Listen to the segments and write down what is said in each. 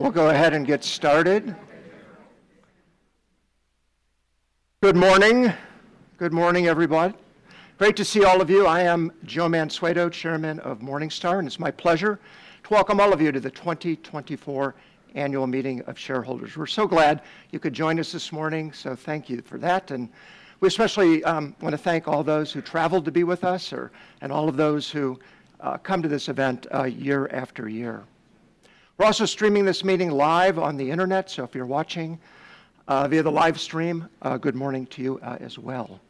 We'll go ahead and get started. Good morning. Good morning, everybody. Great to see all of you. I am Joe Mansueto, chairman of Morningstar, and it's my pleasure to welcome all of you to the 2024 annual meeting of shareholders. We're so glad you could join us this morning, so thank you for that. And we especially, want to thank all those who traveled to be with us, or—and all of those who, come to this event, year after year. We're also streaming this meeting live on the internet, so if you're watching, via the live stream, good morning to you, as well.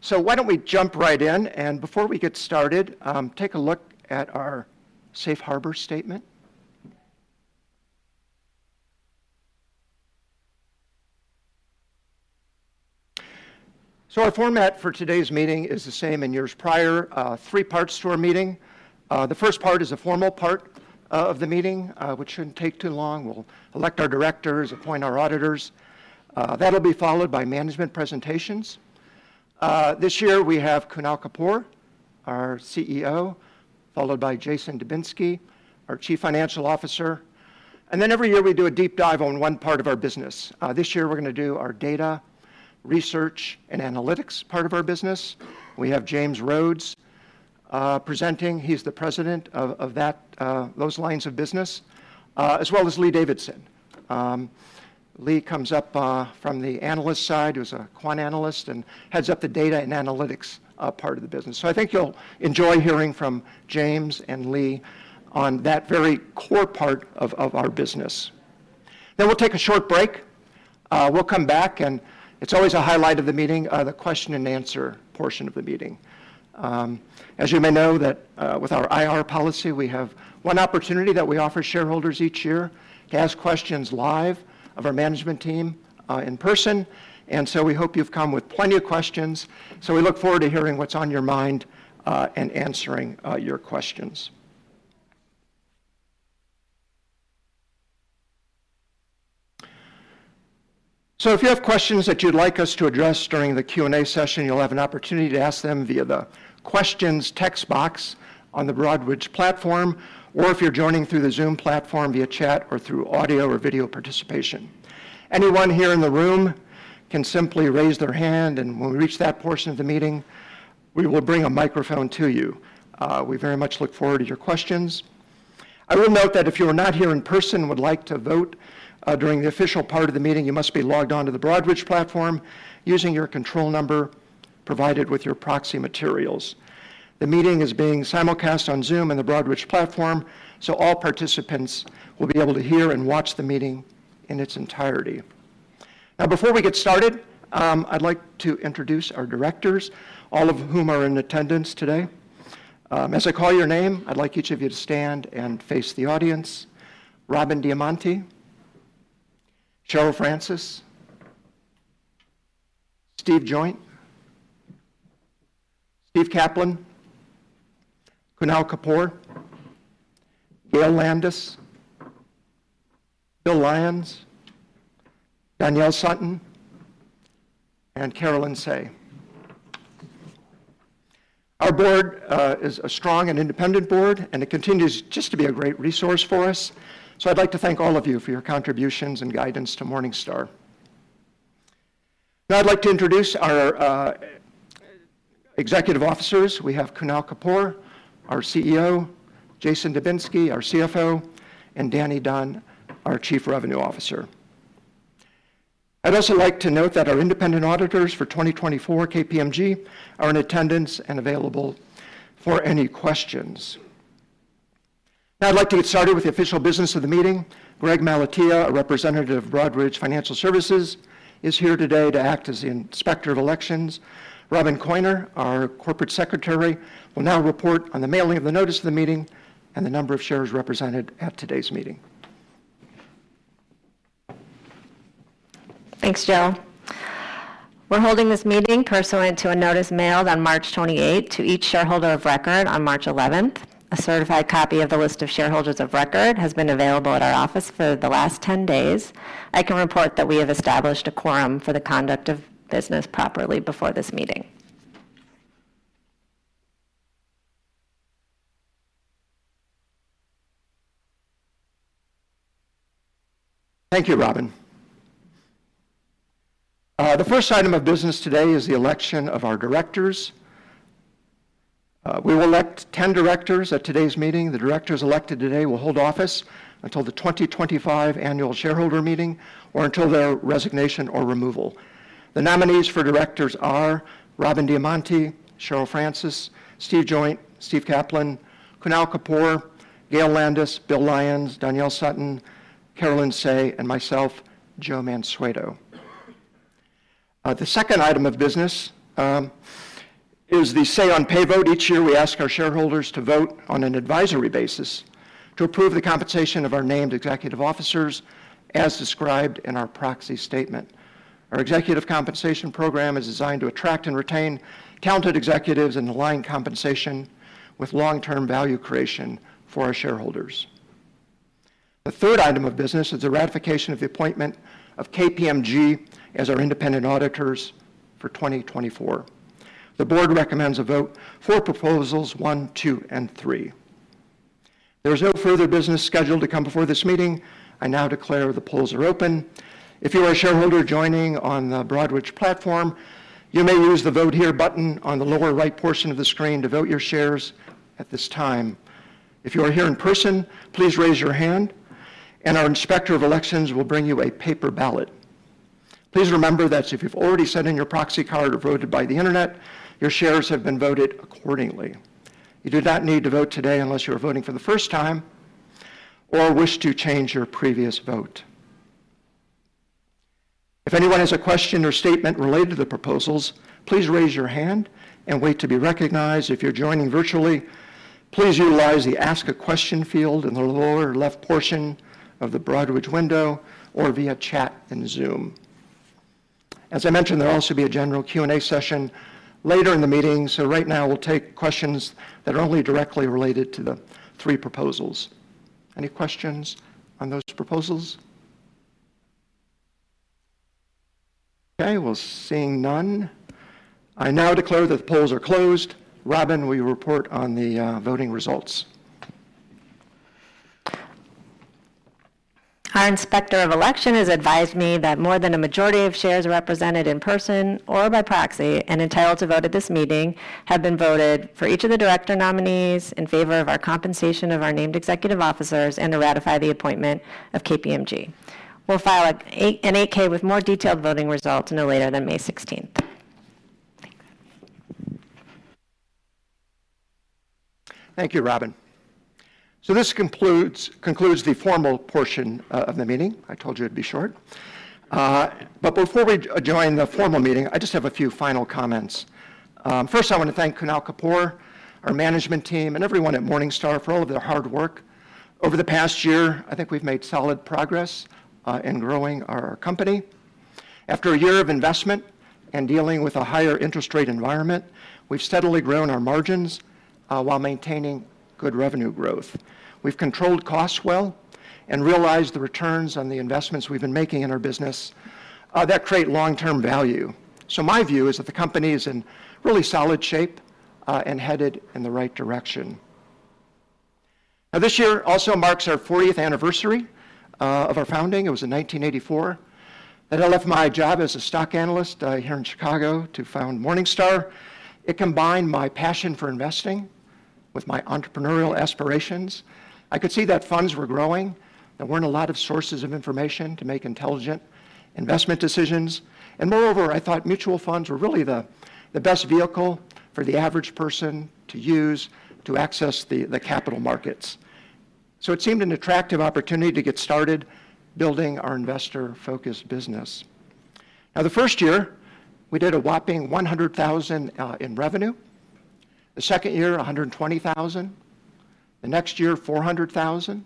So why don't we jump right in, and before we get started, take a look at our Safe Harbor Statement. So our format for today's meeting is the same as years prior, three parts to our meeting. The first part is a formal part of the meeting, which shouldn't take too long. We'll elect our directors, appoint our auditors. That'll be followed by management presentations. This year we have Kunal Kapoor, our CEO, followed by Jason Dubinsky, our Chief Financial Officer. Then every year we do a deep dive on one part of our business. This year we're going to do our data, research, and analytics part of our business. We have James Rhodes presenting. He's the President of that, those lines of business, as well as Lee Davidson. Lee comes up from the analyst side. He was a quant analyst and heads up the data and analytics part of the business. So I think you'll enjoy hearing from James and Lee on that very core part of our business. Then we'll take a short break. We'll come back, and it's always a highlight of the meeting, the question-and-answer portion of the meeting. As you may know that, with our IR policy, we have one opportunity that we offer shareholders each year to ask questions live of our management team, in person. So we hope you've come with plenty of questions, so we look forward to hearing what's on your mind, and answering your questions. So if you have questions that you'd like us to address during the Q&A session, you'll have an opportunity to ask them via the Questions text box on the Broadridge platform, or if you're joining through the Zoom platform via chat or through audio or video participation. Anyone here in the room can simply raise their hand, and when we reach that portion of the meeting, we will bring a microphone to you. We very much look forward to your questions. I will note that if you are not here in person and would like to vote, during the official part of the meeting, you must be logged onto the Broadridge platform using your control number provided with your proxy materials. The meeting is being simulcast on Zoom and the Broadridge platform, so all participants will be able to hear and watch the meeting in its entirety. Now, before we get started, I'd like to introduce our directors, all of whom are in attendance today. As I call your name, I'd like each of you to stand and face the audience: Robin Diamonte, Cheryl Francis, Steve Joynt, Steve Kaplan, Kunal Kapoor, Gail Landis, Bill Lyons, Donriel Sutton, and Caroline J. Tsai. Our board is a strong and independent board, and it continues just to be a great resource for us. So I'd like to thank all of you for your contributions and guidance to Morningstar. Now I'd like to introduce our executive officers. We have Kunal Kapoor, our CEO; Jason Dubinsky, our CFO; and Danny Dunn, our Chief Revenue Officer. I'd also like to note that our independent auditors for 2024, KPMG, are in attendance and available for any questions. Now I'd like to get started with the official business of the meeting. Greg Maleti, a representative of Broadridge Financial Solutions, is here today to act as the inspector of elections. Robyn Koyner, our corporate secretary, will now report on the mailing of the notice of the meeting and the number of shares represented at today's meeting. Thanks, Joe. We're holding this meeting pursuant to a notice mailed on March 28 to each shareholder of record on March 11. A certified copy of the list of shareholders of record has been available at our office for the last 10 days. I can report that we have established a quorum for the conduct of business properly before this meeting. Thank you, Robyn. The first item of business today is the election of our directors. We will elect 10 directors at today's meeting. The directors elected today will hold office until the 2025 annual shareholder meeting or until their resignation or removal. The nominees for directors are Robin Diamonte, Cheryl Francis, Stephen Joynt, Steve Kaplan, Kunal Kapoor, Gail Landis, Bill Lyons, Donriel Sutton, Caroline J. Tsai, and myself, Joe Mansueto. The second item of business is the say-on-pay vote. Each year we ask our shareholders to vote on an advisory basis to approve the compensation of our named executive officers, as described in our proxy statement. Our executive compensation program is designed to attract and retain talented executives and align compensation with long-term value creation for our shareholders. The third item of business is the ratification of the appointment of KPMG as our independent auditors for 2024. The board recommends a vote for proposals one, two, and three. There is no further business scheduled to come before this meeting. I now declare the polls are open. If you are a shareholder joining on the Broadridge platform, you may use the Vote Here button on the lower right portion of the screen to vote your shares at this time. If you are here in person, please raise your hand, and our inspector of elections will bring you a paper ballot. Please remember that if you've already sent in your proxy card or voted by the internet, your shares have been voted accordingly. You do not need to vote today unless you are voting for the first time or wish to change your previous vote. If anyone has a question or statement related to the proposals, please raise your hand and wait to be recognized. If you're joining virtually, please utilize the Ask a Question field in the lower left portion of the Broadridge window or via chat in Zoom. As I mentioned, there will also be a general Q&A session later in the meeting, so right now we'll take questions that are only directly related to the three proposals. Any questions on those proposals? Okay, well, seeing none, I now declare that the polls are closed. Robyn, we'll report on the voting results. Our inspector of election has advised me that more than a majority of shares represented in person or by proxy and entitled to vote at this meeting have been voted for each of the director nominees in favor of our compensation of our named executive officers and to ratify the appointment of KPMG. We'll file an 8-K with more detailed voting results no later than May 16th. Thank you, Robyn. So this concludes the formal portion of the meeting. I told you it'd be short. But before we join the formal meeting, I just have a few final comments. First, I want to thank Kunal Kapoor, our management team, and everyone at Morningstar for all of their hard work. Over the past year, I think we've made solid progress in growing our company. After a year of investment and dealing with a higher interest rate environment, we've steadily grown our margins while maintaining good revenue growth. We've controlled costs well and realized the returns on the investments we've been making in our business that create long-term value. So my view is that the company is in really solid shape and headed in the right direction. Now, this year also marks our 40th anniversary of our founding. It was in 1984. That left my job as a stock analyst here in Chicago to found Morningstar. It combined my passion for investing with my entrepreneurial aspirations. I could see that funds were growing. There weren't a lot of sources of information to make intelligent investment decisions. And moreover, I thought mutual funds were really the best vehicle for the average person to use to access the capital markets. So it seemed an attractive opportunity to get started building our investor-focused business. Now, the first year we did a whopping $100,000 in revenue. The second year, $120,000. The next year, $400,000.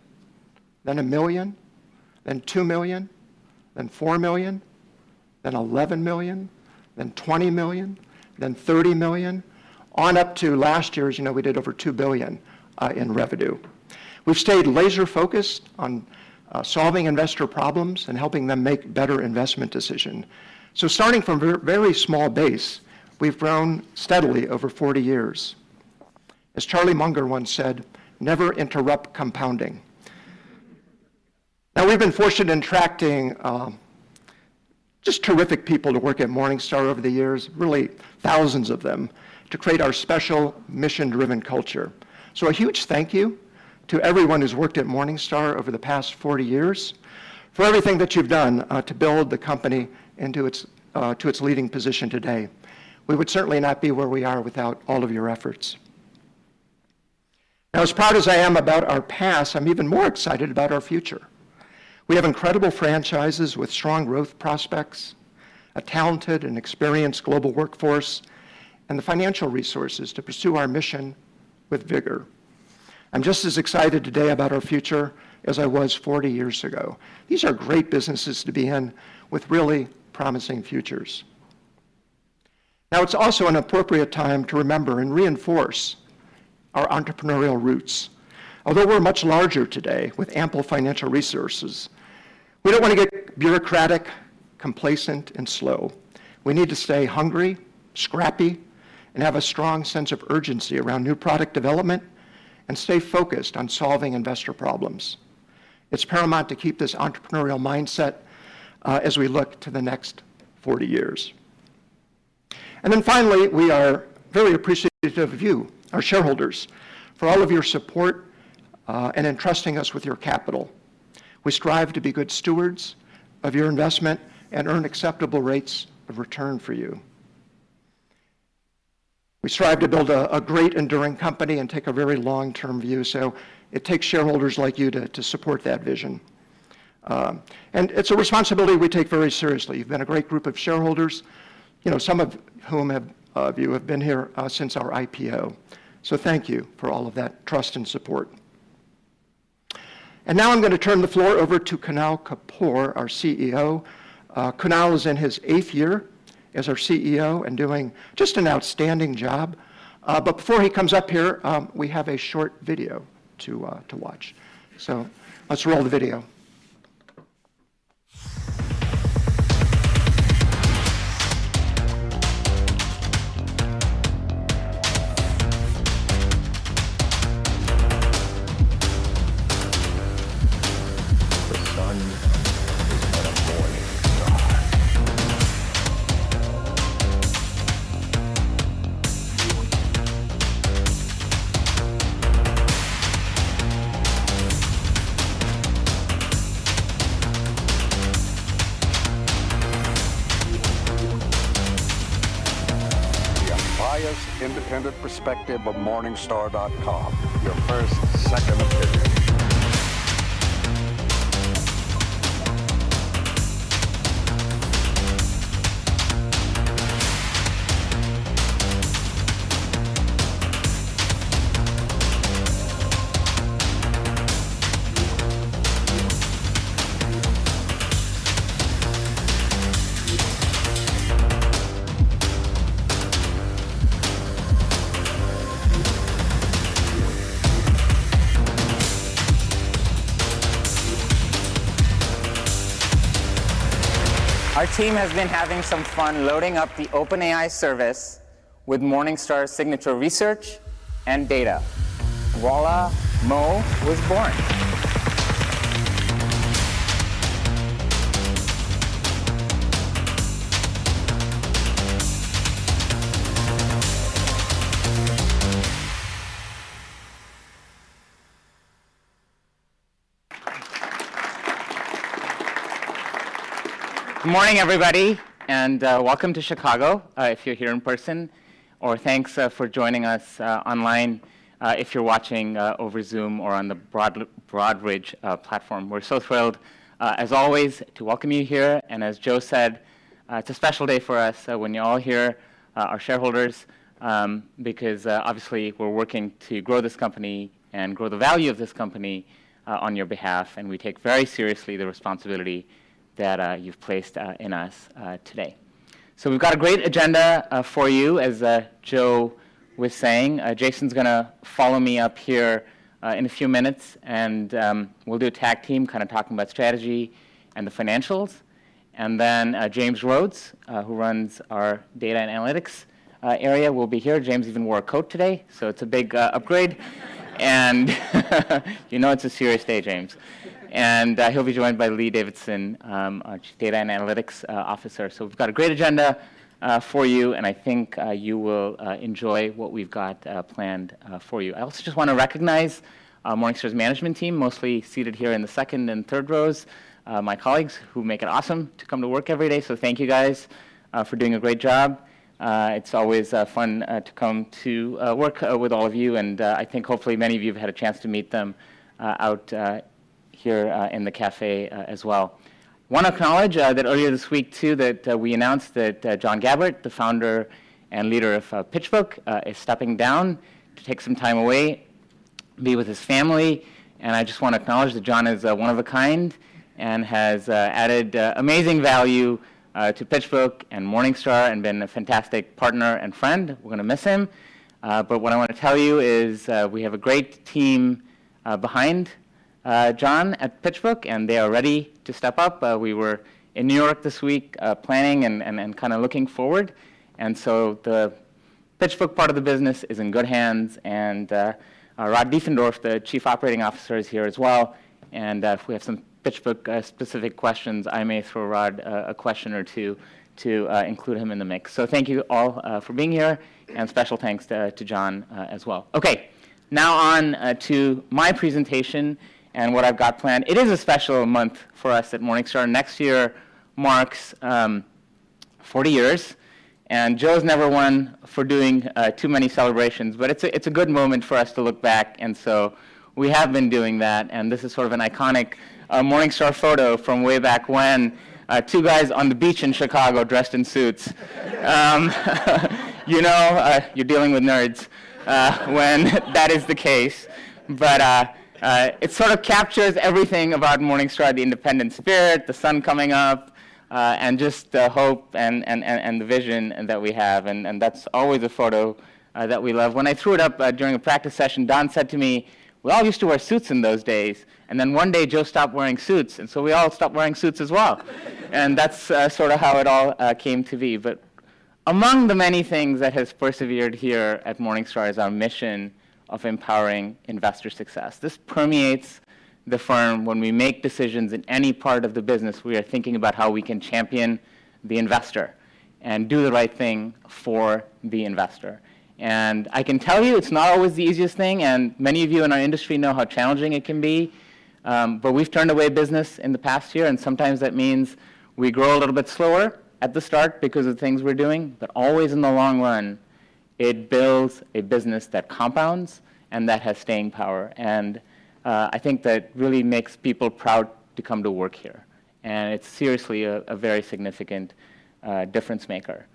Then $1 million. Then $2 million. Then $4 million. Then $11 million. Then $20 million. Then $30 million. On up to last year's, you know, we did over $2 billion in revenue. We've stayed laser-focused on solving investor problems and helping them make better investment decisions. So starting from a very small base, we've grown steadily over 40 years. As Charlie Munger once said, "Never interrupt compounding." Now, we've been fortunate in attracting, just terrific people to work at Morningstar over the years, really thousands of them, to create our special mission-driven culture. So a huge thank you to everyone who's worked at Morningstar over the past 40 years for everything that you've done, to build the company into its leading position today. We would certainly not be where we are without all of your efforts. Now, as proud as I am about our past, I'm even more excited about our future. We have incredible franchises with strong growth prospects, a talented and experienced global workforce, and the financial resources to pursue our mission with vigor. I'm just as excited today about our future as I was 40 years ago. These are great businesses to be in with really promising futures. Now, it's also an appropriate time to remember and reinforce our entrepreneurial roots. Although we're much larger today with ample financial resources, we don't want to get bureaucratic, complacent, and slow. We need to stay hungry, scrappy, and have a strong sense of urgency around new product development and stay focused on solving investor problems. It's paramount to keep this entrepreneurial mindset, as we look to the next 40 years. And then finally, we are very appreciative of you, our shareholders, for all of your support, and entrusting us with your capital. We strive to be good stewards of your investment and earn acceptable rates of return for you. We strive to build a great enduring company and take a very long-term view, so it takes shareholders like you to support that vision. And it's a responsibility we take very seriously. You've been a great group of shareholders, you know, some of whom have been here since our IPO. So thank you for all of that trust and support. And now I'm going to turn the floor over to Kunal Kapoor, our CEO. Kunal is in his eighth year as our CEO and doing just an outstanding job. But before he comes up here, we have a short video to watch. So let's roll the video. The unbiased independent perspective of Morningstar.com, your first, second opinion. Our team has been having some fun loading up the OpenAI service with Morningstar's signature research and data. Voilà, Mo was born. Good morning, everybody, and welcome to Chicago, if you're here in person, or thanks for joining us online, if you're watching over Zoom or on the Broadridge platform. We're so thrilled, as always, to welcome you here. As Joe said, it's a special day for us, when you're all here, our shareholders, because obviously we're working to grow this company and grow the value of this company on your behalf. We take very seriously the responsibility that you've placed in us today. We've got a great agenda for you. As Joe was saying, Jason's going to follow me up here in a few minutes, and we'll do a tag team kind of talking about strategy and the financials. And then James Rhodes, who runs our data and analytics area, will be here. James even wore a coat today, so it's a big upgrade. And you know it's a serious day, James. And he'll be joined by Lee Davidson, our data and analytics officer. So we've got a great agenda for you, and I think you will enjoy what we've got planned for you. I also just want to recognize Morningstar's management team, mostly seated here in the second and third rows, my colleagues who make it awesome to come to work every day. So thank you guys for doing a great job. It's always fun to come to work with all of you. And I think hopefully many of you have had a chance to meet them out here in the café as well. I want to acknowledge that earlier this week, too, we announced that John Gabbert, the founder and leader of PitchBook, is stepping down to take some time away, be with his family. I just want to acknowledge that John is one of a kind and has added amazing value to PitchBook and Morningstar and been a fantastic partner and friend. We're going to miss him. But what I want to tell you is we have a great team behind John at PitchBook, and they are ready to step up. We were in New York this week, planning and kind of looking forward. So the PitchBook part of the business is in good hands. Rod Diefendorf, the chief operating officer, is here as well. And if we have some PitchBook-specific questions, I may throw Rod a question or two to include him in the mix. So thank you all for being here, and special thanks to John as well. Okay, now on to my presentation and what I've got planned. It is a special month for us at Morningstar. Next year marks 40 years. And Joe's never one for doing too many celebrations. But it's a good moment for us to look back. And so we have been doing that. And this is sort of an iconic Morningstar photo from way back when, two guys on the beach in Chicago dressed in suits. You know, you're dealing with nerds when that is the case. But it sort of captures everything about Morningstar, the independent spirit, the sun coming up, and just the hope and the vision that we have. And that's always a photo that we love. When I threw it up during a practice session, Don said to me, "We all used to wear suits in those days. And then one day Joe stopped wearing suits, and so we all stopped wearing suits as well." And that's sort of how it all came to be. But among the many things that have persevered here at Morningstar is our mission of empowering investor success. This permeates the firm. When we make decisions in any part of the business, we are thinking about how we can champion the investor and do the right thing for the investor. And I can tell you it's not always the easiest thing. And many of you in our industry know how challenging it can be. But we've turned away business in the past year. And sometimes that means we grow a little bit slower at the start because of things we're doing. But always in the long run, it builds a business that compounds and that has staying power. And, I think that really makes people proud to come to work here. And it's seriously a, a very significant, difference maker.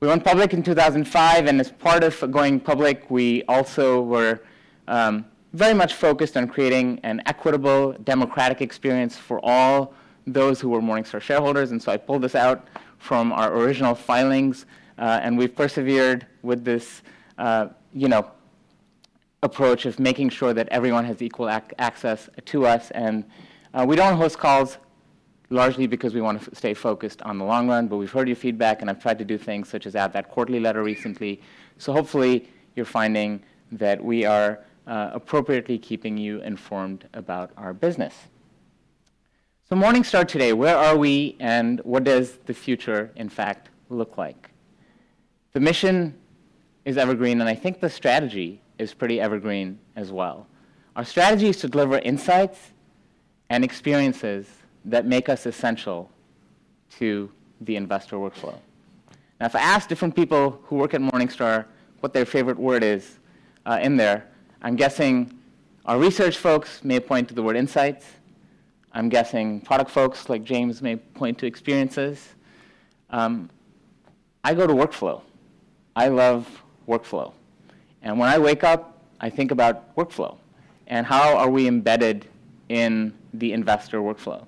We went public in 2005. And as part of going public, we also were, very much focused on creating an equitable, democratic experience for all those who were Morningstar shareholders. And so I pulled this out from our original filings. And we've persevered with this, you know, approach of making sure that everyone has equal access to us. We don't host calls largely because we want to stay focused on the long run. We've heard your feedback, and I've tried to do things such as add that quarterly letter recently. Hopefully you're finding that we are, appropriately keeping you informed about our business. Morningstar today, where are we, and what does the future, in fact, look like? The mission is evergreen, and I think the strategy is pretty evergreen as well. Our strategy is to deliver insights and experiences that make us essential to the investor workflow. Now, if I ask different people who work at Morningstar what their favorite word is, in there, I'm guessing our research folks may point to the word insights. I'm guessing product folks like James may point to experiences. I go to workflow. I love workflow. When I wake up, I think about workflow and how are we embedded in the investor workflow.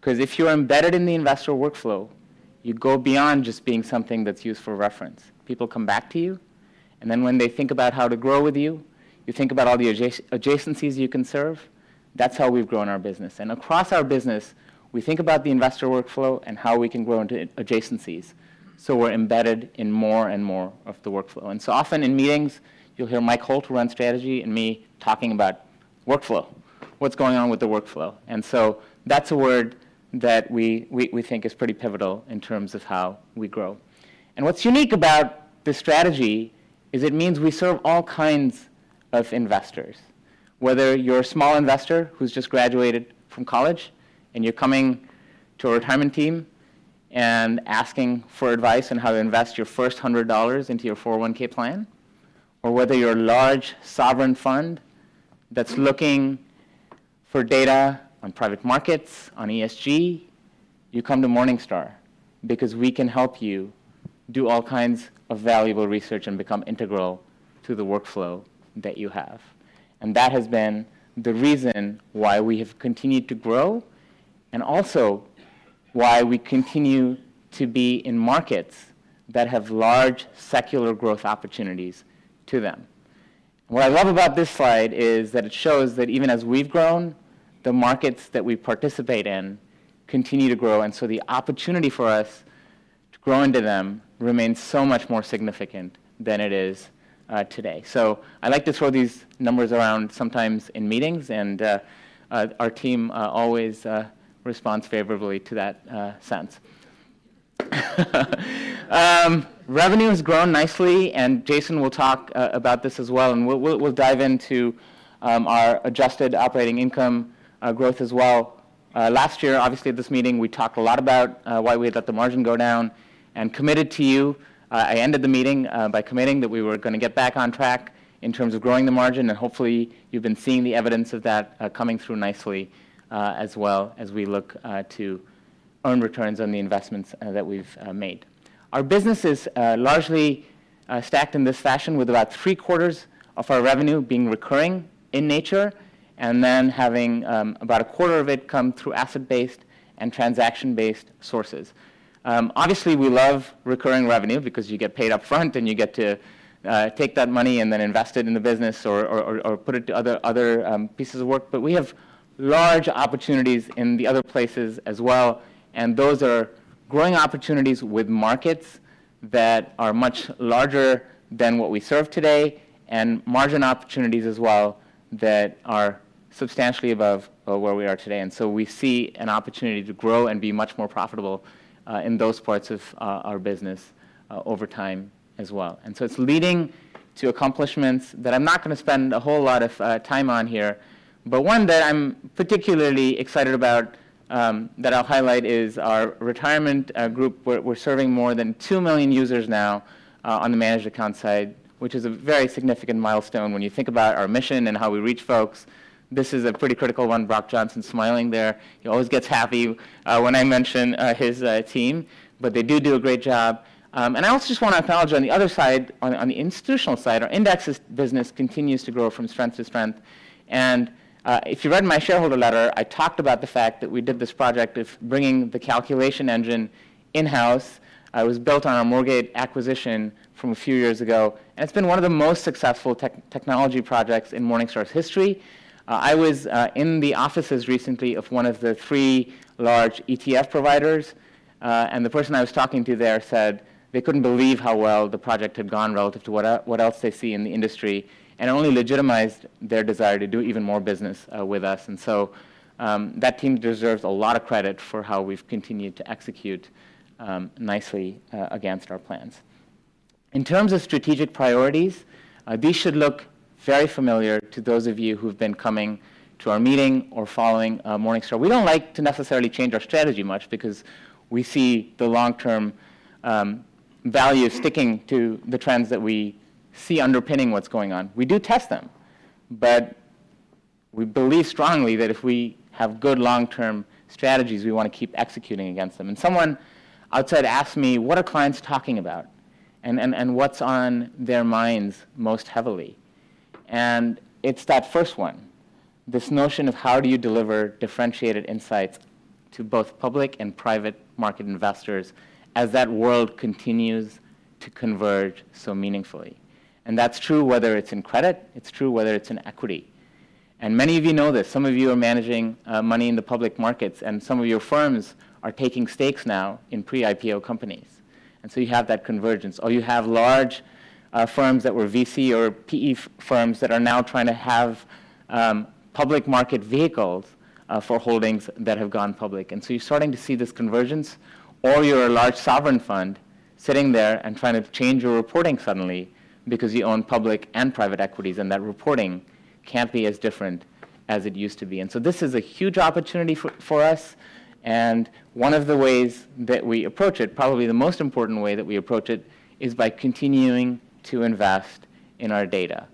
Because if you're embedded in the investor workflow, you go beyond just being something that's used for reference. People come back to you. When they think about how to grow with you, you think about all the adjacencies you can serve. That's how we've grown our business. Across our business, we think about the investor workflow and how we can grow into adjacencies. We're embedded in more and more of the workflow. Often in meetings, you'll hear Mike Holt run strategy and me talking about workflow, what's going on with the workflow. That's a word that we think is pretty pivotal in terms of how we grow. What's unique about this strategy is it means we serve all kinds of investors, whether you're a small investor who's just graduated from college and you're coming to a retirement team and asking for advice on how to invest your first $100 into your 401(k) plan, or whether you're a large sovereign fund that's looking for data on private markets, on ESG, you come to Morningstar because we can help you do all kinds of valuable research and become integral to the workflow that you have. That has been the reason why we have continued to grow and also why we continue to be in markets that have large secular growth opportunities to them. What I love about this slide is that it shows that even as we've grown, the markets that we participate in continue to grow. And so the opportunity for us to grow into them remains so much more significant than it is today. So I like to throw these numbers around sometimes in meetings. And our team always responds favorably to that sense. Revenue has grown nicely. And Jason will talk about this as well. And we'll dive into our Adjusted Operating Income growth as well. Last year, obviously at this meeting, we talked a lot about why we had let the margin go down and committed to you. I ended the meeting by committing that we were going to get back on track in terms of growing the margin. And hopefully you've been seeing the evidence of that coming through nicely, as well as we look to earn returns on the investments that we've made. Our business is largely stacked in this fashion with about three-quarters of our revenue being recurring in nature and then having about a quarter of it come through asset-based and transaction-based sources. Obviously we love recurring revenue because you get paid up front and you get to take that money and then invest it in the business or put it to other pieces of work. But we have large opportunities in the other places as well. And those are growing opportunities with markets that are much larger than what we serve today and margin opportunities as well that are substantially above where we are today. And so we see an opportunity to grow and be much more profitable in those parts of our business over time as well. And so it's leading to accomplishments that I'm not going to spend a whole lot of time on here. But one that I'm particularly excited about, that I'll highlight is our retirement group. We're serving more than 2 million users now, on the managed account side, which is a very significant milestone. When you think about our mission and how we reach folks, this is a pretty critical one. Brock Johnson's smiling there. He always gets happy when I mention his team. But they do do a great job. And I also just want to acknowledge on the other side, on the institutional side, our indexes business continues to grow from strength to strength. And if you read my shareholder letter, I talked about the fact that we did this project of bringing the calculation engine in-house. It was built on a mortgage acquisition from a few years ago. It's been one of the most successful technology projects in Morningstar's history. I was in the offices recently of one of the three large ETF providers. And the person I was talking to there said they couldn't believe how well the project had gone relative to what else they see in the industry and only legitimized their desire to do even more business with us. That team deserves a lot of credit for how we've continued to execute nicely against our plans. In terms of strategic priorities, these should look very familiar to those of you who've been coming to our meeting or following Morningstar. We don't like to necessarily change our strategy much because we see the long-term value sticking to the trends that we see underpinning what's going on. We do test them. But we believe strongly that if we have good long-term strategies, we want to keep executing against them. And someone outside asked me, "What are clients talking about? And, and, and what's on their minds most heavily?" And it's that first one, this notion of how do you deliver differentiated insights to both public and private market investors as that world continues to converge so meaningfully. And that's true whether it's in credit. It's true whether it's in equity. And many of you know this. Some of you are managing money in the public markets. And some of your firms are taking stakes now in pre-IPO companies. And so you have that convergence. Or you have large firms that were VC or PE firms that are now trying to have public market vehicles for holdings that have gone public. So you're starting to see this convergence. Or you're a large sovereign fund sitting there and trying to change your reporting suddenly because you own public and private equities. And that reporting can't be as different as it used to be. So this is a huge opportunity for, for us. And one of the ways that we approach it, probably the most important way that we approach it, is by continuing to invest in our data.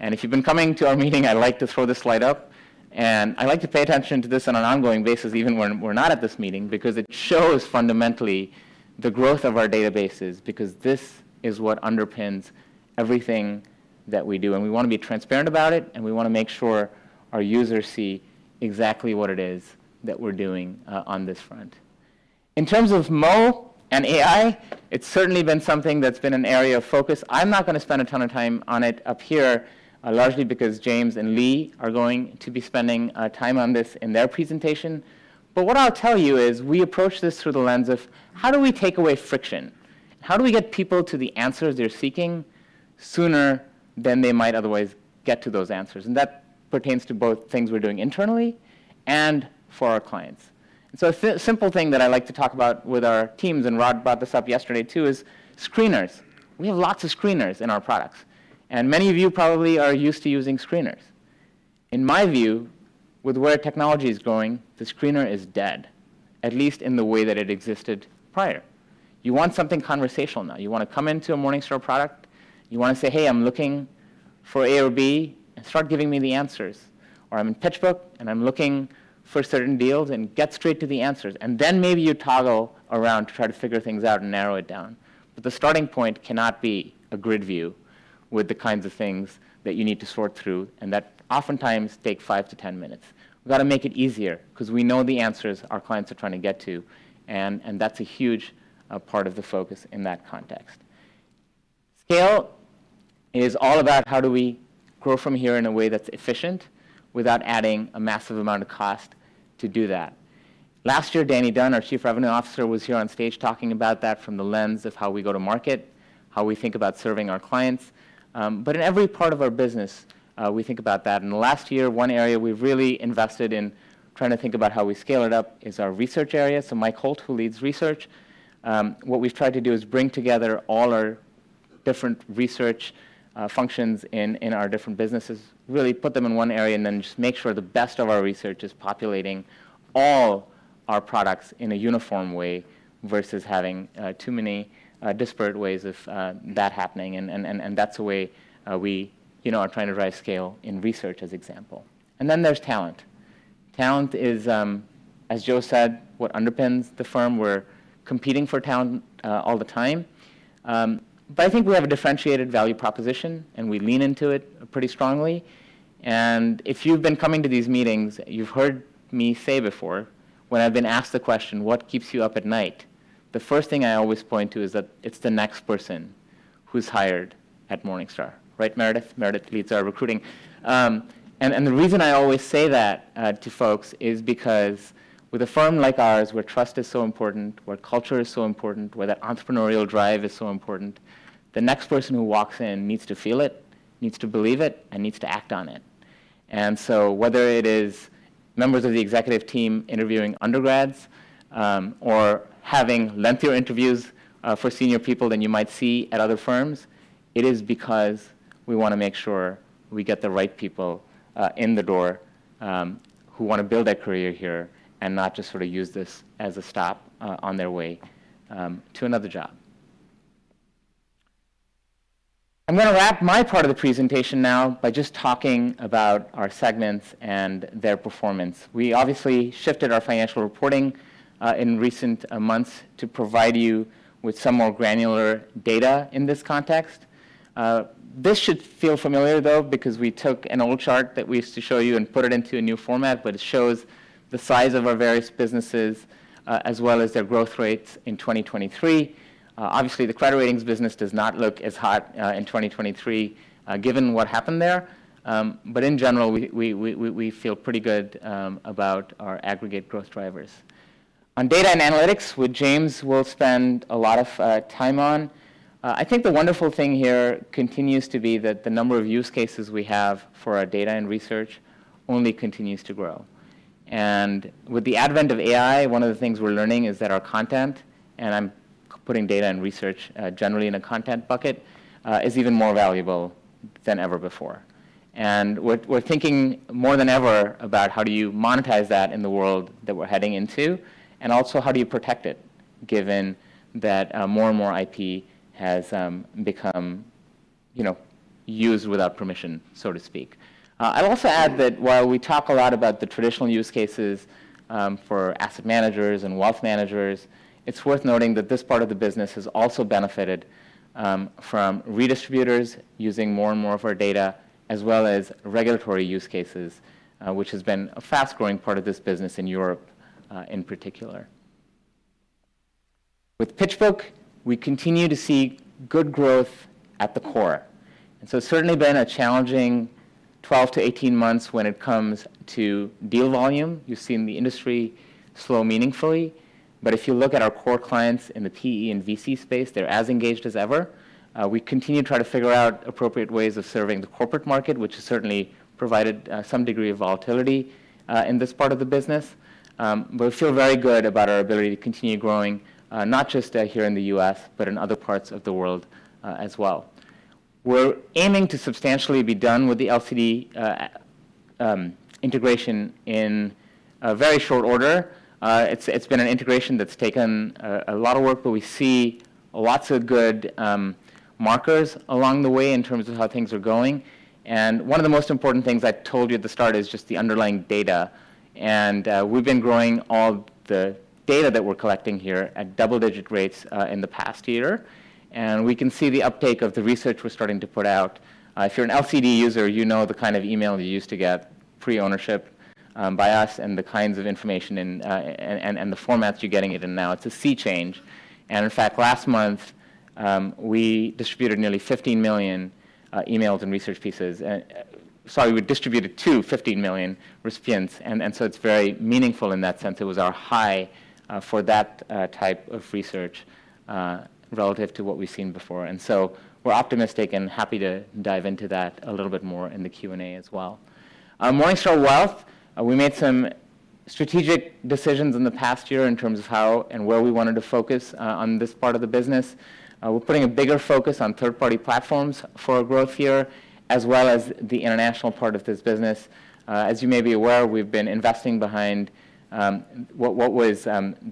And if you've been coming to our meeting, I like to throw this slide up. And I like to pay attention to this on an ongoing basis, even when we're not at this meeting, because it shows fundamentally the growth of our databases, because this is what underpins everything that we do. And we want to be transparent about it. We want to make sure our users see exactly what it is that we're doing, on this front. In terms of Mo and AI, it's certainly been something that's been an area of focus. I'm not going to spend a ton of time on it up here, largely because James and Lee are going to be spending time on this in their presentation. But what I'll tell you is we approach this through the lens of how do we take away friction? How do we get people to the answers they're seeking sooner than they might otherwise get to those answers? That pertains to both things we're doing internally and for our clients. So a simple thing that I like to talk about with our teams and Rod brought this up yesterday, too, is screeners. We have lots of screeners in our products. Many of you probably are used to using screeners. In my view, with where technology is going, the screener is dead, at least in the way that it existed prior. You want something conversational now. You want to come into a Morningstar product. You want to say, "Hey, I'm looking for A or B, and start giving me the answers." Or, "I'm in PitchBook, and I'm looking for certain deals," and get straight to the answers. And then maybe you toggle around to try to figure things out and narrow it down. But the starting point cannot be a grid view with the kinds of things that you need to sort through. And that oftentimes takes 5-10 minutes. We've got to make it easier because we know the answers our clients are trying to get to. And that's a huge part of the focus in that context. Scale is all about how do we grow from here in a way that's efficient without adding a massive amount of cost to do that. Last year, Danny Dunn, our Chief Revenue Officer, was here on stage talking about that from the lens of how we go to market, how we think about serving our clients. But in every part of our business, we think about that. And last year, one area we've really invested in trying to think about how we scale it up is our research area. So Mike Holt, who leads research, what we've tried to do is bring together all our different research functions in our different businesses, really put them in one area, and then just make sure the best of our research is populating all our products in a uniform way versus having too many disparate ways of that happening. And that's a way we, you know, are trying to drive scale in research, as example. And then there's talent. Talent is, as Joe said, what underpins the firm. We're competing for talent all the time. But I think we have a differentiated value proposition, and we lean into it pretty strongly. If you've been coming to these meetings, you've heard me say before, when I've been asked the question, "What keeps you up at night?" the first thing I always point to is that it's the next person who's hired at Morningstar. Right, Meredith? Meredith leads our recruiting. And the reason I always say that to folks is because with a firm like ours, where trust is so important, where culture is so important, where that entrepreneurial drive is so important, the next person who walks in needs to feel it, needs to believe it, and needs to act on it. So whether it is members of the executive team interviewing undergrads, or having lengthier interviews, for senior people than you might see at other firms, it is because we want to make sure we get the right people, in the door, who want to build their career here and not just sort of use this as a stop, on their way, to another job. I'm going to wrap my part of the presentation now by just talking about our segments and their performance. We obviously shifted our financial reporting, in recent, months to provide you with some more granular data in this context. This should feel familiar, though, because we took an old chart that we used to show you and put it into a new format. It shows the size of our various businesses, as well as their growth rates in 2023. Obviously the credit ratings business does not look as hot in 2023, given what happened there. But in general, we feel pretty good about our aggregate growth drivers. On data and analytics, which James will spend a lot of time on, I think the wonderful thing here continues to be that the number of use cases we have for our data and research only continues to grow. And with the advent of AI, one of the things we're learning is that our content, and I'm putting data and research generally in a content bucket, is even more valuable than ever before. And we're thinking more than ever about how do you monetize that in the world that we're heading into, and also how do you protect it given that more and more IP has become you know used without permission, so to speak. I'll also add that while we talk a lot about the traditional use cases, for asset managers and wealth managers, it's worth noting that this part of the business has also benefited from redistributors using more and more of our data, as well as regulatory use cases, which has been a fast-growing part of this business in Europe, in particular. With PitchBook, we continue to see good growth at the core. And so it's certainly been a challenging 12-18 months when it comes to deal volume. You've seen the industry slow meaningfully. But if you look at our core clients in the PE and VC space, they're as engaged as ever. We continue to try to figure out appropriate ways of serving the corporate market, which has certainly provided some degree of volatility in this part of the business. But we feel very good about our ability to continue growing, not just here in the U.S., but in other parts of the world, as well. We're aiming to substantially be done with the LCD integration in a very short order. It's been an integration that's taken a lot of work. But we see lots of good markers along the way in terms of how things are going. And one of the most important things I told you at the start is just the underlying data. And we've been growing all the data that we're collecting here at double-digit rates in the past year. And we can see the uptake of the research we're starting to put out. If you're an LCD user, you know the kind of email you used to get pre-ownership by us and the kinds of information in, and, and, and the formats you're getting it in now. It's a sea change. In fact, last month, we distributed nearly 15 million emails and research pieces. And, sorry, we distributed to 15 million recipients. And so it's very meaningful in that sense. It was our high for that type of research, relative to what we've seen before. And so we're optimistic and happy to dive into that a little bit more in the Q&A as well. Morningstar Wealth, we made some strategic decisions in the past year in terms of how and where we wanted to focus on this part of the business. We're putting a bigger focus on third-party platforms for our growth here, as well as the international part of this business. As you may be aware, we've been investing behind what was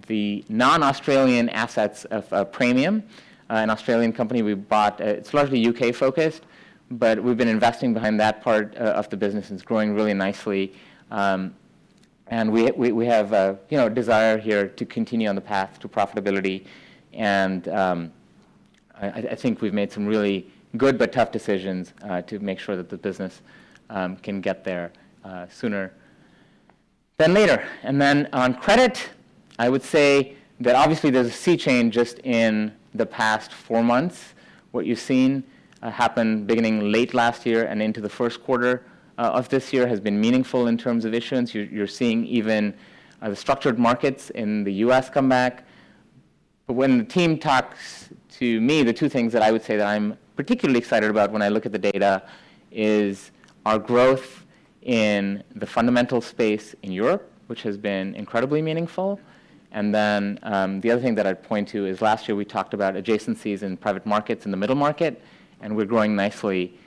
the non-Australian assets of Praemium, an Australian company we bought. It's largely U.K. focused. But we've been investing behind that part of the business. It's growing really nicely. We have, you know, a desire here to continue on the path to profitability. I think we've made some really good but tough decisions to make sure that the business can get there sooner than later. On credit, I would say that obviously there's a sea change just in the past four months. What you've seen happen beginning late last year and into the first quarter of this year has been meaningful in terms of issuance. You're seeing even the structured markets in the U.S. come back. But when the team talks to me, the two things that I would say that I'm particularly excited about when I look at the data is our growth in the fundamental space in Europe, which has been incredibly meaningful. And then, the other thing that I'd point to is last year we talked about adjacencies in private markets and the middle market. And we're growing nicely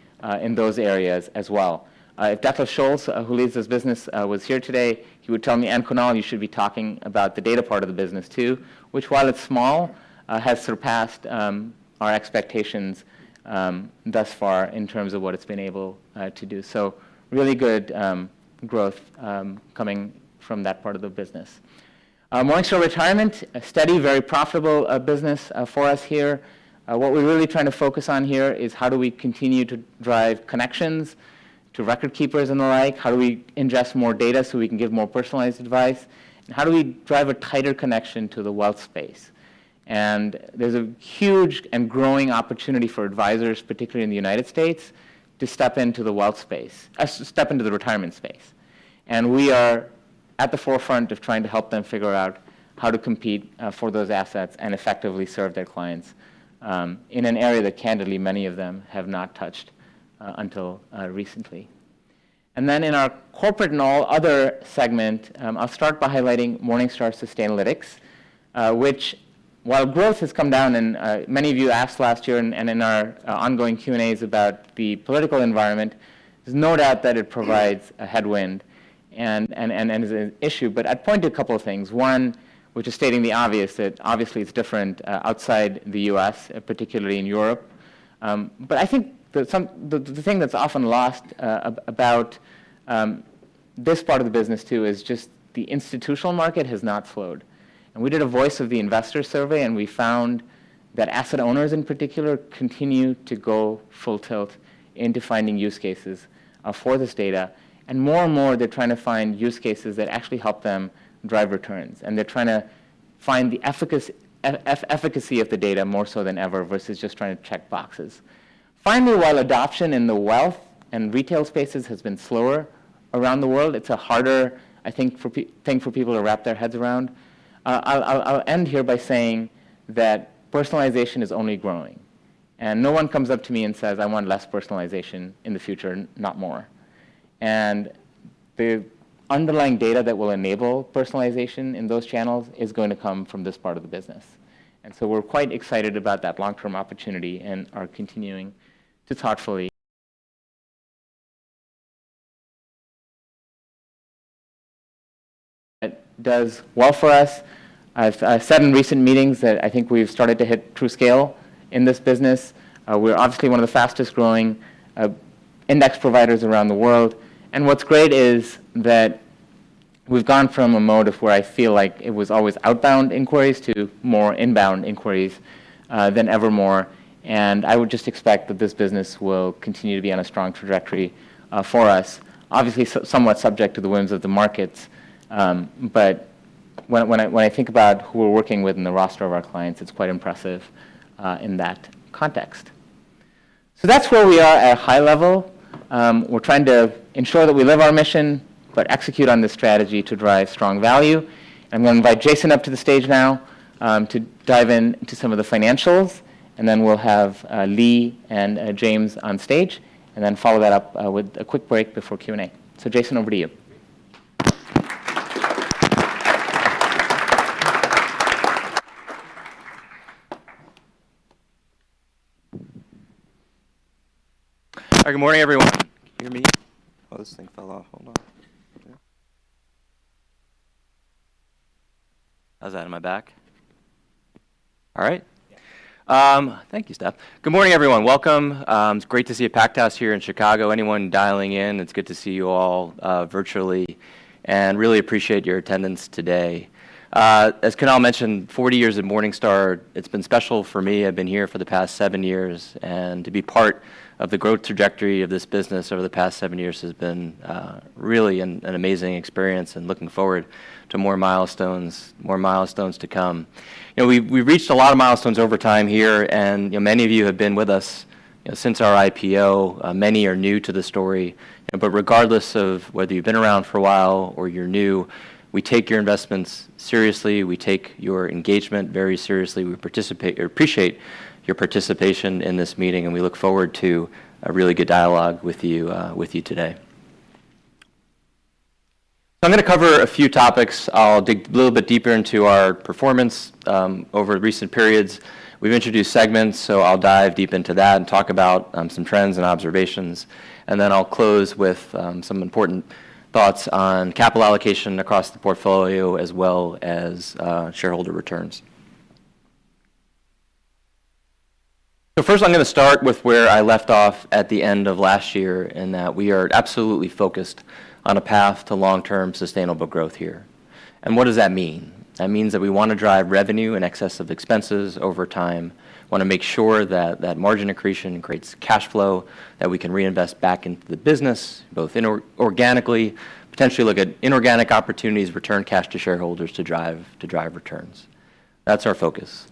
in those areas as well. If Declan Schulze, who leads this business, was here today, he would tell me, "And Kunal, you should be talking about the data part of the business, too," which, while it's small, has surpassed our expectations, thus far in terms of what it's been able to do. So really good growth coming from that part of the business. Morningstar Retirement, a steady, very profitable business for us here. What we're really trying to focus on here is how do we continue to drive connections to record keepers and the like? How do we ingest more data so we can give more personalized advice? And how do we drive a tighter connection to the wealth space? And there's a huge and growing opportunity for advisors, particularly in the United States, to step into the wealth space, step into the retirement space. And we are at the forefront of trying to help them figure out how to compete for those assets and effectively serve their clients, in an area that candidly many of them have not touched until recently. And then in our corporate and all other segment, I'll start by highlighting Morningstar Sustainalytics, which, while growth has come down and many of you asked last year and in our ongoing Q&As about the political environment, there's no doubt that it provides a headwind and is an issue. But I'd point to a couple of things. One, which is stating the obvious, that obviously it's different outside the U.S., particularly in Europe. But I think the thing that's often lost about this part of the business, too, is just the institutional market has not slowed. And we did a Voice of the Investor survey. And we found that asset owners, in particular, continue to go full tilt into finding use cases for this data. And more and more they're trying to find use cases that actually help them drive returns. They're trying to find the efficacy of the data more so than ever versus just trying to check boxes. Finally, while adoption in the wealth and retail spaces has been slower around the world, it's a harder thing, I think, for people to wrap their heads around. I'll end here by saying that personalization is only growing. And no one comes up to me and says, "I want less personalization in the future, not more." And the underlying data that will enable personalization in those channels is going to come from this part of the business. And so we're quite excited about that long-term opportunity and are continuing to thoughtfully. It does well for us. I've said in recent meetings that I think we've started to hit true scale in this business. We're obviously one of the fastest-growing index providers around the world. And what's great is that we've gone from a mode of where I feel like it was always outbound inquiries to more inbound inquiries than evermore. And I would just expect that this business will continue to be on a strong trajectory for us. Obviously somewhat subject to the whims of the markets, but when, when I, when I think about who we're working with in the roster of our clients, it's quite impressive in that context. So that's where we are at a high level. We're trying to ensure that we live our mission but execute on this strategy to drive strong value. And I'm going to invite Jason up to the stage now, to dive into some of the financials. And then we'll have Lee and James on stage. And then follow that up with a quick break before Q&A. So Jason, over to you. All right. Good morning, everyone. Can you hear me? Oh, this thing fell off. Hold on. How's that in my back? All right? Yeah. Thank you, Steph. Good morning, everyone. Welcome. It's great to see a packed house here in Chicago. Anyone dialing in, it's good to see you all, virtually. And really appreciate your attendance today. As Kunal mentioned, 40 years at Morningstar, it's been special for me. I've been here for the past seven years. And to be part of the growth trajectory of this business over the past seven years has been, really an amazing experience. And looking forward to more milestones, more milestones to come. You know, we've reached a lot of milestones over time here. And, you know, many of you have been with us, you know, since our IPO. Many are new to the story. You know, but regardless of whether you've been around for a while or you're new, we take your investments seriously. We take your engagement very seriously. We participate or appreciate your participation in this meeting. And we look forward to a really good dialogue with you, with you today. So I'm going to cover a few topics. I'll dig a little bit deeper into our performance, over recent periods. We've introduced segments. So I'll dive deep into that and talk about, some trends and observations. And then I'll close with, some important thoughts on capital allocation across the portfolio, as well as, shareholder returns. So first, I'm going to start with where I left off at the end of last year, in that we are absolutely focused on a path to long-term sustainable growth here. And what does that mean? That means that we want to drive revenue in excess of expenses over time. Want to make sure that, that margin accretion creates cash flow that we can reinvest back into the business, both inorganically, potentially look at inorganic opportunities, return cash to shareholders to drive, to drive returns. That's our focus.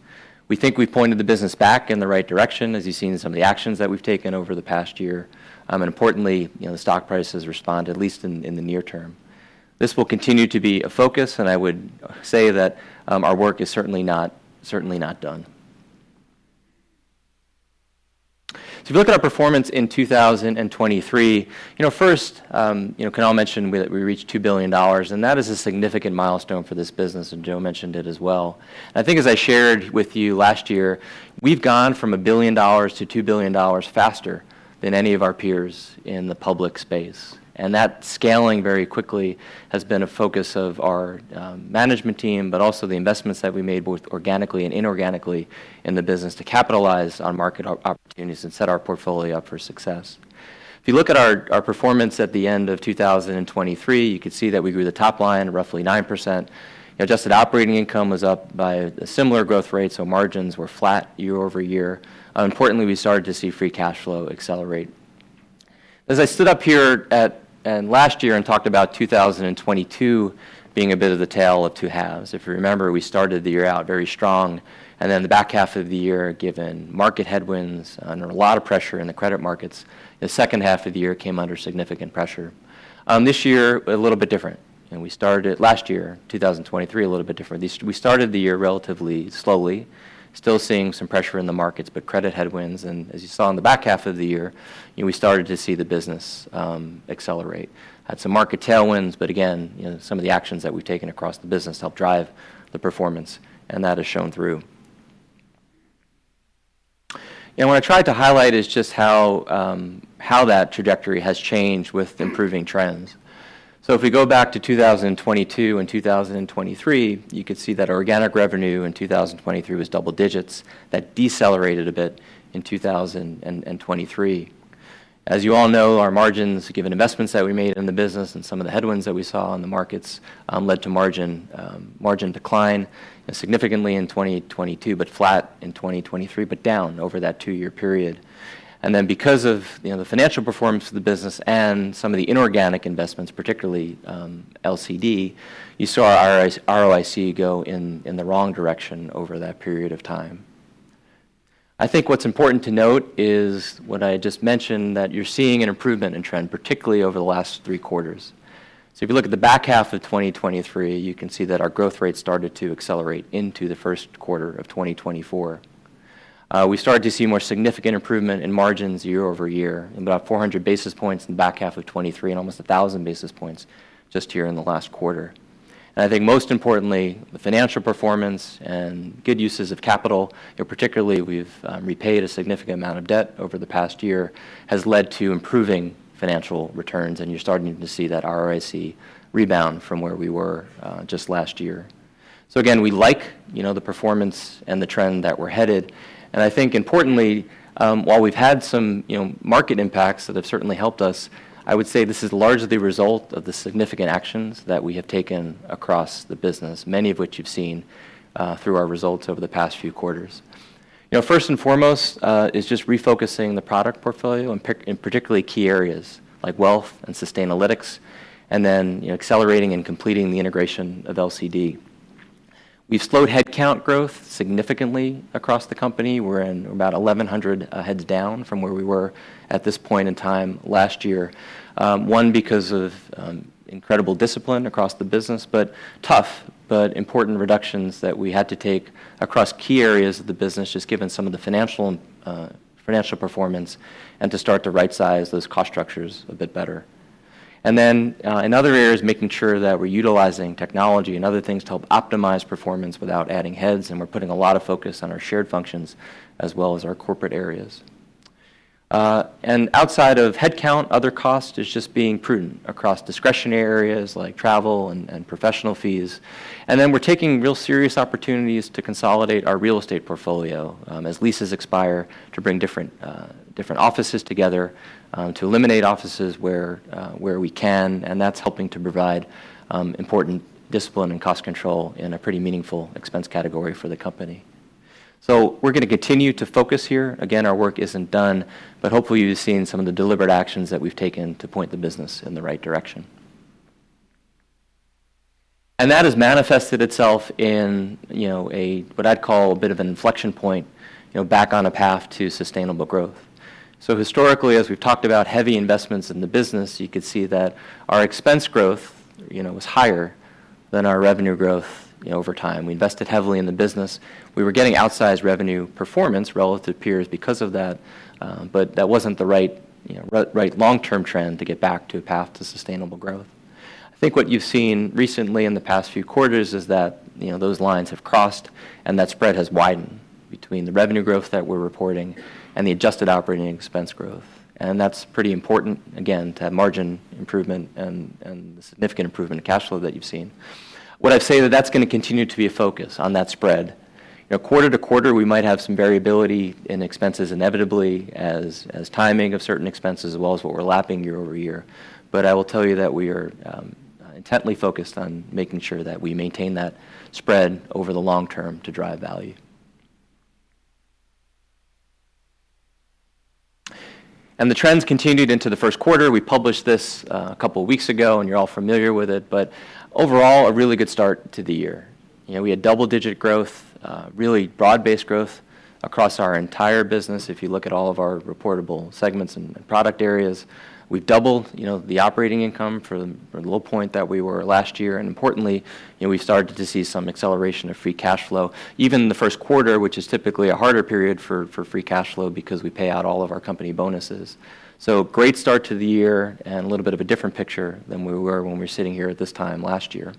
We think we've pointed the business back in the right direction, as you've seen in some of the actions that we've taken over the past year. And importantly, you know, the stock price has responded, at least in, in the near term. This will continue to be a focus. And I would say that, our work is certainly not, certainly not done. So if you look at our performance in 2023, you know, first, you know, Kunal mentioned that we reached $2 billion. And that is a significant milestone for this business. And Joe mentioned it as well. And I think, as I shared with you last year, we've gone from $1 billion to $2 billion faster than any of our peers in the public space. And that scaling very quickly has been a focus of our management team, but also the investments that we made both organically and inorganically in the business to capitalize on market opportunities and set our portfolio up for success. If you look at our performance at the end of 2023, you could see that we grew the top line roughly 9%. You know, Adjusted Operating Income was up by a similar growth rate. So margins were flat year-over-year. Importantly, we started to see Free Cash Flow accelerate. As I stood up here at and last year and talked about 2022 being a bit of the tale of two halves. If you remember, we started the year out very strong. And then the back half of the year, given market headwinds under a lot of pressure in the credit markets, the second half of the year came under significant pressure. This year, a little bit different. You know, we started last year, 2023, a little bit different. This, we started the year relatively slowly, still seeing some pressure in the markets, but credit headwinds. And as you saw in the back half of the year, you know, we started to see the business accelerate. Had some market tailwinds. But again, you know, some of the actions that we've taken across the business helped drive the performance. And that has shown through. You know, what I tried to highlight is just how that trajectory has changed with improving trends. So if we go back to 2022 and 2023, you could see that organic revenue in 2023 was double digits. That decelerated a bit in 2023. As you all know, our margins, given investments that we made in the business and some of the headwinds that we saw in the markets, led to margin decline, you know, significantly in 2022 but flat in 2023 but down over that two-year period. And then because of, you know, the financial performance of the business and some of the inorganic investments, particularly LCD, you saw our ROIC go in the wrong direction over that period of time. I think what's important to note is what I just mentioned, that you're seeing an improvement in trend, particularly over the last three quarters. So if you look at the back half of 2023, you can see that our growth rate started to accelerate into the first quarter of 2024. We started to see more significant improvement in margins year over year, about 400 basis points in the back half of 2023 and almost 1,000 basis points just here in the last quarter. And I think, most importantly, the financial performance and good uses of capital, you know, particularly we've repaid a significant amount of debt over the past year, has led to improving financial returns. And you're starting to see that ROIC rebound from where we were, just last year. So again, we like, you know, the performance and the trend that we're headed. And I think, importantly, while we've had some, you know, market impacts that have certainly helped us, I would say this is largely a result of the significant actions that we have taken across the business, many of which you've seen, through our results over the past few quarters. You know, first and foremost, is just refocusing the product portfolio and in particularly key areas like Wealth and Sustainalytics. And then, you know, accelerating and completing the integration of LCD. We've slowed headcount growth significantly across the company. We're at about 1,100 heads down from where we were at this point in time last year, because of incredible discipline across the business but tough but important reductions that we had to take across key areas of the business, just given some of the financial and financial performance, and to start to right-size those cost structures a bit better. And then, in other areas, making sure that we're utilizing technology and other things to help optimize performance without adding heads. And we're putting a lot of focus on our shared functions as well as our corporate areas. And outside of headcount, other cost is just being prudent across discretionary areas like travel and professional fees. And then we're taking real serious opportunities to consolidate our real estate portfolio, as leases expire, to bring different offices together, to eliminate offices where we can. And that's helping to provide important discipline and cost control in a pretty meaningful expense category for the company. So we're going to continue to focus here. Again, our work isn't done. But hopefully, you've seen some of the deliberate actions that we've taken to point the business in the right direction. That has manifested itself in, you know, a what I'd call a bit of an inflection point, you know, back on a path to sustainable growth. Historically, as we've talked about, heavy investments in the business, you could see that our expense growth, you know, was higher than our revenue growth, you know, over time. We invested heavily in the business. We were getting outsized revenue performance relative to peers because of that. But that wasn't the right, you know, right long-term trend to get back to a path to sustainable growth. I think what you've seen recently in the past few quarters is that, you know, those lines have crossed. That spread has widened between the revenue growth that we're reporting and the adjusted operating expense growth. That's pretty important, again, to have margin improvement and the significant improvement in cash flow that you've seen. What I'd say is that that's going to continue to be a focus on that spread. You know, quarter to quarter, we might have some variability in expenses inevitably, as timing of certain expenses, as well as what we're lapping year over year. But I will tell you that we are intently focused on making sure that we maintain that spread over the long term to drive value. The trends continued into the first quarter. We published this a couple of weeks ago. You're all familiar with it. But overall, a really good start to the year. You know, we had double-digit growth, really broad-based growth across our entire business, if you look at all of our reportable segments and product areas. We've doubled, you know, the operating income for the low point that we were last year. And importantly, you know, we've started to see some acceleration of free cash flow, even the first quarter, which is typically a harder period for free cash flow because we pay out all of our company bonuses. So great start to the year and a little bit of a different picture than we were when we were sitting here at this time last year.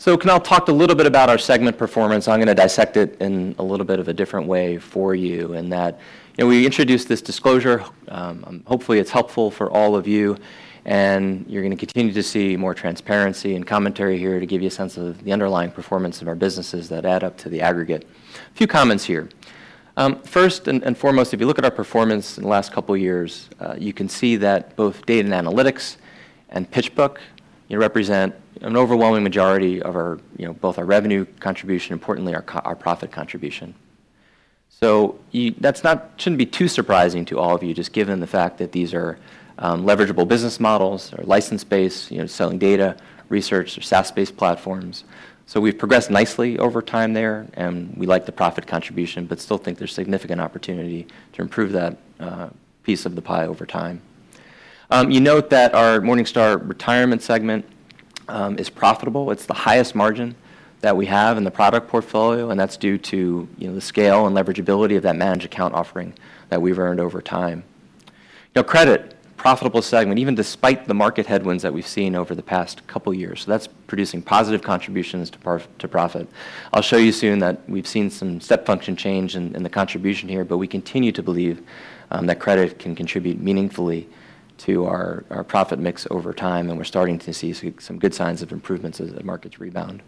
So Kunal talked a little bit about our segment performance. I'm going to dissect it in a little bit of a different way for you, in that, you know, we introduced this disclosure. Hopefully, it's helpful for all of you. You're going to continue to see more transparency and commentary here to give you a sense of the underlying performance of our businesses that add up to the aggregate. A few comments here. First and foremost, if you look at our performance in the last couple of years, you can see that both Data and Analytics and PitchBook, you know, represent an overwhelming majority of our, you know, both our revenue contribution, importantly, our core profit contribution. So you that's not shouldn't be too surprising to all of you, just given the fact that these are leverageable business models or license-based, you know, selling data, research, or SaaS-based platforms. So we've progressed nicely over time there. And we like the profit contribution but still think there's significant opportunity to improve that piece of the pie over time. You note that our Morningstar Retirement segment is profitable. It's the highest margin that we have in the product portfolio. And that's due to, you know, the scale and leverageability of that managed account offering that we've earned over time. You know, Credit, profitable segment, even despite the market headwinds that we've seen over the past couple of years. So that's producing positive contributions to profit. I'll show you soon that we've seen some step function change in the contribution here. But we continue to believe that Credit can contribute meaningfully to our profit mix over time. And we're starting to see some good signs of improvements as the market's rebound.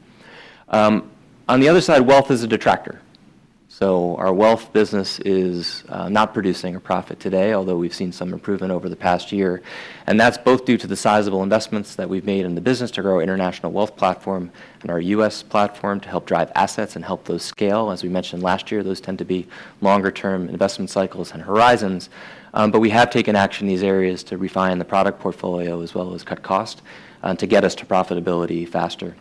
On the other side, Wealth is a detractor. So our Wealth business is not producing a profit today, although we've seen some improvement over the past year. That's both due to the sizable investments that we've made in the business to grow our international wealth platform and our US platform to help drive assets and help those scale. As we mentioned last year, those tend to be longer-term investment cycles and horizons. But we have taken action in these areas to refine the product portfolio as well as cut cost, to get us to profitability faster.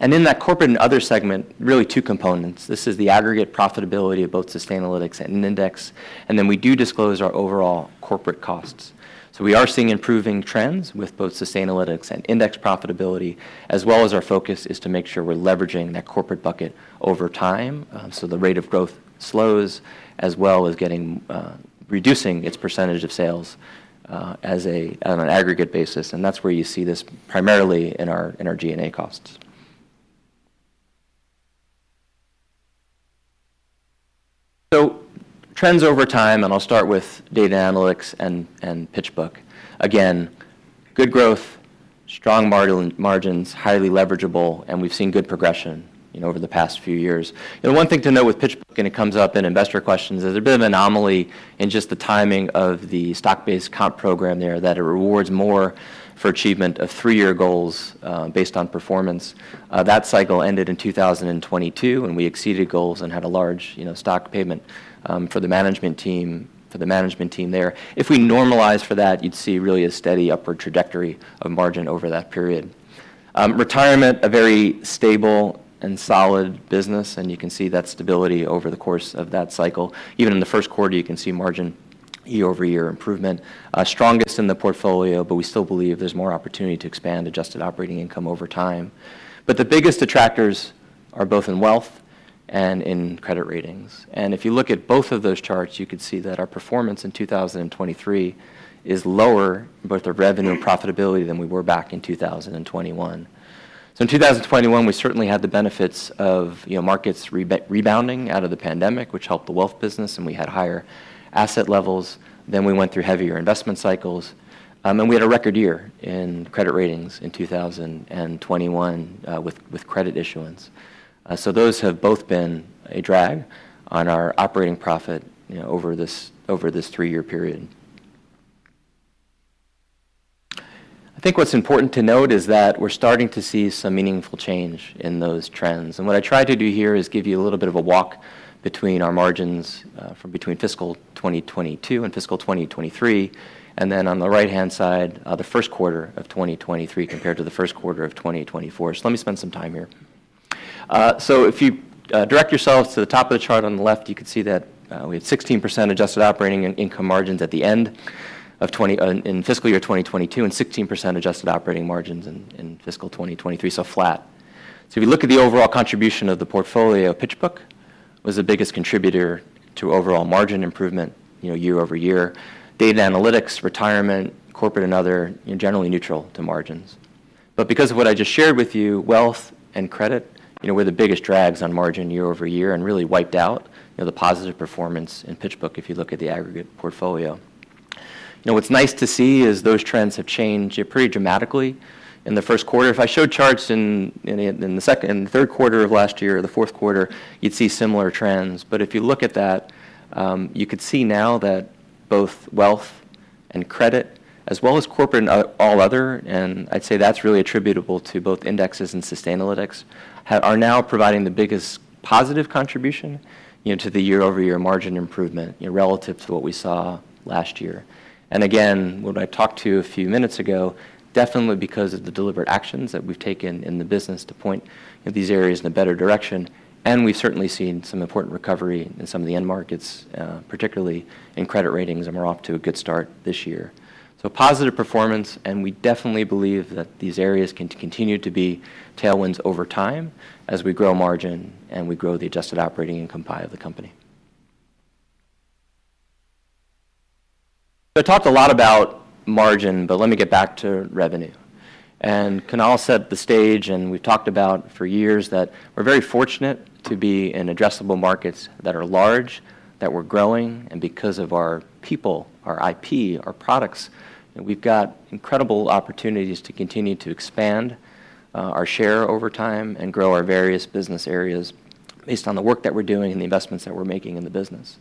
And in that corporate and other segment, really two components. This is the aggregate profitability of both Sustainalytics and Index. And then we do disclose our overall corporate costs. So we are seeing improving trends with both Sustainalytics and Index profitability, as well as our focus is to make sure we're leveraging that corporate bucket over time, so the rate of growth slows, as well as getting reducing its percentage of sales, as on an aggregate basis. That's where you see this primarily in our G&A costs. Trends over time. I'll start with data analytics and PitchBook. Again, good growth, strong margins, highly leverageable. We've seen good progression, you know, over the past few years. One thing to note with PitchBook, and it comes up in investor questions, is there's a bit of anomaly in just the timing of the stock-based comp program there that it rewards more for achievement of three-year goals, based on performance. That cycle ended in 2022. We exceeded goals and had a large, you know, stock payment for the management team there. If we normalized for that, you'd see really a steady upward trajectory of margin over that period. Retirement, a very stable and solid business. You can see that stability over the course of that cycle. Even in the first quarter, you can see margin year-over-year improvement, strongest in the portfolio. But we still believe there's more opportunity to expand Adjusted Operating Income over time. But the biggest detractors are both in wealth and in credit ratings. And if you look at both of those charts, you could see that our performance in 2023 is lower in both the revenue and profitability than we were back in 2021. So in 2021, we certainly had the benefits of, you know, markets rebounding out of the pandemic, which helped the wealth business. And we had higher asset levels. Then we went through heavier investment cycles. And we had a record year in credit ratings in 2021, with credit issuance. So those have both been a drag on our operating profit, you know, over this three-year period. I think what's important to note is that we're starting to see some meaningful change in those trends. What I tried to do here is give you a little bit of a walk between our margins, from between fiscal 2022 and fiscal 2023. Then on the right-hand side, the first quarter of 2023 compared to the first quarter of 2024. So let me spend some time here. So if you direct yourselves to the top of the chart on the left, you could see that we had 16% adjusted operating income margins at the end of 2022 in fiscal year 2022 and 16% adjusted operating margins in fiscal 2023, so flat. So if you look at the overall contribution of the portfolio, PitchBook was the biggest contributor to overall margin improvement, you know, year over year. Data analytics, retirement, corporate, and other, you know, generally neutral to margins. But because of what I just shared with you, wealth and credit, you know, were the biggest drags on margin year-over-year and really wiped out, you know, the positive performance in PitchBook if you look at the aggregate portfolio. You know, what's nice to see is those trends have changed, you know, pretty dramatically in the first quarter. If I showed charts in the second in the third quarter of last year or the fourth quarter, you'd see similar trends. But if you look at that, you could see now that both Wealth and Credit, as well as corporate and all other, and I'd say that's really attributable to both Indexes and Sustainalytics, ha, are now providing the biggest positive contribution, you know, to the year-over-year margin improvement, you know, relative to what we saw last year. And again, what I talked to you a few minutes ago, definitely because of the deliberate actions that we've taken in the business to point, you know, these areas in a better direction. And we've certainly seen some important recovery in some of the end markets, particularly in credit ratings. And we're off to a good start this year. So positive performance. And we definitely believe that these areas can continue to be tailwinds over time as we grow margin and we grow the adjusted operating income pie of the company. I talked a lot about margin. But let me get back to revenue. Kunal set the stage. We've talked about for years that we're very fortunate to be in addressable markets that are large, that we're growing. Because of our people, our IP, our products, you know, we've got incredible opportunities to continue to expand our share over time and grow our various business areas based on the work that we're doing and the investments that we're making in the business.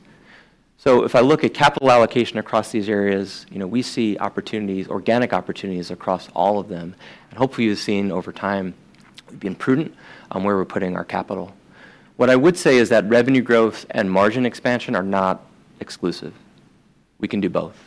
If I look at capital allocation across these areas, you know, we see opportunities, organic opportunities across all of them. Hopefully, you've seen over time we've been prudent on where we're putting our capital. What I would say is that revenue growth and margin expansion are not exclusive. We can do both.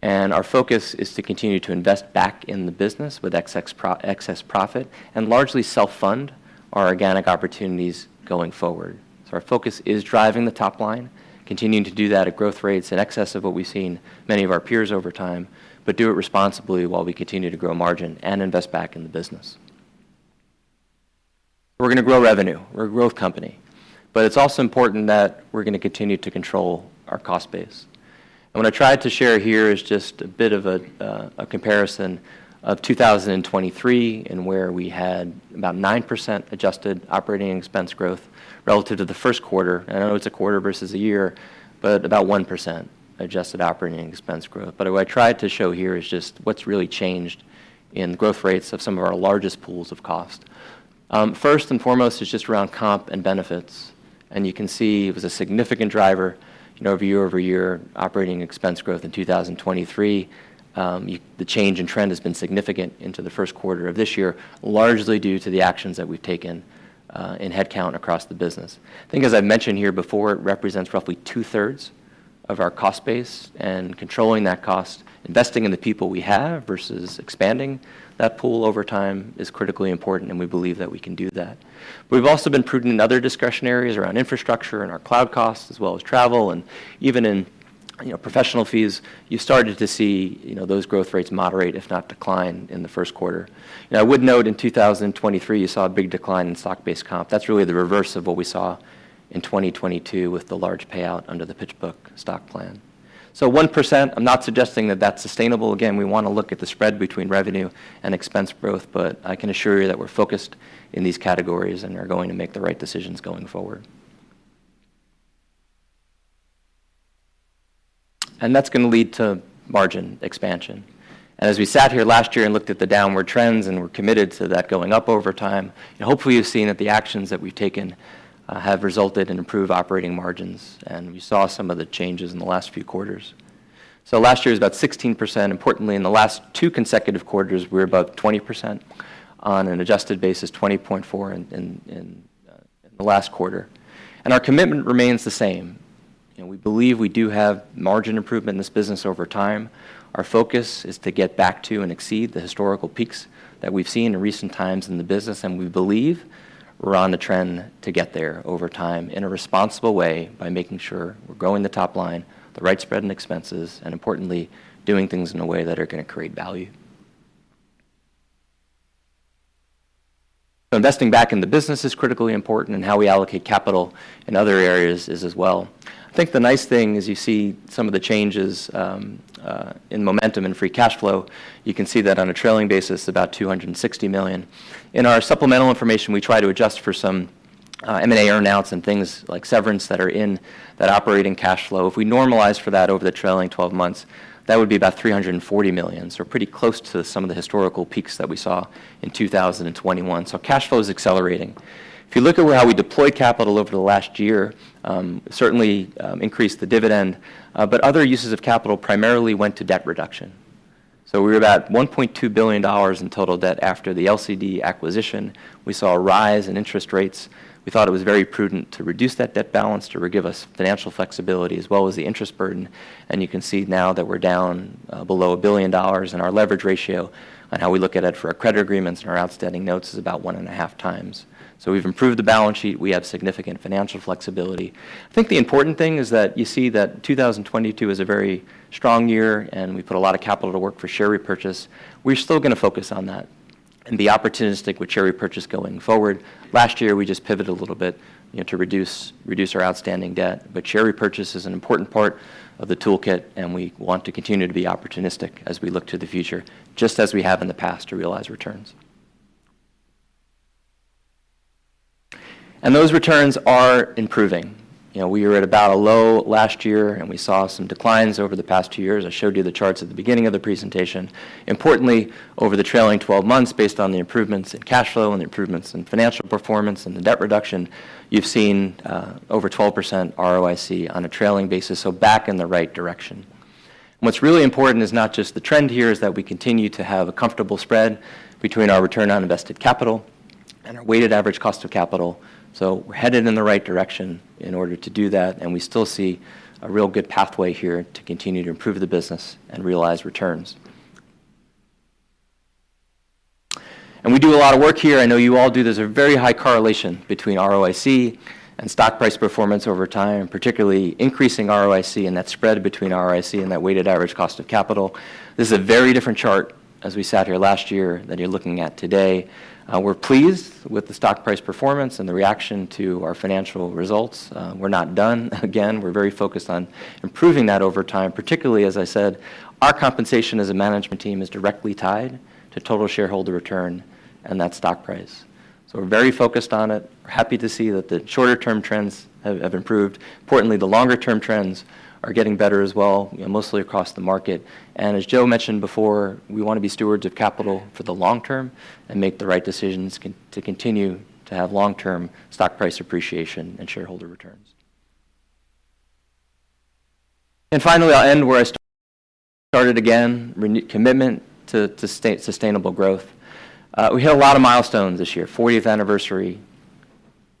And our focus is to continue to invest back in the business with excess profit and largely self-fund our organic opportunities going forward. So our focus is driving the top line, continuing to do that at growth rates in excess of what we've seen many of our peers over time, but do it responsibly while we continue to grow margin and invest back in the business. We're going to grow revenue. We're a growth company. But it's also important that we're going to continue to control our cost base. And what I tried to share here is just a bit of a comparison of 2023 and where we had about 9% adjusted operating expense growth relative to the first quarter. And I know it's a quarter versus a year, but about 1% adjusted operating expense growth. But what I tried to show here is just what's really changed in growth rates of some of our largest pools of cost. First and foremost, it's just around comp and benefits. And you can see it was a significant driver, you know, of year-over-year operating expense growth in 2023. But the change in trend has been significant into the first quarter of this year, largely due to the actions that we've taken in headcount across the business. I think, as I've mentioned here before, it represents roughly two-thirds of our cost base. And controlling that cost, investing in the people we have versus expanding that pool over time is critically important. And we believe that we can do that. But we've also been prudent in other discretionaries around infrastructure and our cloud costs, as well as travel. And even in, you know, professional fees, you started to see, you know, those growth rates moderate, if not decline, in the first quarter. Now, I would note in 2023, you saw a big decline in stock-based comp. That's really the reverse of what we saw in 2022 with the large payout under the PitchBook stock plan. So 1%, I'm not suggesting that that's sustainable. Again, we want to look at the spread between revenue and expense growth. But I can assure you that we're focused in these categories and are going to make the right decisions going forward. And that's going to lead to margin expansion. And as we sat here last year and looked at the downward trends and were committed to that going up over time, you know, hopefully, you've seen that the actions that we've taken have resulted in improved operating margins. We saw some of the changes in the last few quarters. So last year was about 16%. Importantly, in the last two consecutive quarters, we were about 20% on an adjusted basis, 20.4% in the last quarter. And our commitment remains the same. You know, we believe we do have margin improvement in this business over time. Our focus is to get back to and exceed the historical peaks that we've seen in recent times in the business. And we believe we're on the trend to get there over time in a responsible way by making sure we're growing the top line, the right spread in expenses, and importantly, doing things in a way that are going to create value. So investing back in the business is critically important. And how we allocate capital in other areas is as well. I think the nice thing is you see some of the changes in momentum and free cash flow. You can see that on a trailing basis, about $260 million. In our supplemental information, we try to adjust for some M&A earnouts and things like severance that are in that operating cash flow. If we normalize for that over the trailing 12 months, that would be about $340 million so pretty close to some of the historical peaks that we saw in 2021. So cash flow is accelerating. If you look at how we deployed capital over the last year, certainly increased the dividend, but other uses of capital primarily went to debt reduction. So we were about $1.2 billion in total debt after the LCD acquisition. We saw a rise in interest rates. We thought it was very prudent to reduce that debt balance to give us financial flexibility as well as the interest burden. You can see now that we're down below $1 billion in our leverage ratio. How we look at it for our credit agreements and our outstanding notes is about 1.5 times. We've improved the balance sheet. We have significant financial flexibility. I think the important thing is that you see that 2022 is a very strong year. We put a lot of capital to work for share repurchase. We're still going to focus on that and be opportunistic with share repurchase going forward. Last year, we just pivoted a little bit, you know, to reduce our outstanding debt. Share repurchase is an important part of the toolkit. We want to continue to be opportunistic as we look to the future, just as we have in the past, to realize returns. Those returns are improving. You know, we were at about a low last year. We saw some declines over the past two years. I showed you the charts at the beginning of the presentation. Importantly, over the trailing 12 months, based on the improvements in cash flow and the improvements in financial performance and the debt reduction, you've seen over 12% ROIC on a trailing basis, so back in the right direction. What's really important is not just the trend here is that we continue to have a comfortable spread between our return on invested capital and our weighted average cost of capital. We're headed in the right direction in order to do that. And we still see a real good pathway here to continue to improve the business and realize returns. And we do a lot of work here. I know you all do. There's a very high correlation between ROIC and stock price performance over time and particularly increasing ROIC and that spread between ROIC and that weighted average cost of capital. This is a very different chart as we sat here last year than you're looking at today. We're pleased with the stock price performance and the reaction to our financial results. We're not done. Again, we're very focused on improving that over time, particularly, as I said, our compensation as a management team is directly tied to total shareholder return and that stock price. So we're very focused on it. We're happy to see that the shorter-term trends have improved. Importantly, the longer-term trends are getting better as well, you know, mostly across the market. As Joe mentioned before, we want to be stewards of capital for the long term and make the right decisions to continue to have long-term stock price appreciation and shareholder returns. Finally, I'll end where I started again, renewed commitment to sustainable growth. We hit a lot of milestones this year, 40th anniversary,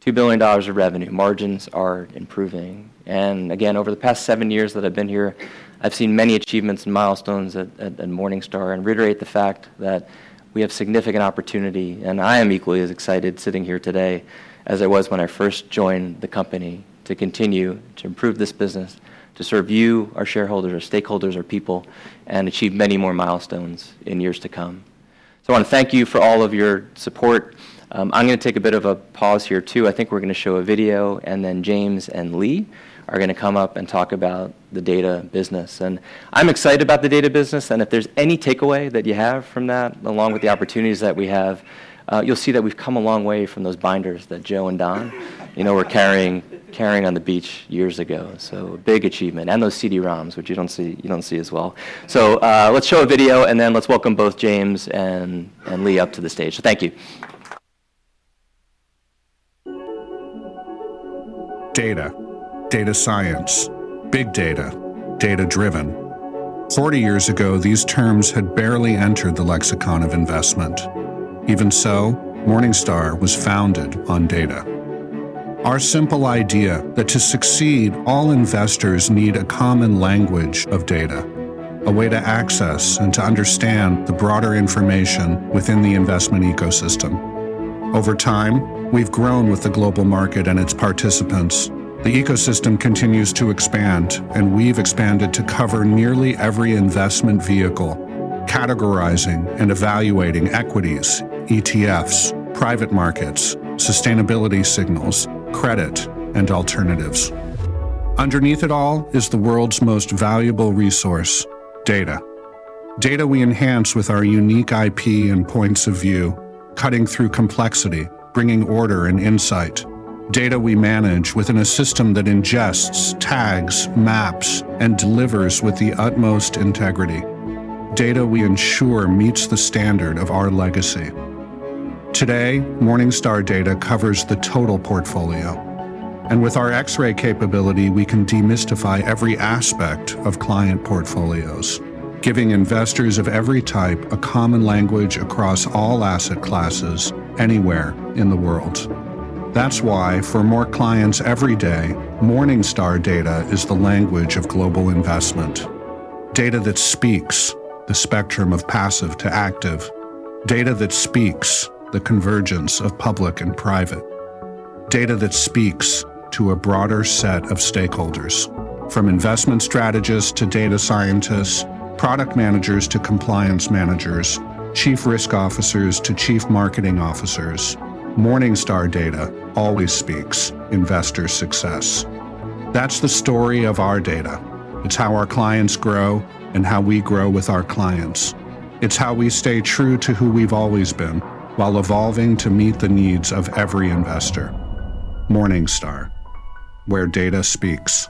$2 billion of revenue. Margins are improving. Again, over the past seven years that I've been here, I've seen many achievements and milestones at Morningstar and reiterate the fact that we have significant opportunity. I am equally as excited sitting here today as I was when I first joined the company to continue to improve this business, to serve you, our shareholders, our stakeholders, our people, and achieve many more milestones in years to come. So I want to thank you for all of your support. I'm going to take a bit of a pause here too. I think we're going to show a video. Then James and Lee are going to come up and talk about the data business. And I'm excited about the data business. And if there's any takeaway that you have from that, along with the opportunities that we have, you'll see that we've come a long way from those binders that Joe and Don, you know, were carrying, carrying on the beach years ago. So a big achievement. Those CD-ROMs, which you don't see as well. So, let's show a video. And then let's welcome both James and Lee up to the stage. So thank you. Data, data science, big data, data-driven. 40 years ago, these terms had barely entered the lexicon of investment. Even so, Morningstar was founded on data. Our simple idea that to succeed, all investors need a common language of data, a way to access and to understand the broader information within the investment ecosystem. Over time, we've grown with the global market and its participants. The ecosystem continues to expand. We've expanded to cover nearly every investment vehicle, categorizing and evaluating equities, ETFs, private markets, sustainability signals, credit, and alternatives. Underneath it all is the world's most valuable resource: data. Data we enhance with our unique IP and points of view, cutting through complexity, bringing order and insight. Data we manage within a system that ingests, tags, maps, and delivers with the utmost integrity. Data we ensure meets the standard of our legacy. Today, Morningstar Data covers the total portfolio. With our X-Ray capability, we can demystify every aspect of client portfolios, giving investors of every type a common language across all asset classes anywhere in the world. That's why, for more clients every day, Morningstar Data is the language of global investment, data that speaks the spectrum of passive to active, data that speaks the convergence of public and private, data that speaks to a broader set of stakeholders, from investment strategists to data scientists, product managers to compliance managers, chief risk officers to chief marketing officers. Morningstar Data always speaks investor success. That's the story of our data. It's how our clients grow and how we grow with our clients. It's how we stay true to who we've always been while evolving to meet the needs of every investor. Morningstar, where data speaks.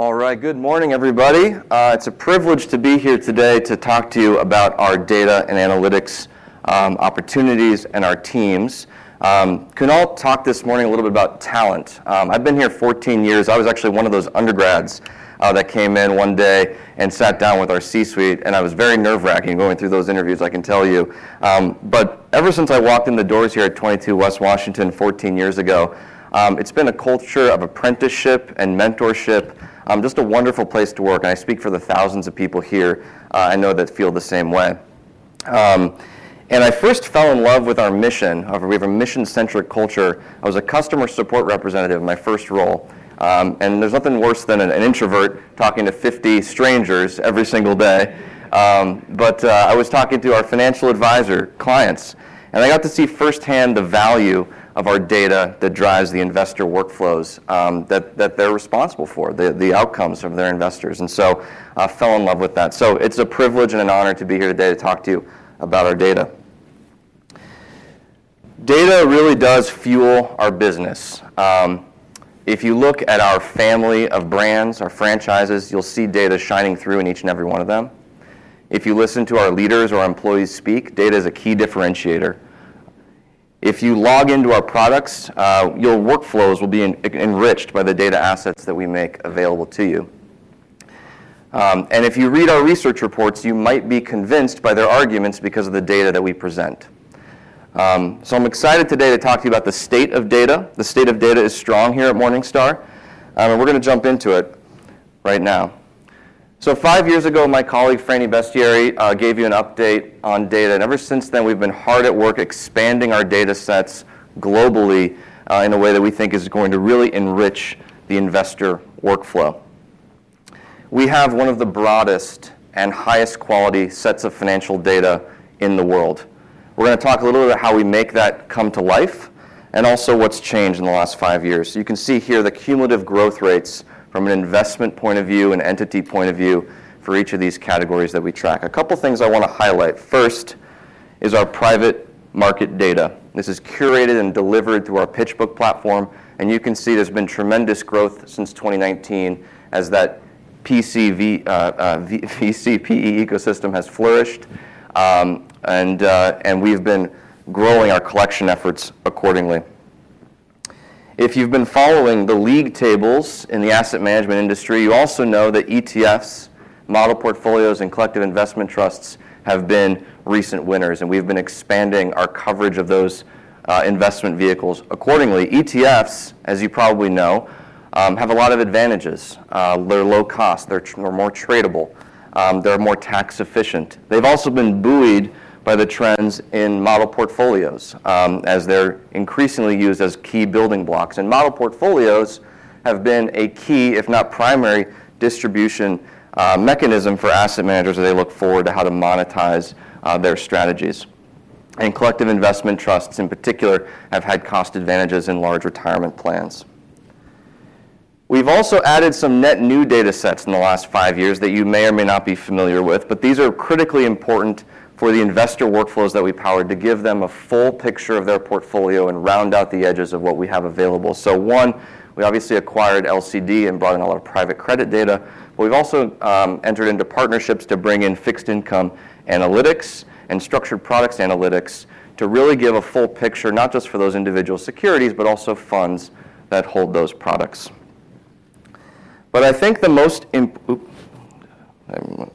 All right. Good morning, everybody. It's a privilege to be here today to talk to you about our data and analytics, opportunities and our teams. Kunal talk this morning a little bit about talent? I've been here 14 years. I was actually one of those undergrads that came in one day and sat down with our C-suite. And I was very nerve-wracking going through those interviews, I can tell you. But ever since I walked in the doors here at 22 West Washington 14 years ago, it's been a culture of apprenticeship and mentorship, just a wonderful place to work. And I speak for the thousands of people here. I know that feel the same way. And I first fell in love with our mission of we have a mission-centric culture. I was a customer support representative in my first role. And there's nothing worse than an introvert talking to 50 strangers every single day. But I was talking to our financial advisor clients. And I got to see firsthand the value of our data that drives the investor workflows that they're responsible for, the outcomes of their investors. And so fell in love with that. So it's a privilege and an honor to be here today to talk to you about our data. Data really does fuel our business. If you look at our family of brands, our franchises, you'll see data shining through in each and every one of them. If you listen to our leaders or our employees speak, data is a key differentiator. If you log into our products, your workflows will be enriched by the data assets that we make available to you. And if you read our research reports, you might be convinced by their arguments because of the data that we present. So I'm excited today to talk to you about the state of data. The state of data is strong here at Morningstar. And we're going to jump into it right now. So five years ago, my colleague, Frannie Beszteri, gave you an update on data. And ever since then, we've been hard at work expanding our data sets globally, in a way that we think is going to really enrich the investor workflow. We have one of the broadest and highest quality sets of financial data in the world. We're going to talk a little bit about how we make that come to life and also what's changed in the last five years. You can see here the cumulative growth rates from an investment point of view, an entity point of view, for each of these categories that we track. A couple of things I want to highlight. First is our private market data. This is curated and delivered through our PitchBook platform. And you can see there's been tremendous growth since 2019 as that PE/VC, VC/PE ecosystem has flourished, and we've been growing our collection efforts accordingly. If you've been following the league tables in the asset management industry, you also know that ETFs, model portfolios, and collective investment trusts have been recent winners. And we've been expanding our coverage of those investment vehicles accordingly. ETFs, as you probably know, have a lot of advantages. They're low cost. They're more tradable. They're more tax efficient. They've also been buoyed by the trends in model portfolios, as they're increasingly used as key building blocks. And model portfolios have been a key, if not primary, distribution mechanism for asset managers as they look forward to how to monetize their strategies. And collective investment trusts, in particular, have had cost advantages in large retirement plans. We've also added some net new data sets in the last five years that you may or may not be familiar with. But these are critically important for the investor workflows that we power to give them a full picture of their portfolio and round out the edges of what we have available. So one, we obviously acquired LCD and brought in a lot of private credit data. But we've also entered into partnerships to bring in fixed income analytics and structured products analytics to really give a full picture, not just for those individual securities but also funds that hold those products. But I think the most oops. I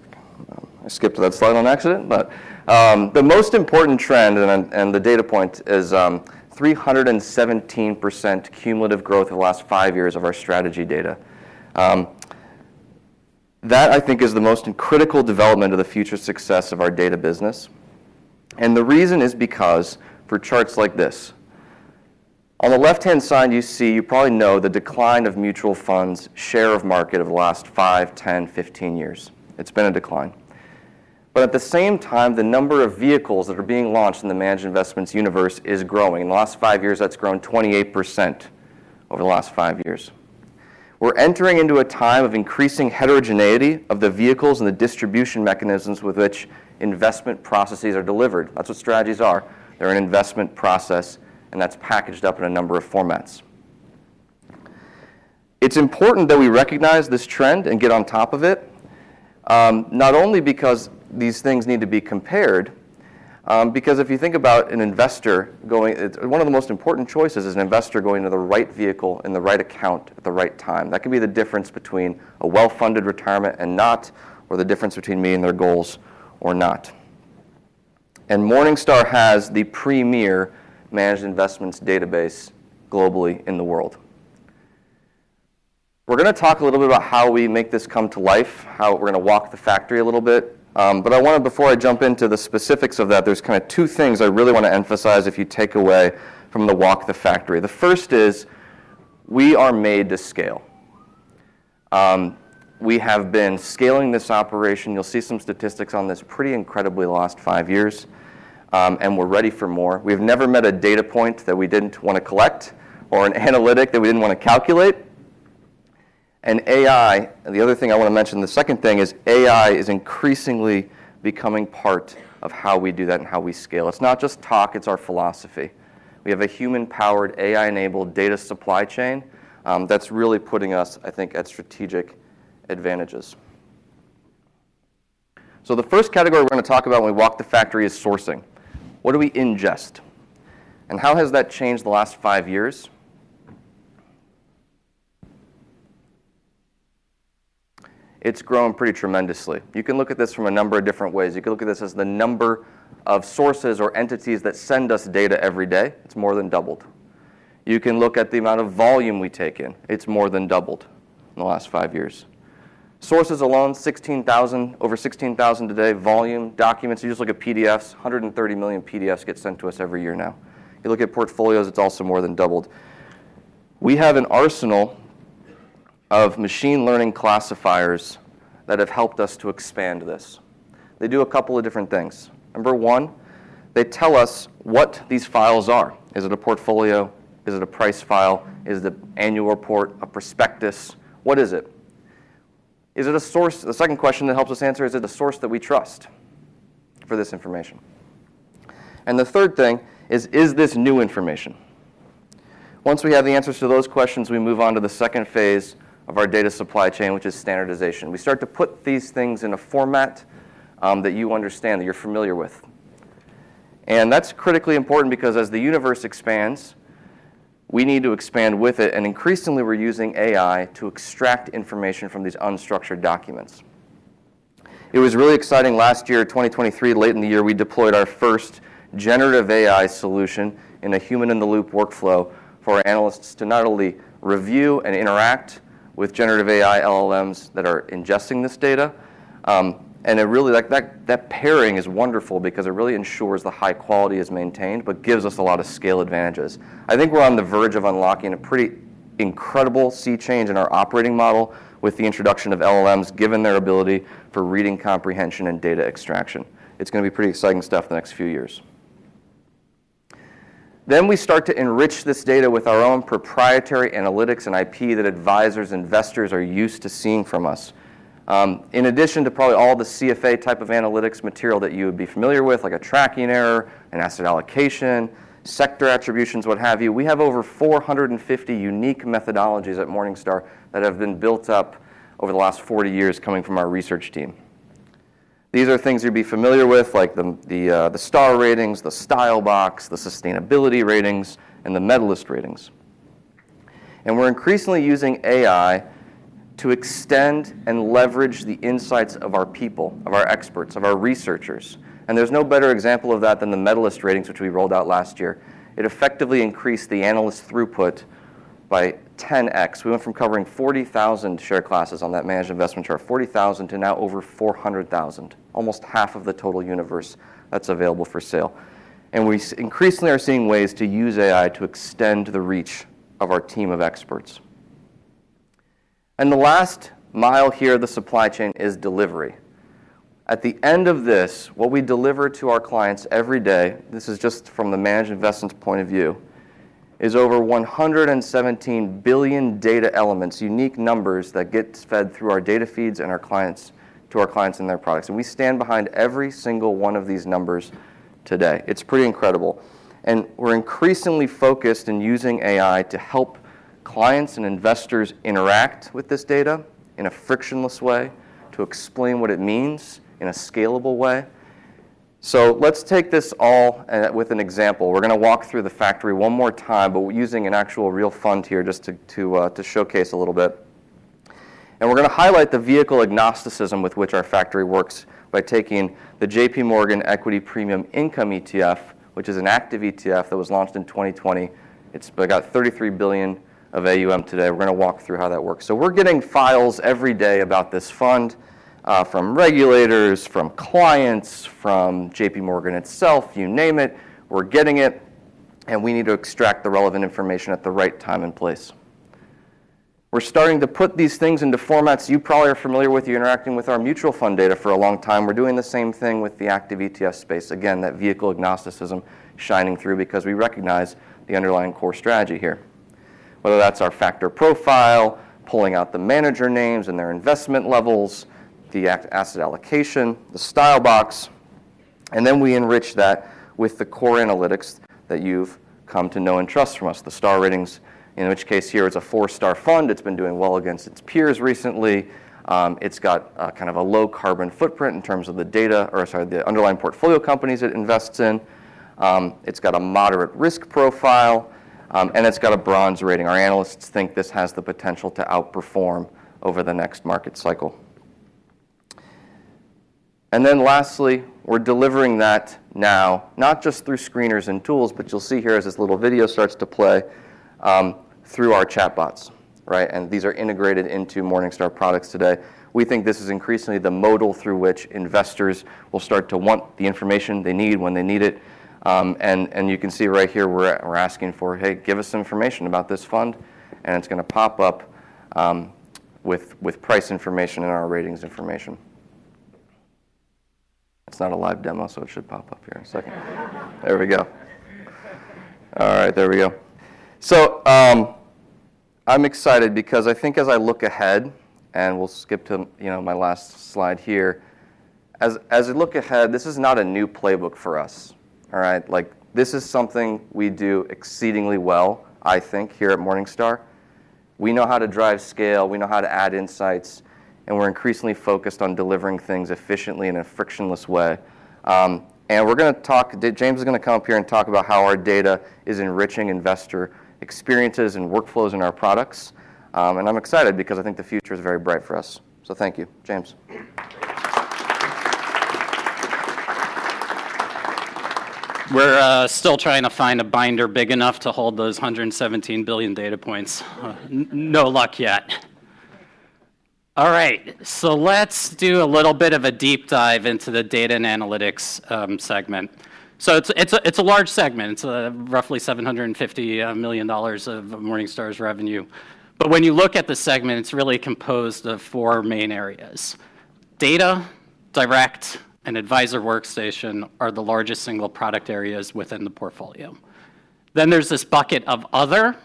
skipped to that slide on accident. But the most important trend and the data point is 317% cumulative growth over the last five years of our strategy data. That, I think, is the most critical development of the future success of our data business. And the reason is because, for charts like this, on the left-hand side, you see you probably know the decline of mutual funds share of market over the last five, 10, 15 years. It's been a decline. But at the same time, the number of vehicles that are being launched in the managed investments universe is growing. In the last five years, that's grown 28% over the last five years. We're entering into a time of increasing heterogeneity of the vehicles and the distribution mechanisms with which investment processes are delivered. That's what strategies are. They're an investment process. And that's packaged up in a number of formats. It's important that we recognize this trend and get on top of it, not only because these things need to be compared, because if you think about an investor going it's one of the most important choices is an investor going to the right vehicle in the right account at the right time. That can be the difference between a well-funded retirement and not or the difference between meeting their goals or not. And Morningstar has the premier managed investments database globally in the world. We're going to talk a little bit about how we make this come to life, how we're going to walk the factory a little bit. But I want to, before I jump into the specifics of that, emphasize two things if you take away from the walk the factory. The first is we are made to scale. We have been scaling this operation. You'll see some statistics on this pretty incredibly last five years. And we're ready for more. We've never met a data point that we didn't want to collect or an analytic that we didn't want to calculate. And AI, the other thing I want to mention, the second thing, is AI is increasingly becoming part of how we do that and how we scale. It's not just talk. It's our philosophy. We have a human-powered, AI-enabled data supply chain, that's really putting us, I think, at strategic advantages. So the first category we're going to talk about when we walk the factory is sourcing. What do we ingest? And how has that changed the last five years? It's grown pretty tremendously. You can look at this from a number of different ways. You can look at this as the number of sources or entities that send us data every day. It's more than doubled. You can look at the amount of volume we take in. It's more than doubled in the last five years. Sources alone, 16,000 over 16,000 today. Volume, documents you just look at PDFs, 130 million PDFs get sent to us every year now. You look at portfolios, it's also more than doubled. We have an arsenal of machine learning classifiers that have helped us to expand this. They do a couple of different things. Number one, they tell us what these files are. Is it a portfolio? Is it a price file? Is it an annual report, a prospectus? What is it? Is it a source? The second question that helps us answer is it a source that we trust for this information? And the third thing is, is this new information? Once we have the answers to those questions, we move on to the second phase of our data supply chain, which is standardization. We start to put these things in a format that you understand, that you're familiar with. And that's critically important because as the universe expands, we need to expand with it. And increasingly, we're using AI to extract information from these unstructured documents. It was really exciting last year, 2023, late in the year, we deployed our first Generative AI solution in a human-in-the-loop workflow for our analysts to not only review and interact with Generative AI LLMs that are ingesting this data. It really like, that, that pairing is wonderful because it really ensures the high quality is maintained but gives us a lot of scale advantages. I think we're on the verge of unlocking a pretty incredible sea change in our operating model with the introduction of LLMs given their ability for reading comprehension and data extraction. It's going to be pretty exciting stuff the next few years. Then we start to enrich this data with our own proprietary analytics and IP that advisors and investors are used to seeing from us. In addition to probably all the CFA type of analytics material that you would be familiar with, like a tracking error, an asset allocation, sector attributions, what have you, we have over 450 unique methodologies at Morningstar that have been built up over the last 40 years coming from our research team. These are things you'd be familiar with, like the Star Ratings, the Style Box, the Sustainability Ratings, and the Medalist Ratings. We're increasingly using AI to extend and leverage the insights of our people, of our experts, of our researchers. There's no better example of that than the Medalist Ratings, which we rolled out last year. It effectively increased the analyst throughput by 10x. We went from covering 40,000 share classes on that managed investment chart, 40,000, to now over 400,000, almost half of the total universe that's available for sale. We increasingly are seeing ways to use AI to extend the reach of our team of experts. The last mile here of the supply chain is delivery. At the end of this, what we deliver to our clients every day—this is just from the managed investments point of view—is over 117 billion data elements, unique numbers that get fed through our data feeds and our clients to our clients and their products. We stand behind every single one of these numbers today. It's pretty incredible. We're increasingly focused in using AI to help clients and investors interact with this data in a frictionless way, to explain what it means in a scalable way. Let's take this all with an example. We're going to walk through the factory one more time but using an actual real fund here just to showcase a little bit. And we're going to highlight the vehicle agnosticism with which our factory works by taking the JPMorgan Equity Premium Income ETF, which is an active ETF that was launched in 2020. It's about $33 billion of AUM today. We're going to walk through how that works. So we're getting files every day about this fund, from regulators, from clients, from JPMorgan itself, you name it. We're getting it. And we need to extract the relevant information at the right time and place. We're starting to put these things into formats you probably are familiar with. You're interacting with our mutual fund data for a long time. We're doing the same thing with the active ETF space. Again, that vehicle agnosticism shining through because we recognize the underlying core strategy here, whether that's our factor profile, pulling out the manager names and their investment levels, the asset allocation, the style box. And then we enrich that with the core analytics that you've come to know and trust from us, the star ratings, in which case here, it's a 4-star fund. It's been doing well against its peers recently. It's got, kind of a low-carbon footprint in terms of the data or, sorry, the underlying portfolio companies it invests in. It's got a moderate risk profile. And it's got a bronze rating. Our analysts think this has the potential to outperform over the next market cycle. And then lastly, we're delivering that now not just through screeners and tools. But you'll see here as this little video starts to play, through our chatbots, right? And these are integrated into Morningstar products today. We think this is increasingly the modal through which investors will start to want the information they need when they need it. And you can see right here, we're asking for, "Hey, give us information about this fund." And it's going to pop up with price information and our ratings information. It's not a live demo, so it should pop up here in a second. There we go. All right. There we go. So, I'm excited because I think as I look ahead and we'll skip to, you know, my last slide here. As I look ahead, this is not a new playbook for us, all right? Like, this is something we do exceedingly well, I think, here at Morningstar. We know how to drive scale. We know how to add insights. And we're increasingly focused on delivering things efficiently in a frictionless way. And we're going to talk. James is going to come up here and talk about how our data is enriching investor experiences and workflows in our products. And I'm excited because I think the future is very bright for us. So thank you, James. We're still trying to find a binder big enough to hold those 117 billion data points. No luck yet. All right. So let's do a little bit of a deep dive into the Data and Analytics segment. So it's a large segment. It's roughly $750 million of Morningstar's revenue. But when you look at the segment, it's really composed of four main areas. Data, Direct, and Advisor Workstation are the largest single product areas within the portfolio. Then there's this bucket of other,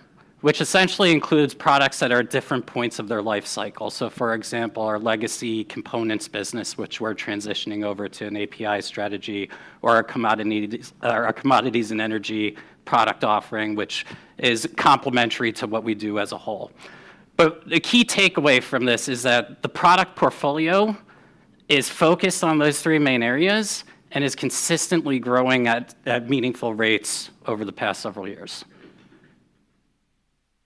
which essentially includes products that are at different points of their life cycle. So for example, our legacy components business, which we're transitioning over to an API strategy, or our commodities and energy product offering, which is complementary to what we do as a whole. But the key takeaway from this is that the product portfolio is focused on those three main areas and is consistently growing at meaningful rates over the past several years.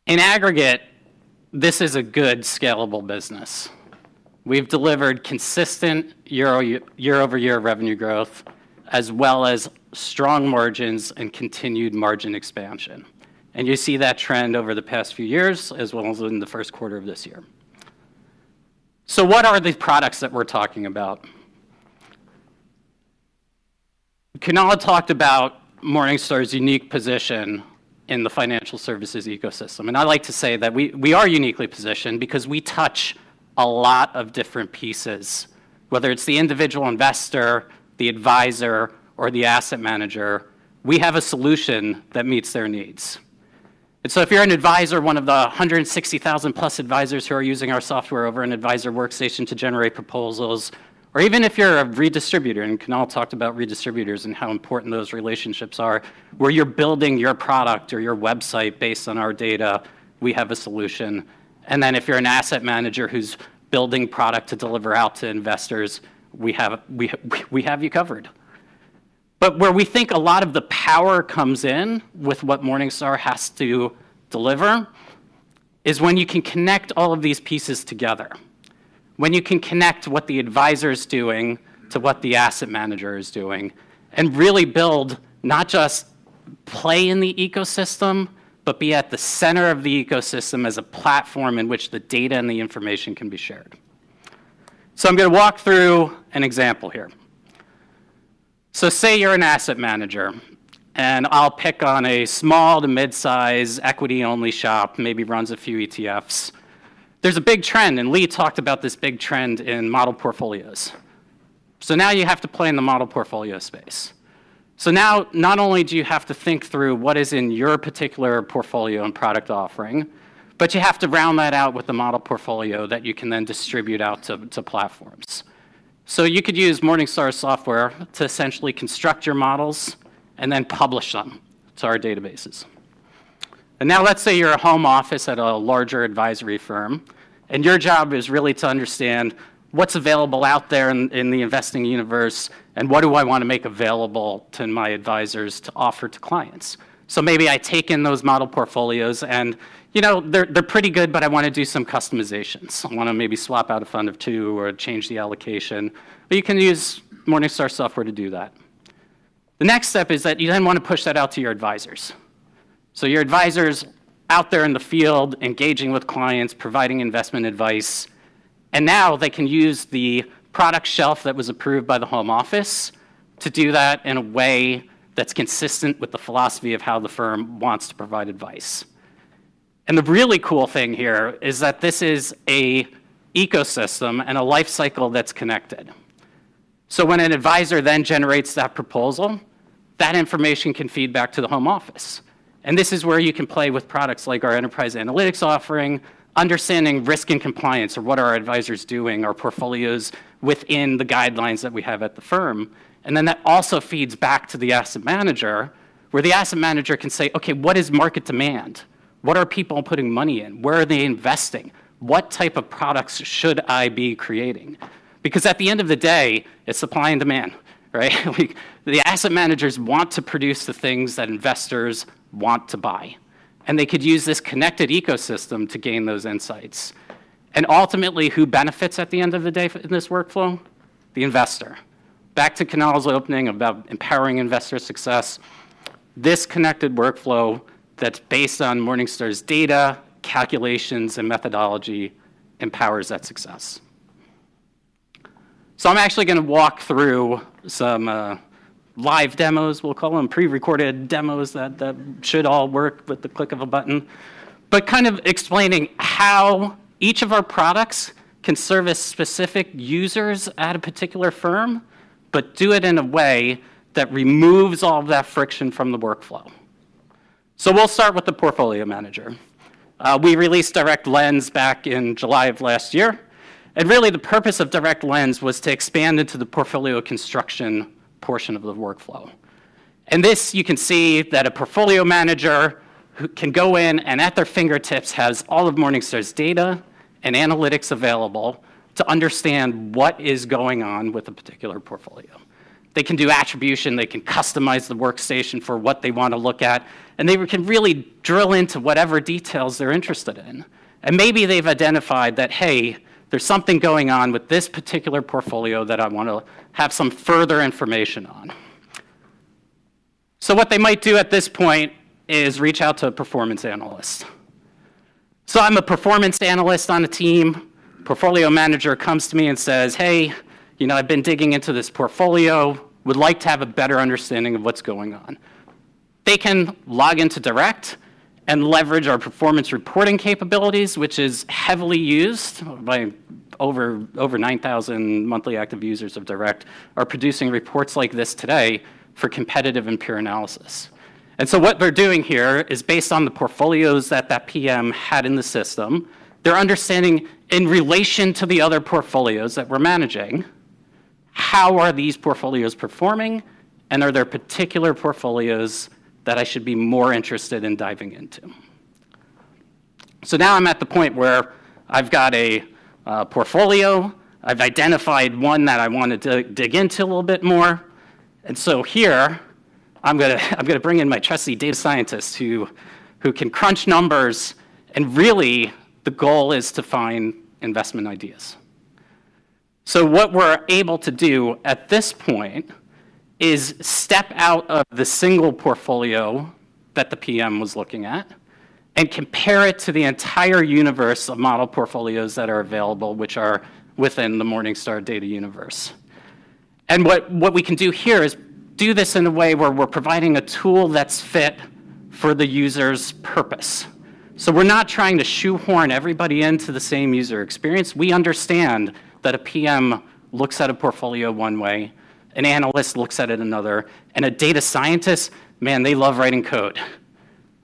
In aggregate, this is a good scalable business. We've delivered consistent year-over-year revenue growth as well as strong margins and continued margin expansion. And you see that trend over the past few years as well as in the first quarter of this year. So what are the products that we're talking about? Kunal talked about Morningstar's unique position in the financial services ecosystem. I like to say that we are uniquely positioned because we touch a lot of different pieces, whether it's the individual investor, the advisor, or the asset manager. We have a solution that meets their needs. So if you're an advisor, one of the 160,000-plus advisors who are using our software over an Advisor Workstation to generate proposals, or even if you're a redistributor and Kunal talked about redistributors and how important those relationships are, where you're building your product or your website based on our data, we have a solution. Then if you're an asset manager who's building product to deliver out to investors, we have you covered. But where we think a lot of the power comes in with what Morningstar has to deliver is when you can connect all of these pieces together, when you can connect what the advisor is doing to what the asset manager is doing and really build not just play in the ecosystem but be at the center of the ecosystem as a platform in which the data and the information can be shared. So I'm going to walk through an example here. So say you're an asset manager. And I'll pick on a small to midsize equity-only shop, maybe runs a few ETFs. There's a big trend. And Lee talked about this big trend in model portfolios. So now you have to play in the model portfolio space. So now not only do you have to think through what is in your particular portfolio and product offering, but you have to round that out with a model portfolio that you can then distribute out to platforms. So you could use Morningstar's software to essentially construct your models and then publish them to our databases. And now let's say you're a home office at a larger advisory firm. And your job is really to understand what's available out there in the investing universe, and what do I want to make available to my advisors to offer to clients? So maybe I take in those model portfolios. And, you know, they're pretty good, but I want to do some customizations. I want to maybe swap out a fund or two or change the allocation. But you can use Morningstar's software to do that. The next step is that you then want to push that out to your advisors. So your advisors out there in the field engaging with clients, providing investment advice. And now they can use the product shelf that was approved by the home office to do that in a way that's consistent with the philosophy of how the firm wants to provide advice. And the really cool thing here is that this is an ecosystem and a life cycle that's connected. So when an advisor then generates that proposal, that information can feed back to the home office. And this is where you can play with products like our enterprise analytics offering, understanding risk and compliance or what are our advisors doing, our portfolios within the guidelines that we have at the firm. And then that also feeds back to the asset manager, where the asset manager can say, "Okay. What is market demand? What are people putting money in? Where are they investing? What type of products should I be creating?" Because at the end of the day, it's supply and demand, right? The asset managers want to produce the things that investors want to buy. They could use this connected ecosystem to gain those insights. Ultimately, who benefits at the end of the day in this workflow? The investor. Back to Kunal's opening about empowering investor success, this connected workflow that's based on Morningstar's data, calculations, and methodology empowers that success. So I'm actually going to walk through some live demos, we'll call them, prerecorded demos that should all work with the click of a button, but kind of explaining how each of our products can service specific users at a particular firm but do it in a way that removes all of that friction from the workflow. So we'll start with the portfolio manager. We released Direct Lens back in July of last year. And really, the purpose of Direct Lens was to expand into the portfolio construction portion of the workflow. And this, you can see that a portfolio manager who can go in and at their fingertips has all of Morningstar's data and analytics available to understand what is going on with a particular portfolio. They can do attribution. They can customize the workstation for what they want to look at. They can really drill into whatever details they're interested in. Maybe they've identified that, "Hey, there's something going on with this particular portfolio that I want to have some further information on." So what they might do at this point is reach out to a performance analyst. So I'm a performance analyst on a team. Portfolio manager comes to me and says, "Hey, you know, I've been digging into this portfolio. Would like to have a better understanding of what's going on." They can log into Direct and leverage our performance reporting capabilities, which is heavily used by over 9,000 monthly active users of Direct, are producing reports like this today for competitive and peer analysis. And so what they're doing here is based on the portfolios that that PM had in the system, they're understanding in relation to the other portfolios that we're managing, how are these portfolios performing, and are there particular portfolios that I should be more interested in diving into? So now I'm at the point where I've got a portfolio. I've identified one that I want to dig into a little bit more. And so here, I'm going to bring in my trusty data scientist who can crunch numbers. And really, the goal is to find investment ideas. So what we're able to do at this point is step out of the single portfolio that the PM was looking at and compare it to the entire universe of model portfolios that are available, which are within the Morningstar data universe. And what we can do here is do this in a way where we're providing a tool that's fit for the user's purpose. So we're not trying to shoehorn everybody into the same user experience. We understand that a PM looks at a portfolio one way, an analyst looks at it another, and a data scientist, man, they love writing code,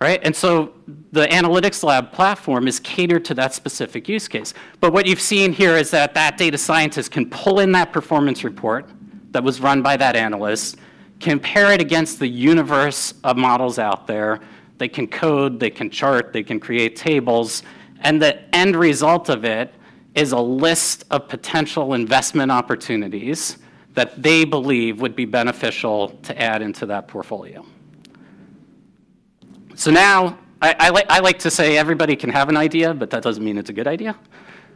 right? And so the Analytics Lab platform is catered to that specific use case. But what you've seen here is that that data scientist can pull in that performance report that was run by that analyst, compare it against the universe of models out there. They can code. They can chart. They can create tables. And the end result of it is a list of potential investment opportunities that they believe would be beneficial to add into that portfolio. So now I like to say everybody can have an idea, but that doesn't mean it's a good idea.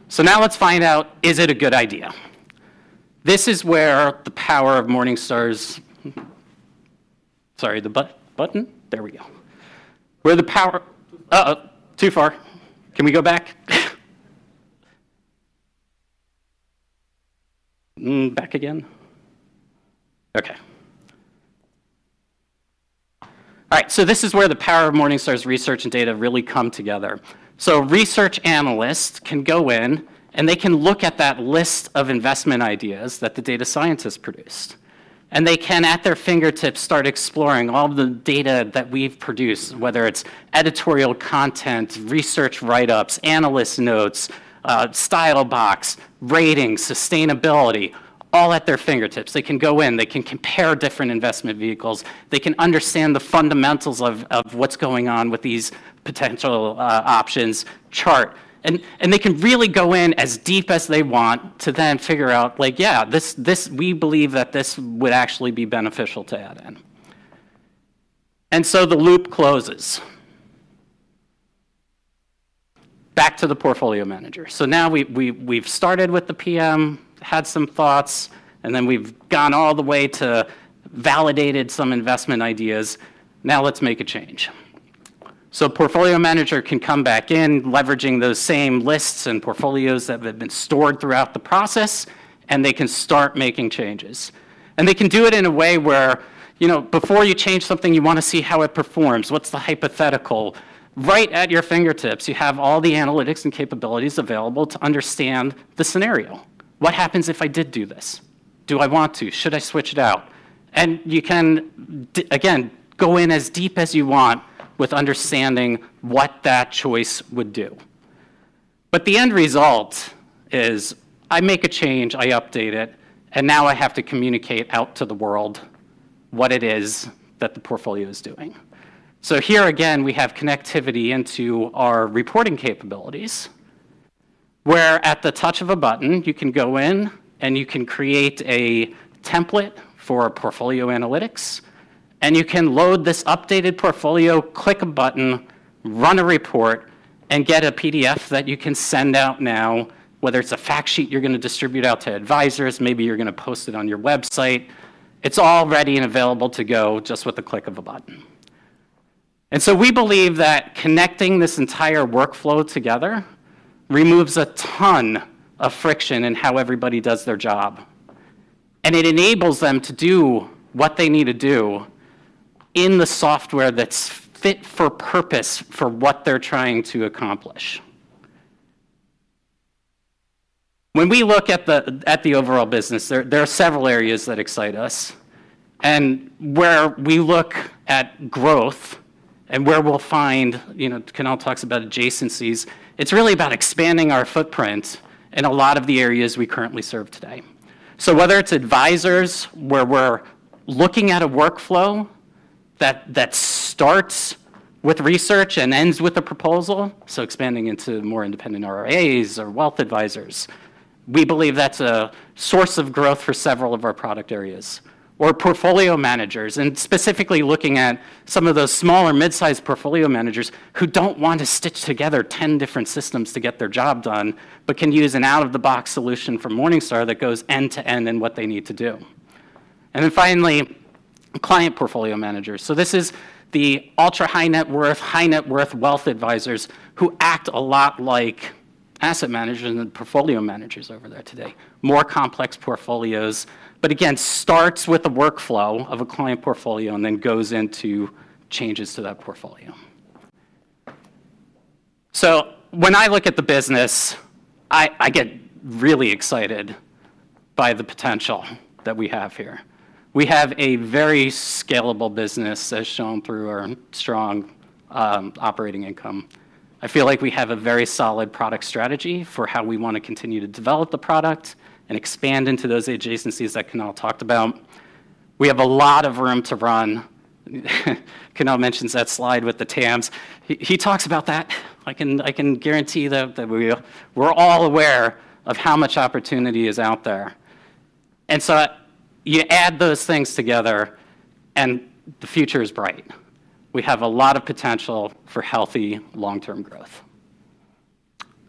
So now let's find out, is it a good idea? This is where the power of Morningstar's sorry, the button. There we go. Where the power uh-oh, too far. Can we go back? Back again? Okay. All right. So this is where the power of Morningstar's research and data really come together. So research analysts can go in, and they can look at that list of investment ideas that the data scientist produced. And they can, at their fingertips, start exploring all of the data that we've produced, whether it's editorial content, research write-ups, analyst notes, Style Box, ratings, sustainability, all at their fingertips. They can go in. They can compare different investment vehicles. They can understand the fundamentals of what's going on with these potential options charts. And they can really go in as deep as they want to then figure out, like, "Yeah, this we believe that this would actually be beneficial to add in." And so the loop closes. Back to the portfolio manager. So now we've started with the PM, had some thoughts, and then we've gone all the way to validate some investment ideas. Now let's make a change. So portfolio manager can come back in leveraging those same lists and portfolios that have been stored throughout the process. And they can start making changes. And they can do it in a way where, you know, before you change something, you want to see how it performs. What's the hypothetical? Right at your fingertips, you have all the analytics and capabilities available to understand the scenario. What happens if I did do this? Do I want to? Should I switch it out? And you can, again, go in as deep as you want with understanding what that choice would do. But the end result is, I make a change. I update it. And now I have to communicate out to the world what it is that the portfolio is doing. So here again, we have connectivity into our reporting capabilities, where at the touch of a button, you can go in, and you can create a template for portfolio analytics. And you can load this updated portfolio, click a button, run a report, and get a PDF that you can send out now, whether it's a fact sheet you're going to distribute out to advisors, maybe you're going to post it on your website. It's all ready and available to go just with the click of a button. And so we believe that connecting this entire workflow together removes a ton of friction in how everybody does their job. And it enables them to do what they need to do in the software that's fit for purpose for what they're trying to accomplish. When we look at the overall business, there are several areas that excite us. Where we look at growth and where we'll find, you know, Kunal talks about adjacencies, it's really about expanding our footprint in a lot of the areas we currently serve today. So whether it's advisors, where we're looking at a workflow that starts with research and ends with a proposal, so expanding into more independent RIAs or wealth advisors, we believe that's a source of growth for several of our product areas, or portfolio managers, and specifically looking at some of those smaller midsize portfolio managers who don't want to stitch together 10 different systems to get their job done but can use an out-of-the-box solution from Morningstar that goes end to end in what they need to do. And then finally, client portfolio managers. So this is the ultra-high net worth, high net worth wealth advisors who act a lot like asset managers and portfolio managers over there today, more complex portfolios, but again, starts with a workflow of a client portfolio and then goes into changes to that portfolio. So when I look at the business, I, I get really excited by the potential that we have here. We have a very scalable business as shown through our strong, operating income. I feel like we have a very solid product strategy for how we want to continue to develop the product and expand into those adjacencies that Kunal talked about. We have a lot of room to run. Kunal mentions that slide with the TAMs. He, he talks about that. I can I can guarantee that, that we we're all aware of how much opportunity is out there. And so you add those things together, and the future is bright. We have a lot of potential for healthy long-term growth.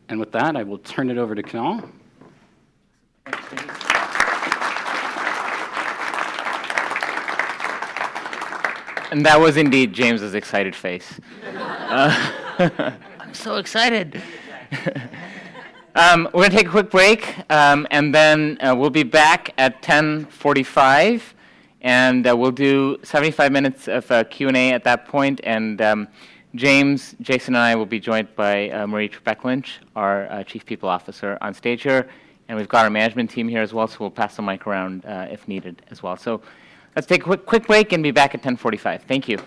And with that, I will turn it over to Kunal. That was indeed James's excited face. I'm so excited. We're going to take a quick break. And then, we'll be back at 10:45. And, we'll do 75 minutes of Q&A at that point. And, James, Jason, and I will be joined by Marie Trzupek Lynch, our Chief People Officer on stage here. And we've got our management team here as well, so we'll pass the mic around, if needed as well. So let's take a quick, quick break and be back at 10:45. Thank you.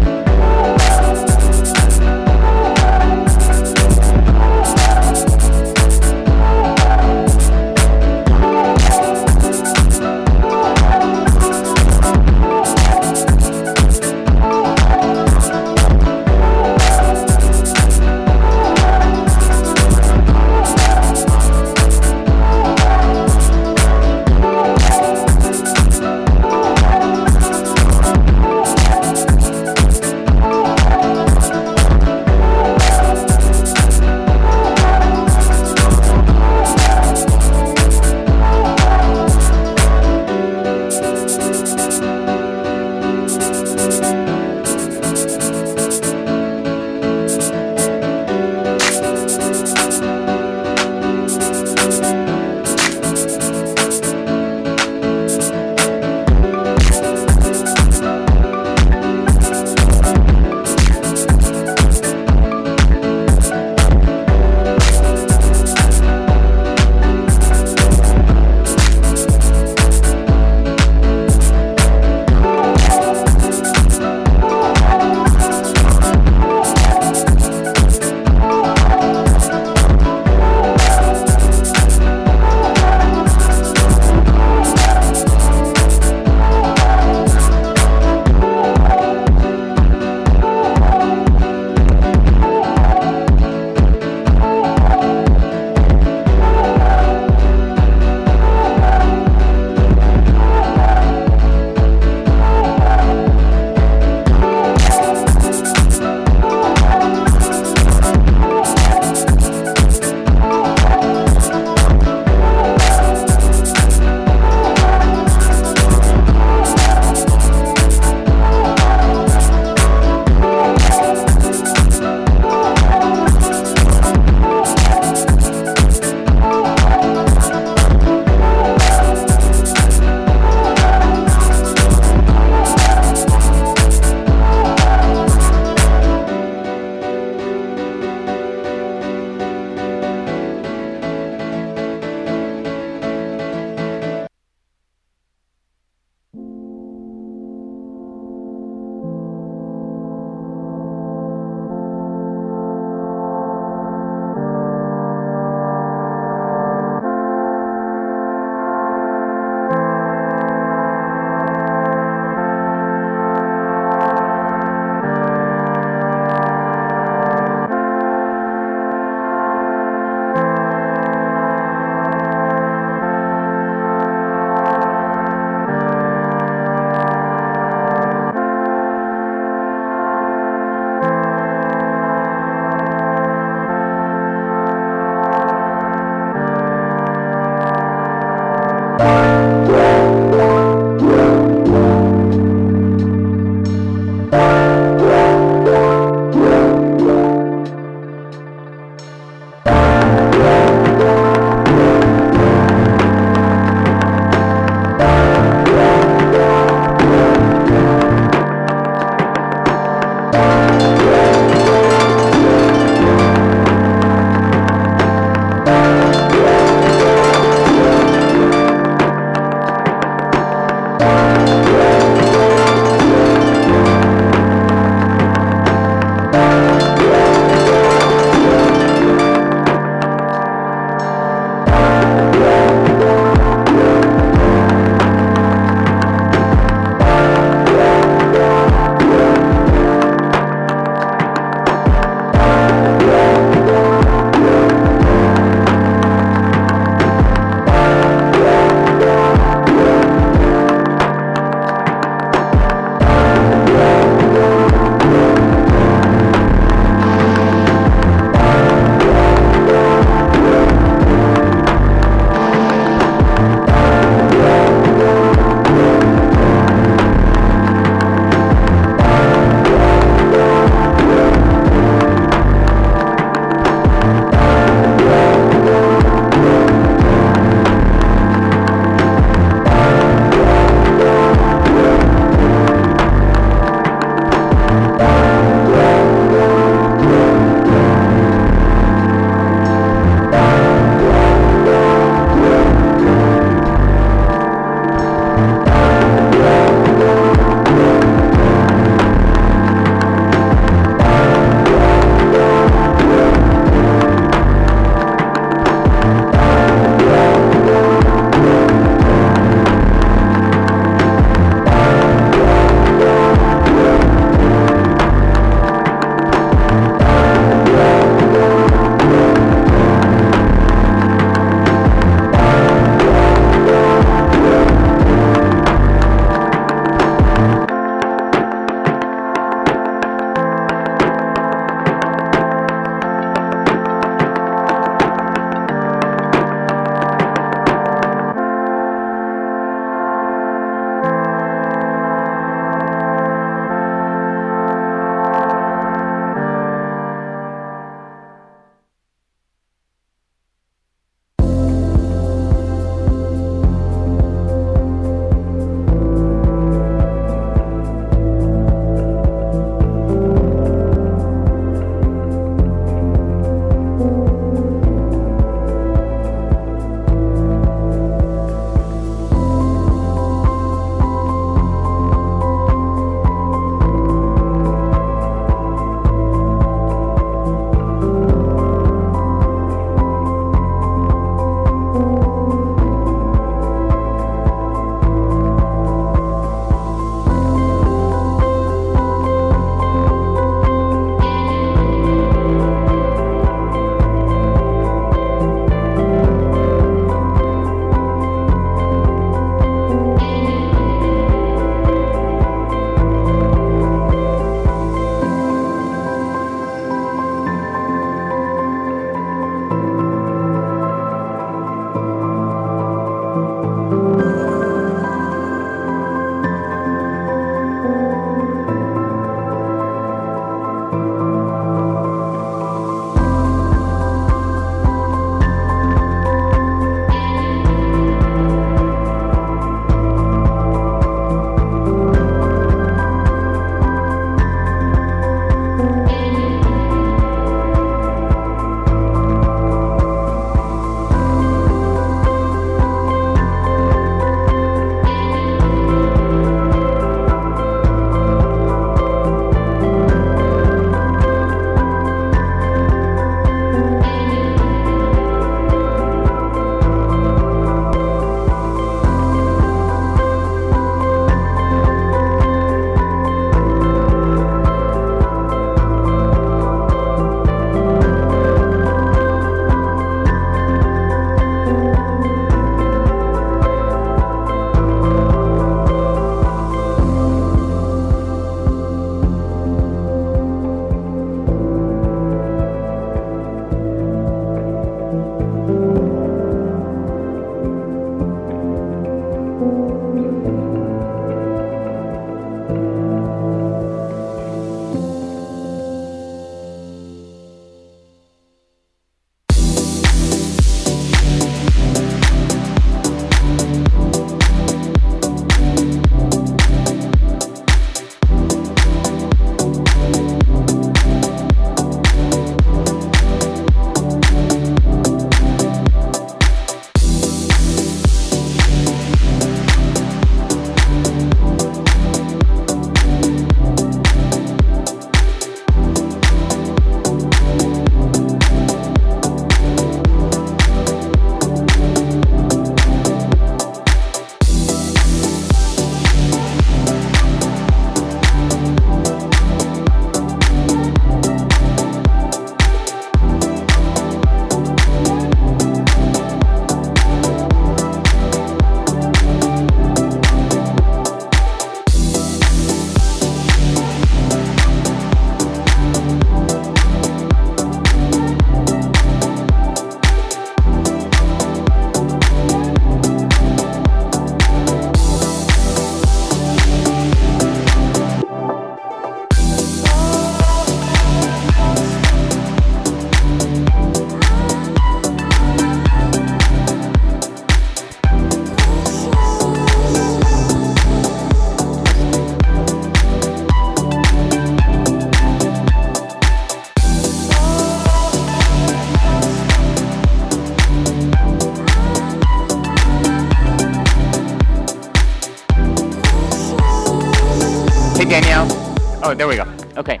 Hey, Daniel. Oh, there we go. Okay.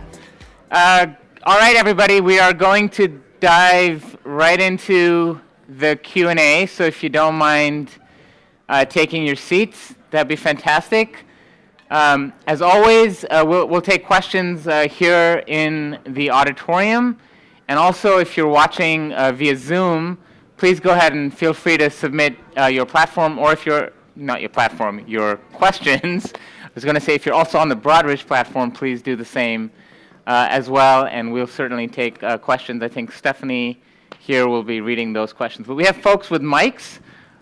All right, everybody. We are going to dive right into the Q&A. So if you don't mind, taking your seats, that'd be fantastic. As always, we'll, we'll take questions here in the auditorium. And also, if you're watching via Zoom, please go ahead and feel free to submit your platform or if you're not your platform, your questions. I was going to say, if you're also on the Broadridge platform, please do the same, as well. And we'll certainly take questions. I think Stephanie here will be reading those questions. But we have folks with mics,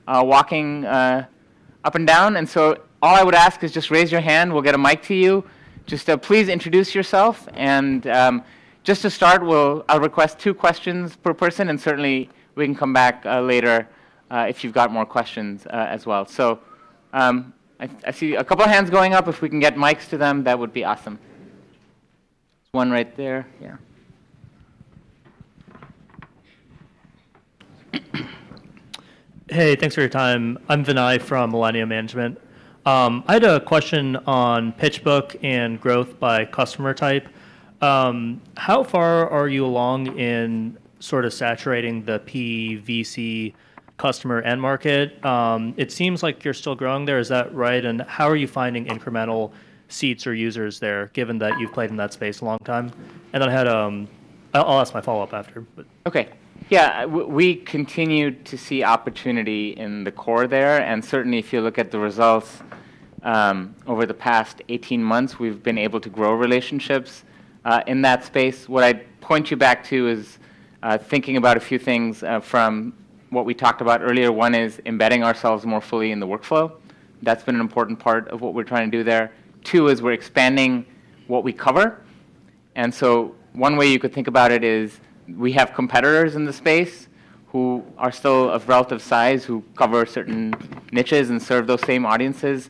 walking up and down. And so all I would ask is just raise your hand. We'll get a mic to you. Just, please introduce yourself. And, just to start, we'll—I'll request two questions per person. And certainly, we can come back later, if you've got more questions, as well. So, I see a couple of hands going up. If we can get mics to them, that would be awesome. There's one right there. Yeah. Hey. Thanks for your time. I'm Vinay from Millennium Management. I had a question on PitchBook and growth by customer type. How far are you along in sort of saturating the PE/VC customer and market? It seems like you're still growing there. Is that right? And how are you finding incremental seats or users there, given that you've played in that space a long time? And then I'll ask my follow-up after. But. Okay. Yeah. We continue to see opportunity in the core there. And certainly, if you look at the results, over the past 18 months, we've been able to grow relationships in that space. What I'd point you back to is thinking about a few things from what we talked about earlier. One is embedding ourselves more fully in the workflow. That's been an important part of what we're trying to do there. Two is we're expanding what we cover. And so one way you could think about it is we have competitors in the space who are still of relative size, who cover certain niches and serve those same audiences.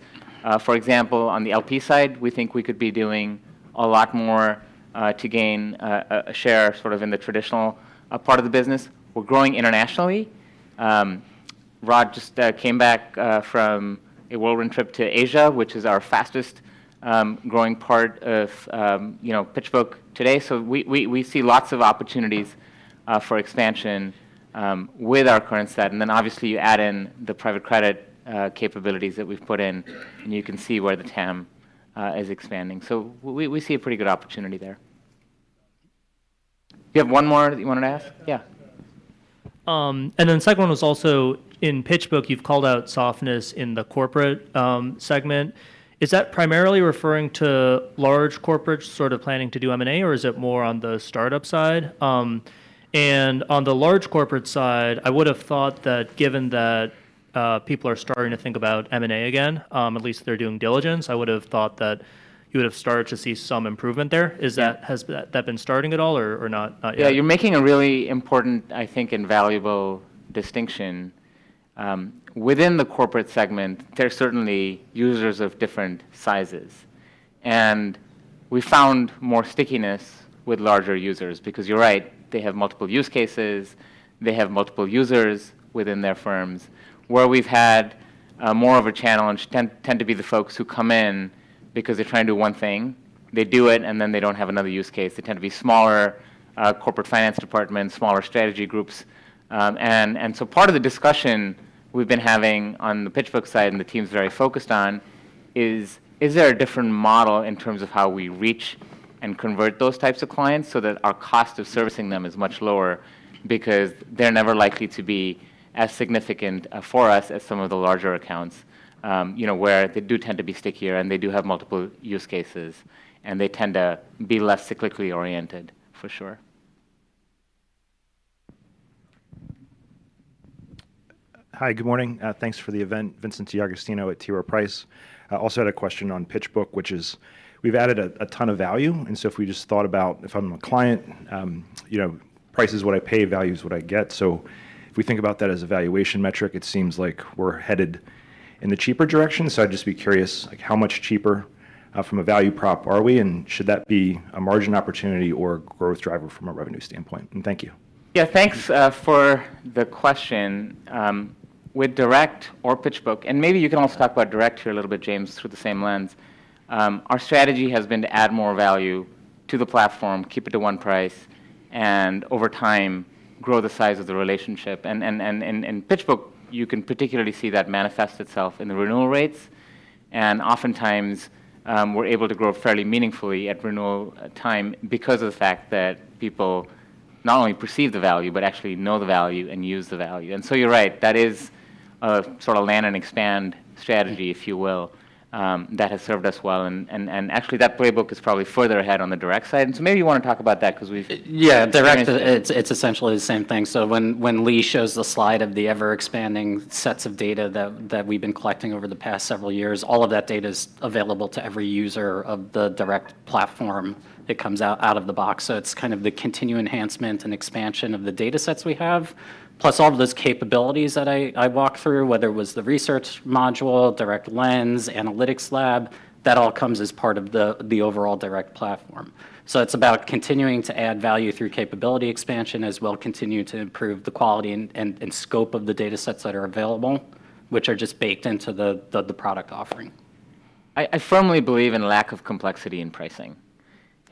For example, on the LP side, we think we could be doing a lot more to gain a share sort of in the traditional part of the business. We're growing internationally. Rod just came back from a world round trip to Asia, which is our fastest growing part of, you know, PitchBook today. So we see lots of opportunities for expansion with our current set. And then, obviously, you add in the private credit capabilities that we've put in. And you can see where the TAM is expanding. So we see a pretty good opportunity there. Do you have one more that you wanted to ask? Yeah. And then the second one was also in PitchBook. You've called out softness in the corporate segment. Is that primarily referring to large corporates sort of planning to do M&A? Or is it more on the startup side? And on the large corporate side, I would have thought that given that, people are starting to think about M&A again, at least they're doing diligence, I would have thought that you would have started to see some improvement there. Is that has that been starting at all or, or not, not yet? Yeah. You're making a really important, I think, and valuable distinction. Within the corporate segment, there's certainly users of different sizes. And we found more stickiness with larger users because you're right. They have multiple use cases. They have multiple users within their firms. Where we've had more of a challenge tend to be the folks who come in because they're trying to do one thing. They do it, and then they don't have another use case. They tend to be smaller corporate finance departments, smaller strategy groups. And so part of the discussion we've been having on the PitchBook side, and the team's very focused on, is there a different model in terms of how we reach and convert those types of clients so that our cost of servicing them is much lower because they're never likely to be as significant for us as some of the larger accounts, you know, where they do tend to be stickier and they do have multiple use cases. And they tend to be less cyclically oriented, for sure. Hi. Good morning. Thanks for the event. Vincent DeAugustino at T. Rowe Price. Also had a question on PitchBook, which is we've added a ton of value. And so if we just thought about if I'm a client, you know, price is what I pay. Value is what I get. So if we think about that as a valuation metric, it seems like we're headed in the cheaper direction. So I'd just be curious, like, how much cheaper, from a value prop are we? And should that be a margin opportunity or a growth driver from a revenue standpoint? And thank you. Yeah. Thanks for the question. With Direct or PitchBook and maybe you can also talk about Direct here a little bit, James, through the same lens. Our strategy has been to add more value to the platform, keep it to one price, and over time, grow the size of the relationship. And in PitchBook, you can particularly see that manifest itself in the renewal rates. And oftentimes, we're able to grow fairly meaningfully at renewal time because of the fact that people not only perceive the value but actually know the value and use the value. And so you're right. That is a sort of land and expand strategy, if you will, that has served us well. And actually, that playbook is probably further ahead on the Direct side. And so maybe you want to talk about that because we've. Yeah. Direct, it's essentially the same thing. So when Lee shows the slide of the ever-expanding sets of data that we've been collecting over the past several years, all of that data's available to every user of the Direct platform. It comes out of the box. So it's kind of the continued enhancement and expansion of the data sets we have, plus all of those capabilities that I walk through, whether it was the research module, Direct Lens, Analytics Lab, that all comes as part of the overall Direct platform. So it's about continuing to add value through capability expansion as well as continue to improve the quality and scope of the data sets that are available, which are just baked into the product offering. I firmly believe in lack of complexity in pricing.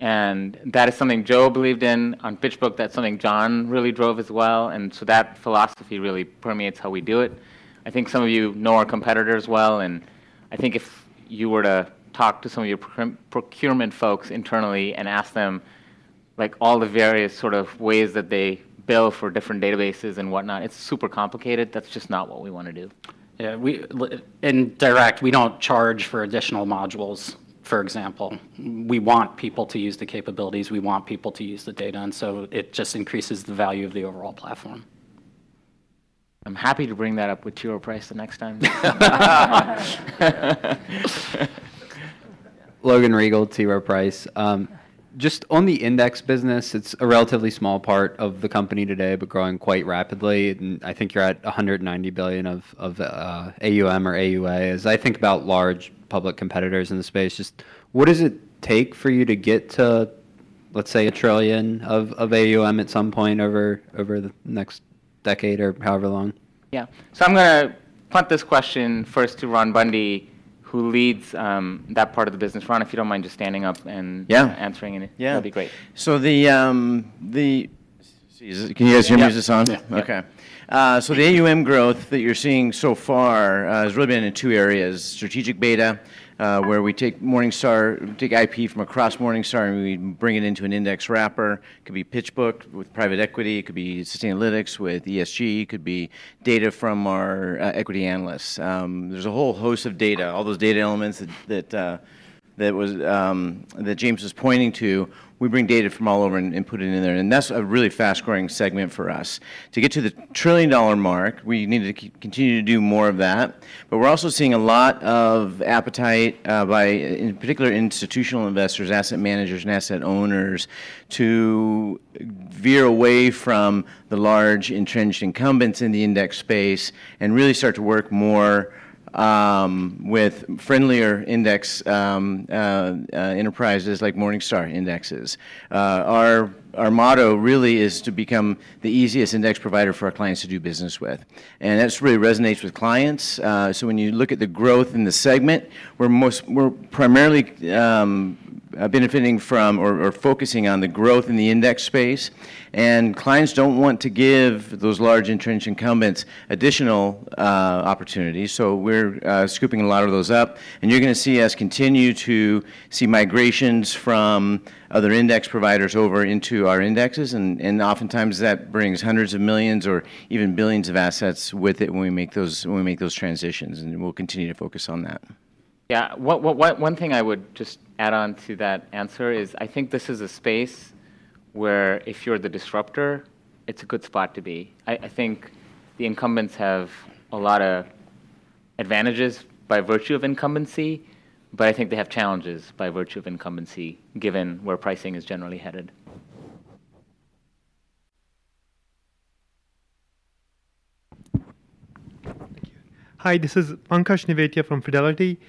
And that is something Joe believed in on PitchBook. That's something John really drove as well. And so that philosophy really permeates how we do it. I think some of you know our competitors well. I think if you were to talk to some of your procurement folks internally and ask them, like, all the various sort of ways that they bill for different databases and whatnot, it's super complicated. That's just not what we want to do. Yeah. We in Direct, we don't charge for additional modules, for example. We want people to use the capabilities. We want people to use the data. And so it just increases the value of the overall platform. I'm happy to bring that up with T. Rowe Price the next time. Logan Riegel, T. Rowe Price. Just on the index business, it's a relatively small part of the company today but growing quite rapidly. And I think you're at $190 billion of AUM or AUA. As I think about large public competitors in the space, just what does it take for you to get to, let's say, a trillion of, of AUM at some point over, over the next decade or however long? Yeah. So I'm going to punt this question first to Ron Bundy, who leads that part of the business. Ron, if you don't mind just standing up and answering it. Yeah. That'd be great. So the, excuse me. Can you guys hear me? Is this on? Yeah. Okay. So the AUM growth that you're seeing so far has really been in two areas: strategic beta, where we take Morningstar IP from across Morningstar, and we bring it into an index wrapper. It could be PitchBook with private equity. It could be Sustainalytics with ESG. It could be data from our equity analysts. There's a whole host of data, all those data elements that James was pointing to. We bring data from all over and put it in there. And that's a really fast-growing segment for us. To get to the $1 trillion mark, we need to keep continuing to do more of that. But we're also seeing a lot of appetite, but in particular, institutional investors, asset managers, and asset owners to veer away from the large entrenched incumbents in the index space and really start to work more with friendlier index enterprises like Morningstar Indexes. Our motto really is to become the easiest index provider for our clients to do business with. And that really resonates with clients. So when you look at the growth in the segment, we're primarily benefiting from or focusing on the growth in the index space. And clients don't want to give those large entrenched incumbents additional opportunities. So we're scooping a lot of those up. And you're going to see us continue to see migrations from other index providers over into our indexes. And oftentimes, that brings hundreds of millions or even billions of assets with it when we make those transitions. And we'll continue to focus on that. Yeah. What one thing I would just add on to that answer is I think this is a space where if you're the disruptor, it's a good spot to be. I think the incumbents have a lot of advantages by virtue of incumbency. But I think they have challenges by virtue of incumbency given where pricing is generally headed. Thank you. Hi. This is Pankaj Nivedya from Fidelity.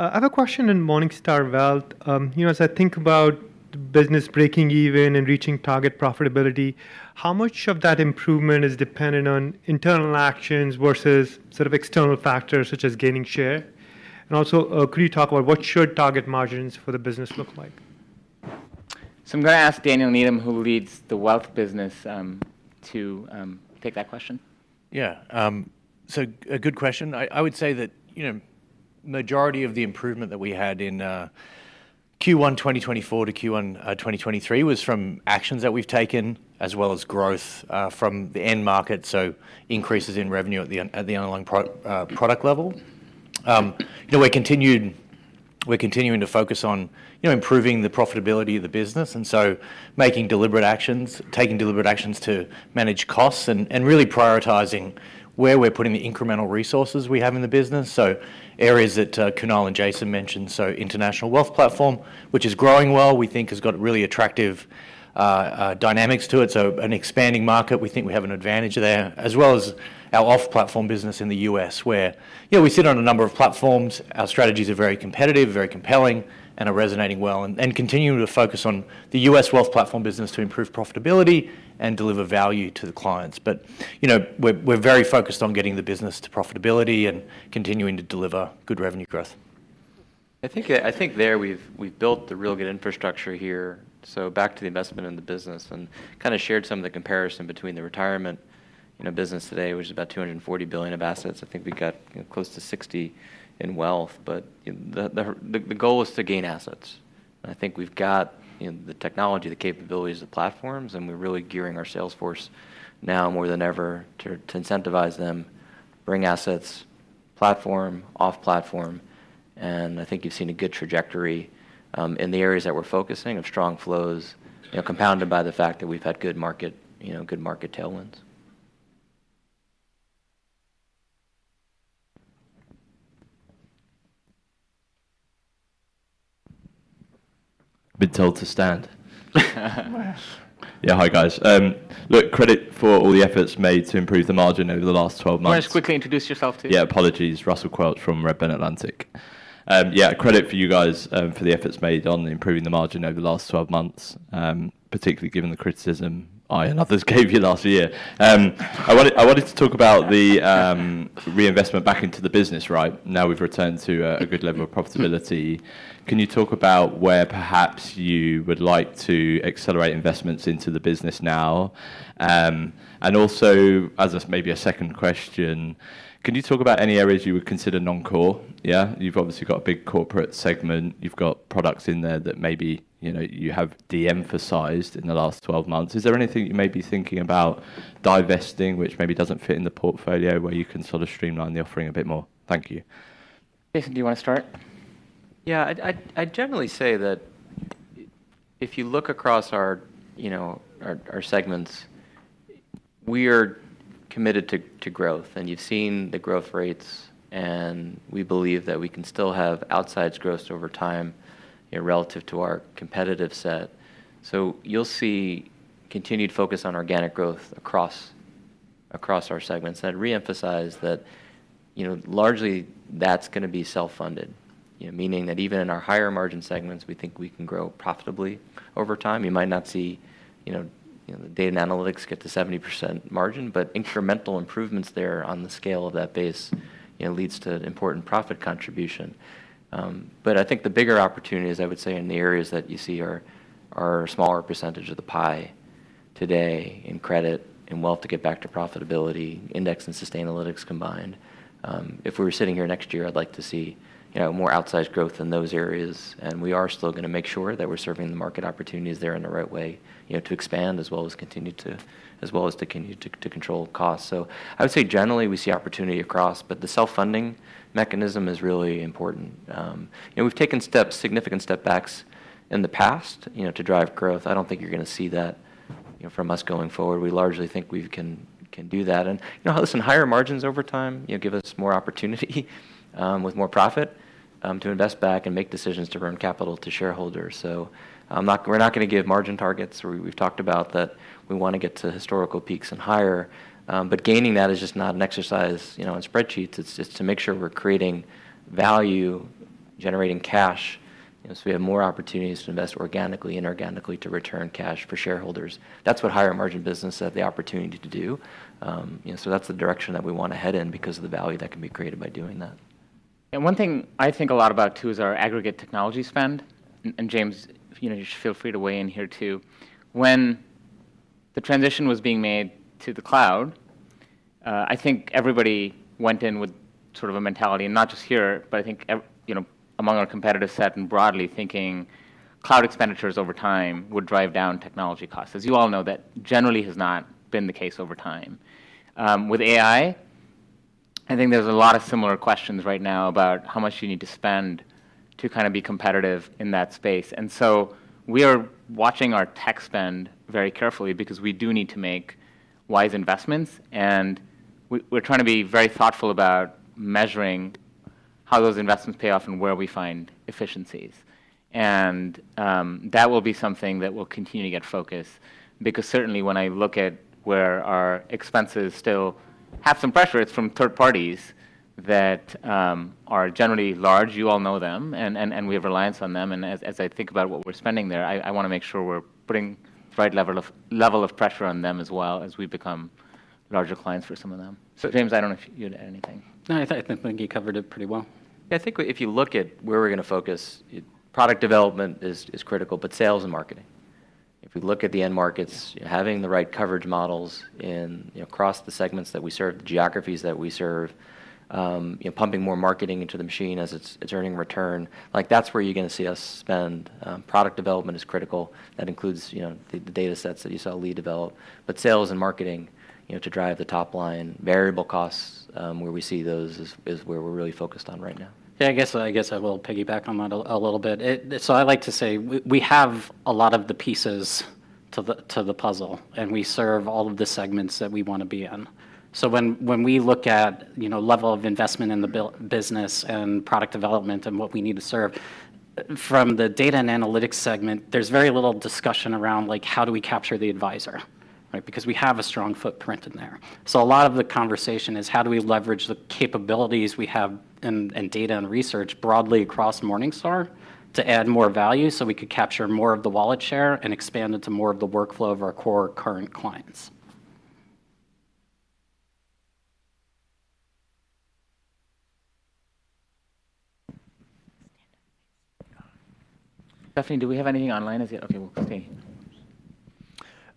I have a question in Morningstar Wealth. You know, as I think about the business breaking even and reaching target profitability, how much of that improvement is dependent on internal actions versus sort of external factors such as gaining share? And also, could you talk about what should target margins for the business look like? So I'm going to ask Daniel Needham, who leads the wealth business, to take that question. Yeah. So a good question. I would say that, you know, majority of the improvement that we had in Q1 2024 to Q1 2023 was from actions that we've taken as well as growth from the end market, so increases in revenue at the underlying product level. You know, we're continuing to focus on, you know, improving the profitability of the business and so making deliberate actions, taking deliberate actions to manage costs, and, and really prioritizing where we're putting the incremental resources we have in the business. So areas that, Kunal and Jason mentioned, so International Wealth Platform, which is growing well. We think it's got really attractive dynamics to it. So an expanding market. We think we have an advantage there, as well as our off-platform business in the US where, you know, we sit on a number of platforms. Our strategies are very competitive, very compelling, and are resonating well and, and continuing to focus on the US Wealth Platform business to improve profitability and deliver value to the clients. But, you know, we're very focused on getting the business to profitability and continuing to deliver good revenue growth. I think there we've built the real good infrastructure here. So back to the investment in the business and kind of shared some of the comparison between the retirement, you know, business today, which is about $240 billion of assets. I think we've got, you know, close to $60 billion in wealth. But, you know, the goal is to gain assets. And I think we've got, you know, the technology, the capabilities, the platforms. And we're really gearing our sales force now more than ever to incentivize them, bring assets platform, off-platform. And I think you've seen a good trajectory, in the areas that we're focusing of strong flows, you know, compounded by the fact that we've had good market, you know, good market tailwinds. Been told to stand. Yeah. Hi, guys. Look, credit for all the efforts made to improve the margin over the last 12 months. Can you just quickly introduce yourself, too? Yeah. Apologies. Russell Quelch from Redburn Atlantic. Yeah. Credit for you guys, for the efforts made on improving the margin over the last 12 months, particularly given the criticism I and others gave you last year. I wanted I wanted to talk about the reinvestment back into the business, right? Now we've returned to a good level of profitability. Can you talk about where perhaps you would like to accelerate investments into the business now? And also, as maybe a second question, can you talk about any areas you would consider non-core? Yeah. You've obviously got a big corporate segment. You've got products in there that maybe, you know, you have de-emphasized in the last 12 months. Is there anything you may be thinking about divesting, which maybe doesn't fit in the portfolio, where you can sort of streamline the offering a bit more? Thank you. Jason, do you want to start? Yeah. I generally say that if you look across our, you know, our segments, we are committed to growth. And you've seen the growth rates. And we believe that we can still have outsize growth over time, you know, relative to our competitive set. So you'll see continued focus on organic growth across our segments. And I'd re-emphasize that, you know, largely, that's going to be self-funded, you know, meaning that even in our higher margin segments, we think we can grow profitably over time. You might not see, you know, you know, the data and analytics get to 70% margin. But incremental improvements there on the scale of that base, you know, leads to important profit contribution. But I think the bigger opportunities, I would say, in the areas that you see are, are a smaller percentage of the pie today in Credit and Wealth to get back to profitability, Index and Sustainalytics combined. If we were sitting here next year, I'd like to see, you know, more outsize growth in those areas. And we are still going to make sure that we're serving the market opportunities there in the right way, you know, to expand as well as continue to as well as to continue to, to control costs. So I would say generally, we see opportunity across. But the self-funding mechanism is really important. You know, we've taken steps, significant step backs in the past, you know, to drive growth. I don't think you're going to see that, you know, from us going forward. We largely think we can do that. And, you know, listen, higher margins over time, you know, give us more opportunity, with more profit, to invest back and make decisions to run capital to shareholders. So I'm not—we're not going to give margin targets. We've talked about that. We want to get to historical peaks and higher. But gaining that is just not an exercise, you know, in spreadsheets. It's just to make sure we're creating value, generating cash, you know, so we have more opportunities to invest organically and organically to return cash for shareholders. That's what higher margin business have the opportunity to do. You know, so that's the direction that we want to head in because of the value that can be created by doing that. One thing I think a lot about, too, is our aggregate technology spend. And James, you know, you should feel free to weigh in here, too. When the transition was being made to the cloud, I think everybody went in with sort of a mentality, and not just here, but I think everywhere, you know, among our competitors set and broadly thinking, cloud expenditures over time would drive down technology costs. As you all know, that generally has not been the case over time. With AI, I think there's a lot of similar questions right now about how much you need to spend to kind of be competitive in that space. And so we are watching our tech spend very carefully because we do need to make wise investments. And we're trying to be very thoughtful about measuring how those investments pay off and where we find efficiencies. That will be something that will continue to get focused because certainly, when I look at where our expenses still have some pressure, it's from third parties that are generally large. You all know them. And we have reliance on them. And as I think about what we're spending there, I want to make sure we're putting the right level of pressure on them as well as we become larger clients for some of them. So James, I don't know if you had anything. No. I think you covered it pretty well. Yeah. I think if you look at where we're going to focus, product development is critical. But sales and marketing. If we look at the end markets, you know, having the right coverage models in, you know, across the segments that we serve, the geographies that we serve, you know, pumping more marketing into the machine as it's earning return, like, that's where you're going to see us spend. Product development is critical. That includes, you know, the data sets that you saw Lee develop. But sales and marketing, you know, to drive the top line, variable costs, where we see those is where we're really focused on right now. Yeah. I guess I will piggyback on that a little bit. So I like to say we have a lot of the pieces to the puzzle. And we serve all of the segments that we want to be in. So when we look at, you know, level of investment in the build business and product development and what we need to serve from the data and analytics segment, there's very little discussion around, like, how do we capture the advisor, right, because we have a strong footprint in there. So a lot of the conversation is, how do we leverage the capabilities we have and data and research broadly across Morningstar to add more value so we could capture more of the wallet share and expand it to more of the workflow of our core current clients? Stephanie, do we have anything online as yet? Okay. We'll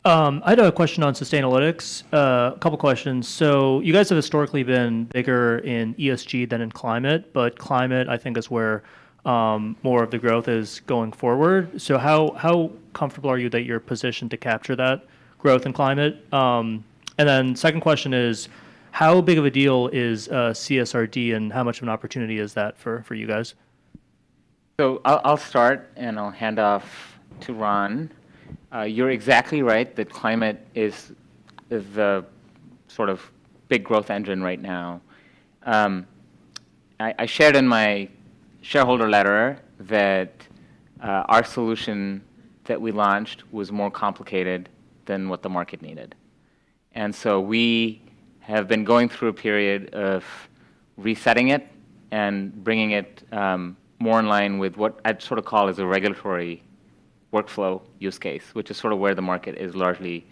stay. I had a question on Sustainalytics, a couple of questions. So you guys have historically been bigger in ESG than in climate. But climate, I think, is where more of the growth is going forward. So how comfortable are you that you're positioned to capture that growth in climate? And then second question is, how big of a deal is CSRD? And how much of an opportunity is that for you guys? So I'll start. And I'll hand off to Ron. You're exactly right that climate is the sort of big growth engine right now. I shared in my shareholder letter that our solution that we launched was more complicated than what the market needed. And so we have been going through a period of resetting it and bringing it more in line with what I'd sort of call is a regulatory workflow use case, which is sort of where the market is largely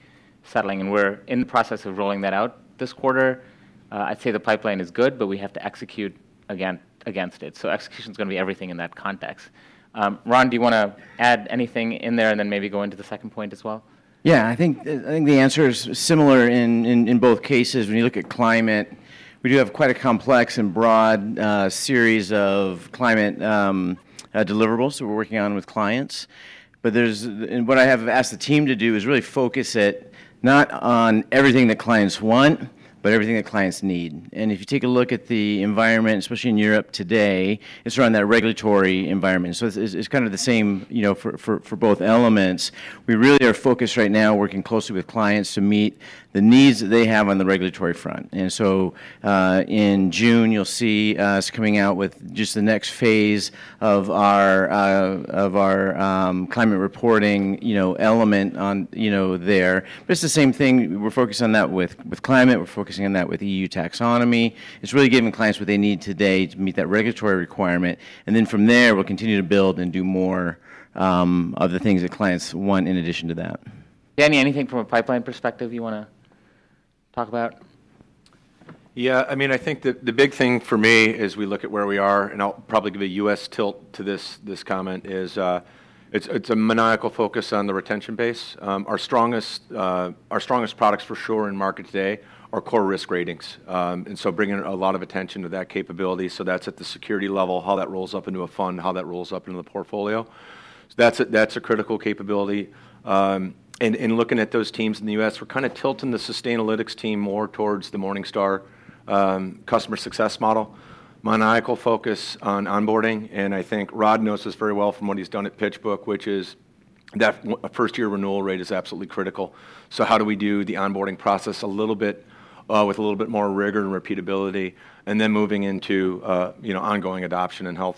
settling. And we're in the process of rolling that out this quarter. I'd say the pipeline is good. But we have to execute again against it. So execution's going to be everything in that context. Ron, do you want to add anything in there and then maybe go into the second point as well? Yeah. I think the answer is similar in both cases. When you look at climate, we do have quite a complex and broad series of climate deliverables that we're working on with clients. But there's, and what I have asked the team to do is really focus it not on everything that clients want but everything that clients need. And if you take a look at the environment, especially in Europe today, it's around that regulatory environment. So it's kind of the same, you know, for both elements. We really are focused right now working closely with clients to meet the needs that they have on the regulatory front. And so, in June, you'll see us coming out with just the next phase of our climate reporting, you know, element on, you know, there. But it's the same thing. We're focused on that with climate. We're focusing on that with EU Taxonomy. It's really giving clients what they need today to meet that regulatory requirement. And then from there, we'll continue to build and do more of the things that clients want in addition to that. Danny, anything from a pipeline perspective you want to talk about? Yeah. I mean, I think that the big thing for me is we look at where we are. And I'll probably give a U.S. tilt to this comment; it's a maniacal focus on the retention base. Our strongest, our strongest products for sure in the market today are core risk ratings, and so bringing a lot of attention to that capability. So that's at the security level, how that rolls up into a fund, how that rolls up into the portfolio. So that's a that's a critical capability. And, and looking at those teams in the US, we're kind of tilting the Sustainalytics team more towards the Morningstar customer success model, maniacal focus on onboarding. And I think Rod knows this very well from what he's done at PitchBook, which is that a first-year renewal rate is absolutely critical. So how do we do the onboarding process a little bit, with a little bit more rigor and repeatability and then moving into, you know, ongoing adoption and health?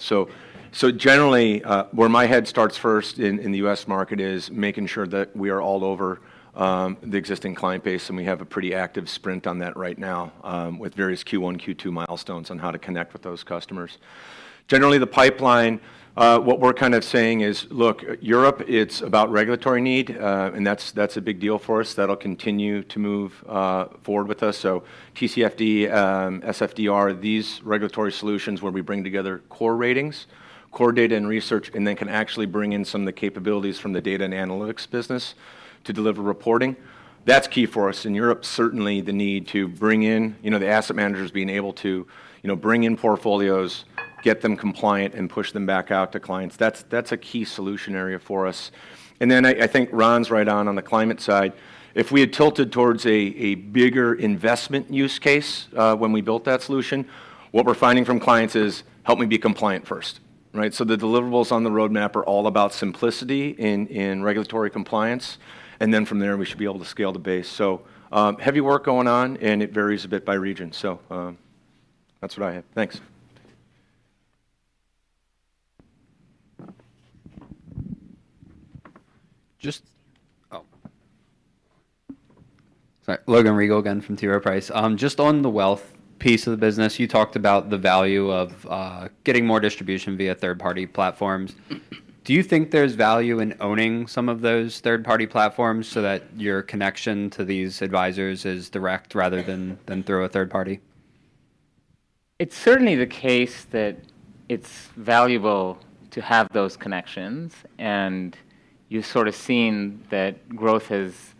So generally, where my head starts first in the U.S. market is making sure that we are all over the existing client base. We have a pretty active sprint on that right now, with various Q1, Q2 milestones on how to connect with those customers. Generally, the pipeline, what we're kind of saying is, look, Europe, it's about regulatory need. And that's a big deal for us. That'll continue to move forward with us. So TCFD, SFDR, these regulatory solutions where we bring together core ratings, core data, and research, and then can actually bring in some of the capabilities from the data and analytics business to deliver reporting, that's key for us. In Europe, certainly, the need to bring in, you know, the asset managers being able to, you know, bring in portfolios, get them compliant, and push them back out to clients, that's, that's a key solution area for us. And then I, I think Ron's right on on the climate side. If we had tilted towards a, a bigger investment use case, when we built that solution, what we're finding from clients is, help me be compliant first, right? So the deliverables on the roadmap are all about simplicity in, in regulatory compliance. And then from there, we should be able to scale the base. So, heavy work going on. And it varies a bit by region. So, that's what I have. Thanks. Just oh, sorry. Logan Riegel again from T. Rowe Price. Just on the wealth piece of the business, you talked about the value of getting more distribution via third-party platforms. Do you think there's value in owning some of those third-party platforms so that your connection to these advisors is direct rather than through a third party? It's certainly the case that it's valuable to have those connections. And you've sort of seen that growth has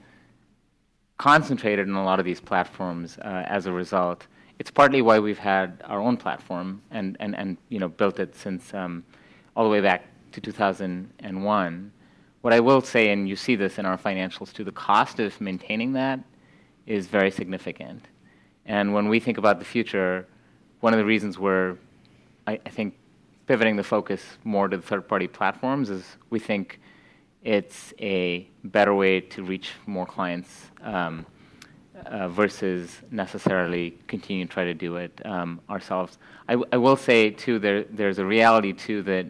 concentrated in a lot of these platforms, as a result. It's partly why we've had our own platform and, and, and, you know, built it since all the way back to 2001. What I will say, and you see this in our financials, too, the cost of maintaining that is very significant. And when we think about the future, one of the reasons we're pivoting the focus more to the third-party platforms is we think it's a better way to reach more clients, versus necessarily continue to try to do it ourselves. I will say, too, there's a reality, too, that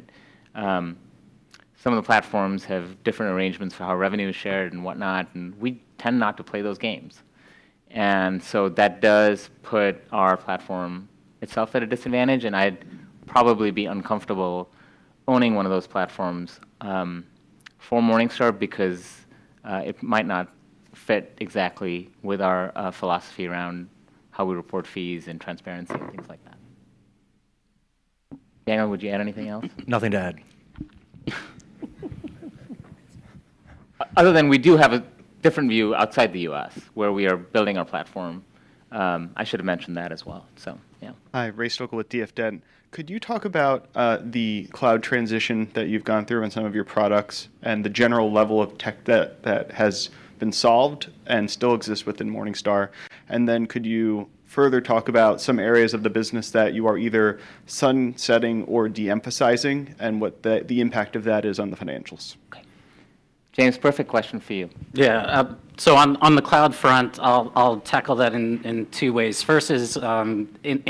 some of the platforms have different arrangements for how revenue is shared and whatnot. And we tend not to play those games. And so that does put our platform itself at a disadvantage. And I'd probably be uncomfortable owning one of those platforms for Morningstar because it might not fit exactly with our philosophy around how we report fees and transparency and things like that. Daniel, would you add anything else? Nothing to add. Other than we do have a different view outside the U.S. where we are building our platform. I should have mentioned that as well. So yeah. Hi. Ray Stochel with D.F. Dent. Could you talk about the cloud transition that you've gone through on some of your products and the general level of tech that has been solved and still exists within Morningstar? And then could you further talk about some areas of the business that you are either sunsetting or de-emphasizing and what the impact of that is on the financials? Okay. James, perfect question for you. Yeah. So on the cloud front, I'll tackle that in two ways. First is in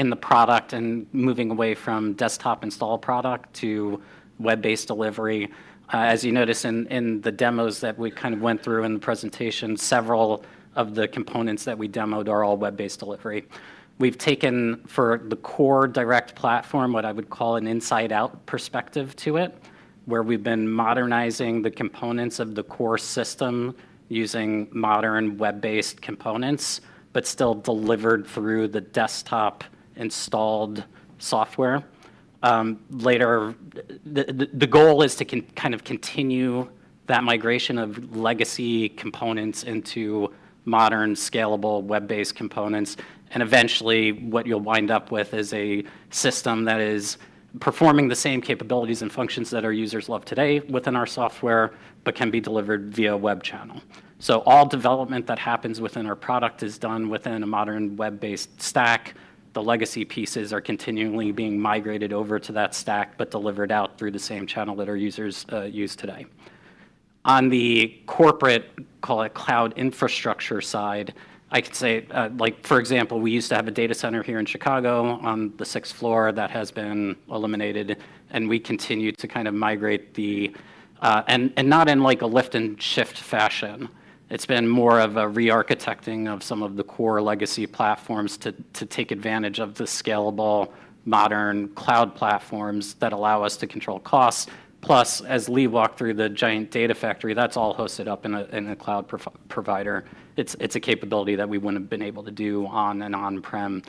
the product and moving away from desktop install product to web-based delivery. As you notice in the demos that we kind of went through in the presentation, several of the components that we demoed are all web-based delivery. We've taken for the core direct platform what I would call an inside-out perspective to it, where we've been modernizing the components of the core system using modern web-based components but still delivered through the desktop installed software. Later, the goal is to kind of continue that migration of legacy components into modern, scalable web-based components. And eventually, what you'll wind up with is a system that is performing the same capabilities and functions that our users love today within our software but can be delivered via a web channel. So all development that happens within our product is done within a modern web-based stack. The legacy pieces are continually being migrated over to that stack but delivered out through the same channel that our users use today. On the corporate, call it cloud infrastructure side, I can say, like, for example, we used to have a data center here in Chicago on the sixth floor that has been eliminated. And we continue to kind of migrate, and not in, like, a lift-and-shift fashion. It's been more of a re-architecting of some of the core legacy platforms to take advantage of the scalable, modern cloud platforms that allow us to control costs. Plus, as Lee walked through the giant data factory, that's all hosted up in a cloud provider. It's a capability that we wouldn't have been able to do on an on-prem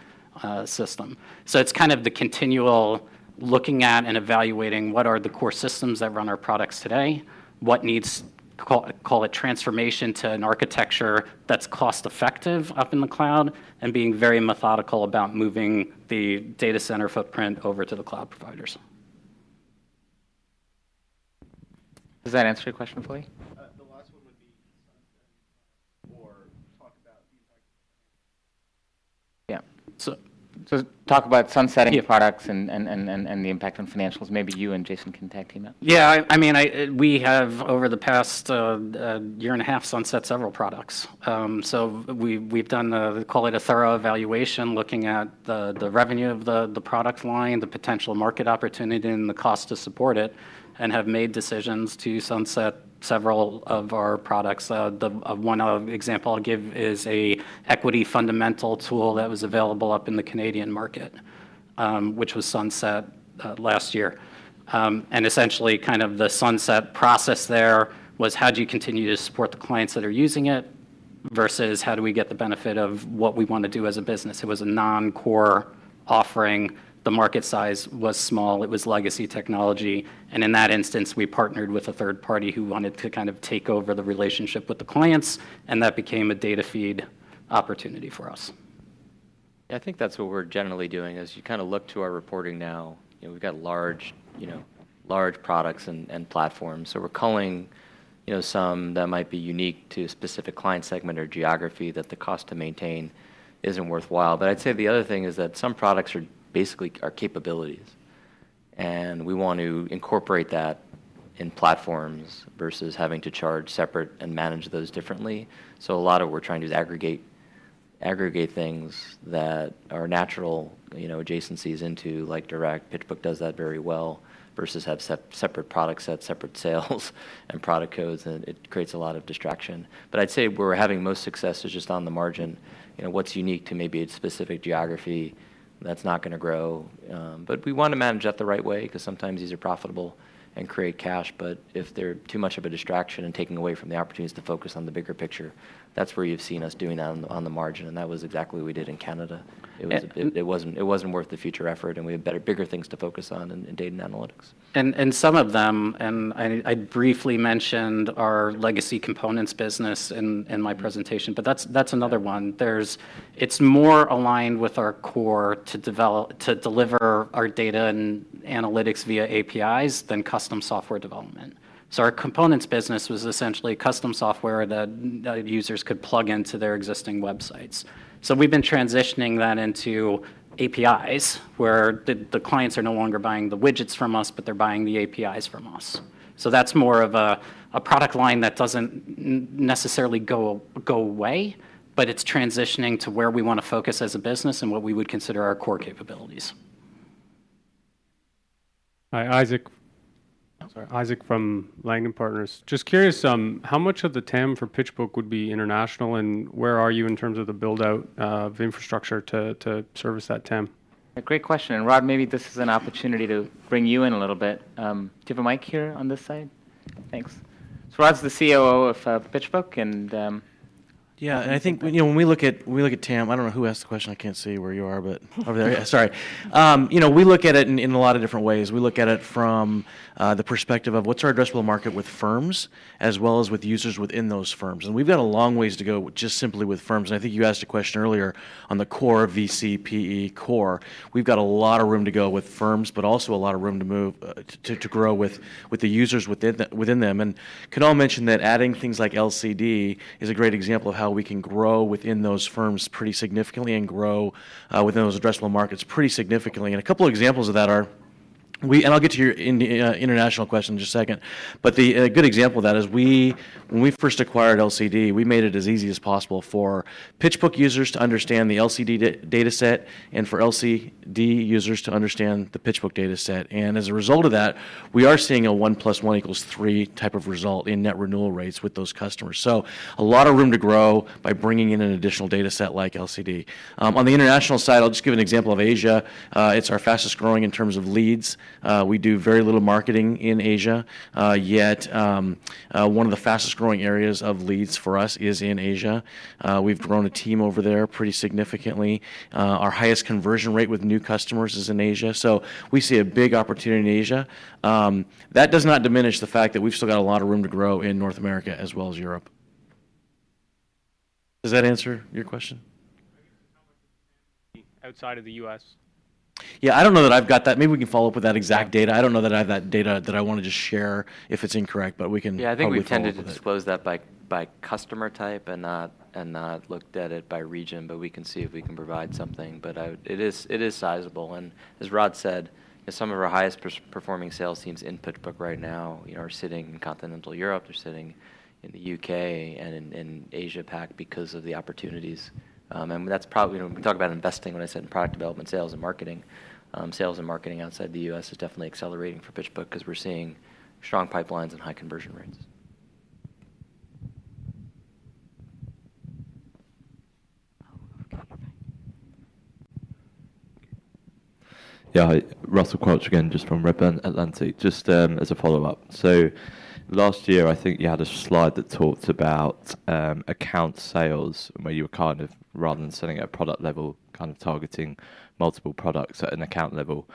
system. So it's kind of the continual looking at and evaluating what are the core systems that run our products today, what needs, call it, transformation to an architecture that's cost-effective up in the cloud, and being very methodical about moving the data center footprint over to the cloud providers. Does that answer your question fully? The last one would be sunsetting products or talk about the impact on financials. Yeah. So talk about sunsetting products and the impact on financials. Maybe you and Jason can tag team that. Yeah. I mean, we have, over the past year and a half, sunset several products. So we've done, call it, a thorough evaluation looking at the revenue of the product line, the potential market opportunity, and the cost to support it and have made decisions to sunset several of our products. The one example I'll give is an equity fundamental tool that was available up in the Canadian market, which was sunset last year. Essentially, kind of the sunset process there was, how do you continue to support the clients that are using it versus how do we get the benefit of what we want to do as a business? It was a non-core offering. The market size was small. It was legacy technology. In that instance, we partnered with a third party who wanted to kind of take over the relationship with the clients. And that became a data feed opportunity for us. Yeah. I think that's what we're generally doing is you kind of look to our reporting now. You know, we've got large, you know, large products and, and platforms. So we're culling, you know, some that might be unique to a specific client segment or geography that the cost to maintain isn't worthwhile. But I'd say the other thing is that some products are basically our capabilities. And we want to incorporate that in platforms versus having to charge separate and manage those differently. So a lot of what we're trying to do is aggregate, aggregate things that are natural, you know, adjacencies into, like, Direct. PitchBook does that very well versus have separate product sets, separate sales, and product codes. And it creates a lot of distraction. But I'd say where we're having most success is just on the margin, you know, what's unique to maybe a specific geography that's not going to grow, but we want to manage that the right way because sometimes these are profitable and create cash. But if they're too much of a distraction and taking away from the opportunities to focus on the bigger picture, that's where you've seen us doing that on the margin. And that was exactly what we did in Canada. It wasn't worth the future effort. And we have better, bigger things to focus on in data and analytics. And some of them I briefly mentioned our legacy components business in my presentation. But that's another one. It's more aligned with our core to develop to deliver our data and analytics via APIs than custom software development. So our components business was essentially custom software that users could plug into their existing websites. So we've been transitioning that into APIs where the clients are no longer buying the widgets from us, but they're buying the APIs from us. So that's more of a product line that doesn't necessarily go away. But it's transitioning to where we want to focus as a business and what we would consider our core capabilities. Hi. Isaac. I'm sorry. Isaac from Langdon Partners. Just curious, how much of the TAM for PitchBook would be international? And where are you in terms of the build-out of infrastructure to service that TAM? Yeah. Great question. And Rod, maybe this is an opportunity to bring you in a little bit. Do you have a mic here on this side? Thanks. So Rod's the COO of PitchBook. Yeah. I think, you know, when we look at TAM, I don't know who asked the question. I can't see where you are, but over there. Yeah. Sorry. You know, we look at it in a lot of different ways. We look at it from the perspective of what's our addressable market with firms as well as with users within those firms. And we've got a long ways to go just simply with firms. And I think you asked a question earlier on the core VC, PE, core. We've got a lot of room to go with firms but also a lot of room to move to grow with the users within them. And I can also mention that adding things like LCD is a great example of how we can grow within those firms pretty significantly and grow within those addressable markets pretty significantly. And a couple of examples of that are one, and I'll get to your international question in just a second. But the good example of that is when we first acquired LCD, we made it as easy as possible for PitchBook users to understand the LCD data set and for LCD users to understand the PitchBook data set. And as a result of that, we are seeing a 1 + 1 equals 3 type of result in net renewal rates with those customers. So a lot of room to grow by bringing in an additional data set like LCD. On the international side, I'll just give an example of Asia. It's our fastest growing in terms of leads. We do very little marketing in Asia. Yet, one of the fastest growing areas of leads for us is in Asia. We've grown a team over there pretty significantly. Our highest conversion rate with new customers is in Asia. So we see a big opportunity in Asia. That does not diminish the fact that we've still got a lot of room to grow in North America as well as Europe. Does that answer your question? I guess how much of the TAM. Outside of the US? Yeah. I don't know that I've got that. Maybe we can follow up with that exact data. I don't know that I have that data that I want to just share if it's incorrect. But we can probably. Yeah. I think we tended to disclose that by, by customer type and not and not looked at it by region. But we can see if we can provide something. But I it is it is sizable. And as Rod said, you know, some of our highest-performing sales teams in PitchBook right now, you know, are sitting in continental Europe. They're sitting in the UK and in, in Asia Pacific because of the opportunities. And that's probably you know, when we talk about investing, when I said in product development, sales, and marketing, sales and marketing outside the US is definitely accelerating for PitchBook because we're seeing strong pipelines and high conversion rates. Oh. Okay. You're fine. Yeah. Russell Quelch again just from Redburn Atlantic. Just, as a follow-up. So last year, I think you had a slide that talked about account sales where you were kind of rather than selling at a product level, kind of targeting multiple products at an account level.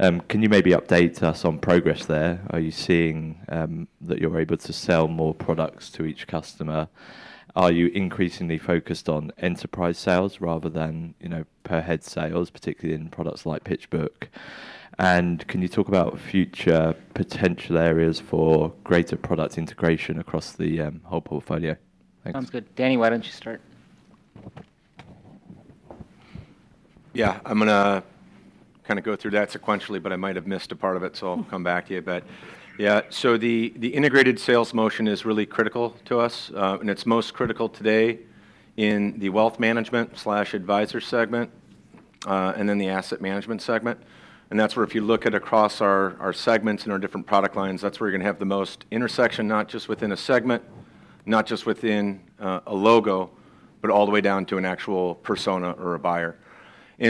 Can you maybe update us on progress there? Are you seeing that you're able to sell more products to each customer? Are you increasingly focused on enterprise sales rather than, you know, per-head sales, particularly in products like PitchBook? And can you talk about future potential areas for greater product integration across the whole portfolio? Thanks. Sounds good. Danny, why don't you start? Yeah. I'm going to kind of go through that sequentially. But I might have missed a part of it. So I'll come back to you. But yeah. So the integrated sales motion is really critical to us. It's most critical today in the wealth management/advisor segment, and then the asset management segment. That's where if you look at across our segments and our different product lines, that's where you're going to have the most intersection, not just within a segment, not just within a logo, but all the way down to an actual persona or a buyer.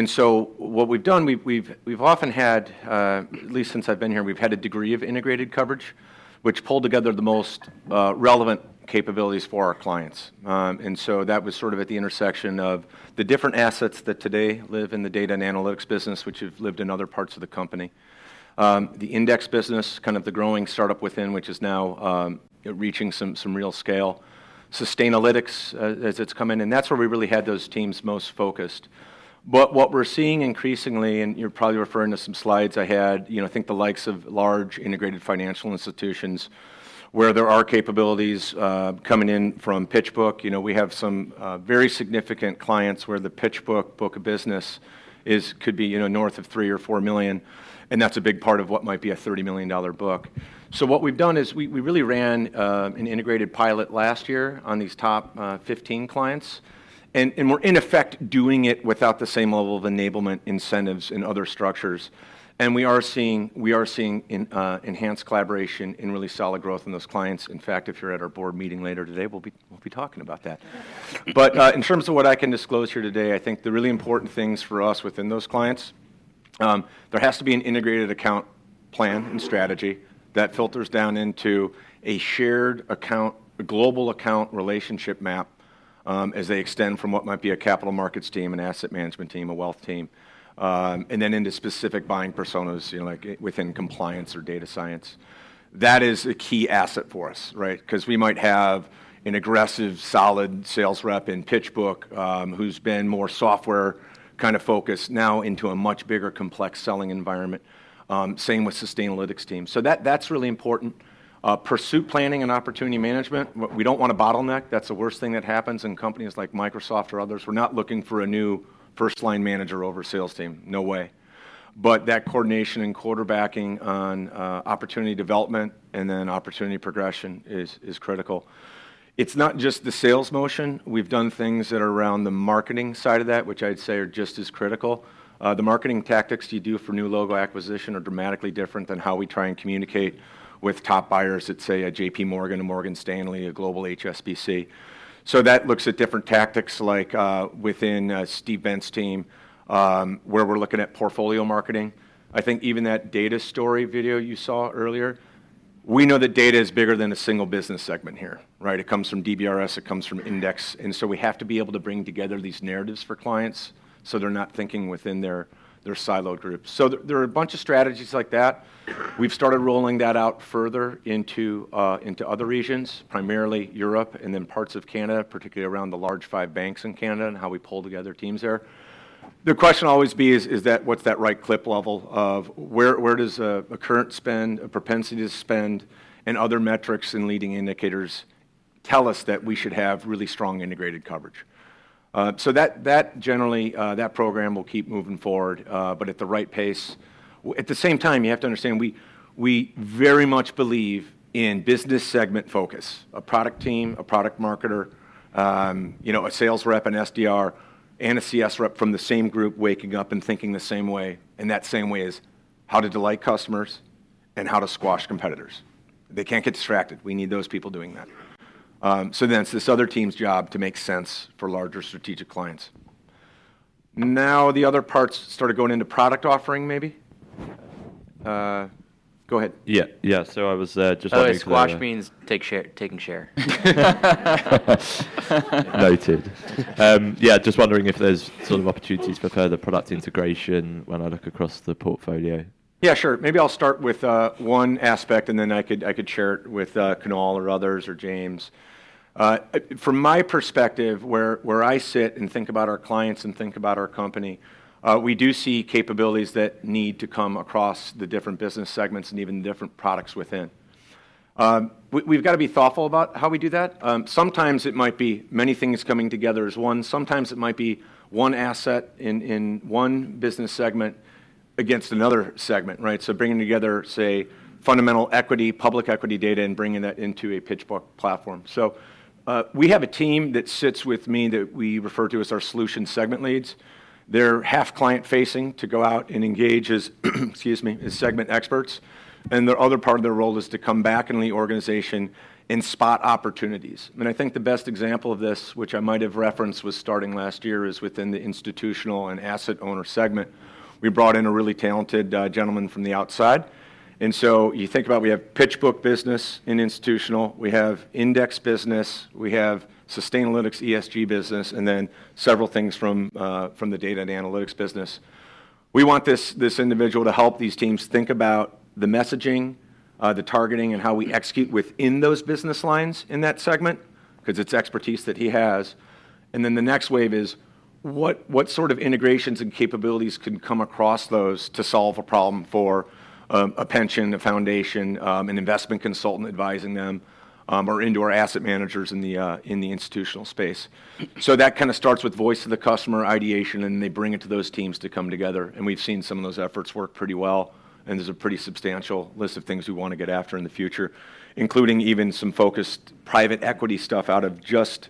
So what we've done, we've often had, at least since I've been here, a degree of integrated coverage which pulled together the most relevant capabilities for our clients. and so that was sort of at the intersection of the different assets that today live in the data and analytics business, which have lived in other parts of the company, the index business, kind of the growing startup within, which is now, you know, reaching some, some real scale, Sustainalytics, as it's come in. And that's where we really had those teams most focused. But what we're seeing increasingly and you're probably referring to some slides I had, you know, I think the likes of large integrated financial institutions where there are capabilities, coming in from PitchBook. You know, we have some, very significant clients where the PitchBook book of business is could be, you know, north of $3 or 4 million. And that's a big part of what might be a $30 million book. So what we've done is we really ran an integrated pilot last year on these top 15 clients. And we're, in effect, doing it without the same level of enablement, incentives, and other structures. And we are seeing enhanced collaboration and really solid growth in those clients. In fact, if you're at our board meeting later today, we'll be talking about that. But, in terms of what I can disclose here today, I think the really important things for us within those clients, there has to be an integrated account plan and strategy that filters down into a shared account, a global account relationship map, as they extend from what might be a capital markets team, an asset management team, a wealth team, and then into specific buying personas, you know, like within compliance or data science. That is a key asset for us, right, because we might have an aggressive, solid sales rep in PitchBook, who's been more software kind of focused now into a much bigger, complex selling environment, same with Sustainalytics teams. So that, that's really important. Pursuit planning and opportunity management. We don't want a bottleneck. That's the worst thing that happens in companies like Microsoft or others. We're not looking for a new first-line manager over sales team. No way. But that coordination and quarterbacking on, opportunity development and then opportunity progression is, is critical. It's not just the sales motion. We've done things that are around the marketing side of that, which I'd say are just as critical. The marketing tactics you do for new logo acquisition are dramatically different than how we try and communicate with top buyers at, say, a J.P. Morgan, a Morgan Stanley, a global HSBC. So that looks at different tactics like, within, Steve Bendt's team, where we're looking at portfolio marketing. I think even that data story video you saw earlier, we know that data is bigger than a single business segment here, right? It comes from DBRS. It comes from index. And so we have to be able to bring together these narratives for clients so they're not thinking within their siloed groups. So there are a bunch of strategies like that. We've started rolling that out further into other regions, primarily Europe and then parts of Canada, particularly around the large five banks in Canada and how we pull together teams there. The question always is, is that the right clip level of where, where does a current spend, a propensity to spend, and other metrics and leading indicators tell us that we should have really strong integrated coverage? So that generally, that program will keep moving forward, but at the right pace. At the same time, you have to understand we very much believe in business segment focus, a product team, a product marketer, you know, a sales rep, an SDR, a CS rep from the same group waking up and thinking the same way. And that same way is how to delight customers and how to squash competitors. They can't get distracted. We need those people doing that. So then it's this other team's job to make sense for larger strategic clients. Now, the other parts started going into product offering maybe. Go ahead. Yeah. Yeah. So I was just wanting to clarify. Oh. Yeah. Squash means take share taking share. Noted. yeah. Just wondering if there's sort of opportunities for further product integration when I look across the portfolio. Yeah. Sure. Maybe I'll start with one aspect. And then I could I could share it with Kunal or others or James. From my perspective, where where I sit and think about our clients and think about our company, we do see capabilities that need to come across the different business segments and even the different products within. We-we've got to be thoughtful about how we do that. Sometimes it might be many things coming together as one. Sometimes it might be one asset in in one business segment against another segment, right? So bringing together, say, fundamental equity, public equity data, and bringing that into a PitchBook platform. So, we have a team that sits with me that we refer to as our solution segment leads. They're half client-facing to go out and engage as, excuse me, as segment experts. And the other part of their role is to come back into the organization and spot opportunities. And I think the best example of this, which I might have referenced was starting last year, is within the institutional and asset owner segment. We brought in a really talented gentleman from the outside. And so you think about we have PitchBook business in institutional. We have index business. We have Sustainalytics ESG business and then several things from, from the data and analytics business. We want this, this individual to help these teams think about the messaging, the targeting, and how we execute within those business lines in that segment because it's expertise that he has. And then the next wave is what, what sort of integrations and capabilities can come across those to solve a problem for a pension, a foundation, an investment consultant advising them, or in-house asset managers in the institutional space. So that kind of starts with voice of the customer ideation. And then they bring it to those teams to come together. And we've seen some of those efforts work pretty well. And there's a pretty substantial list of things we want to get after in the future, including even some focused private equity stuff out of just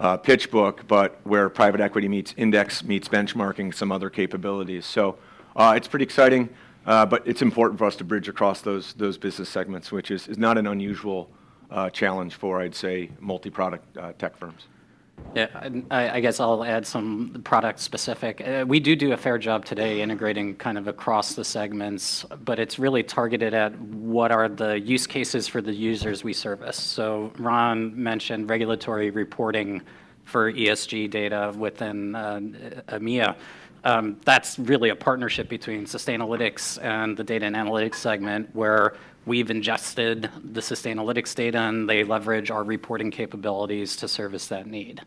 PitchBook but where private equity meets index, meets benchmarking, some other capabilities. So, it's pretty exciting. But it's important for us to bridge across those business segments, which is not an unusual challenge for, I'd say, multi-product tech firms. Yeah. And I guess I'll add some product-specific. We do do a fair job today integrating kind of across the segments. But it's really targeted at what are the use cases for the users we service. So Ron mentioned regulatory reporting for ESG data within EMEA. That's really a partnership between Sustainalytics and the data and analytics segment where we've ingested the Sustainalytics data. And they leverage our reporting capabilities to service that need.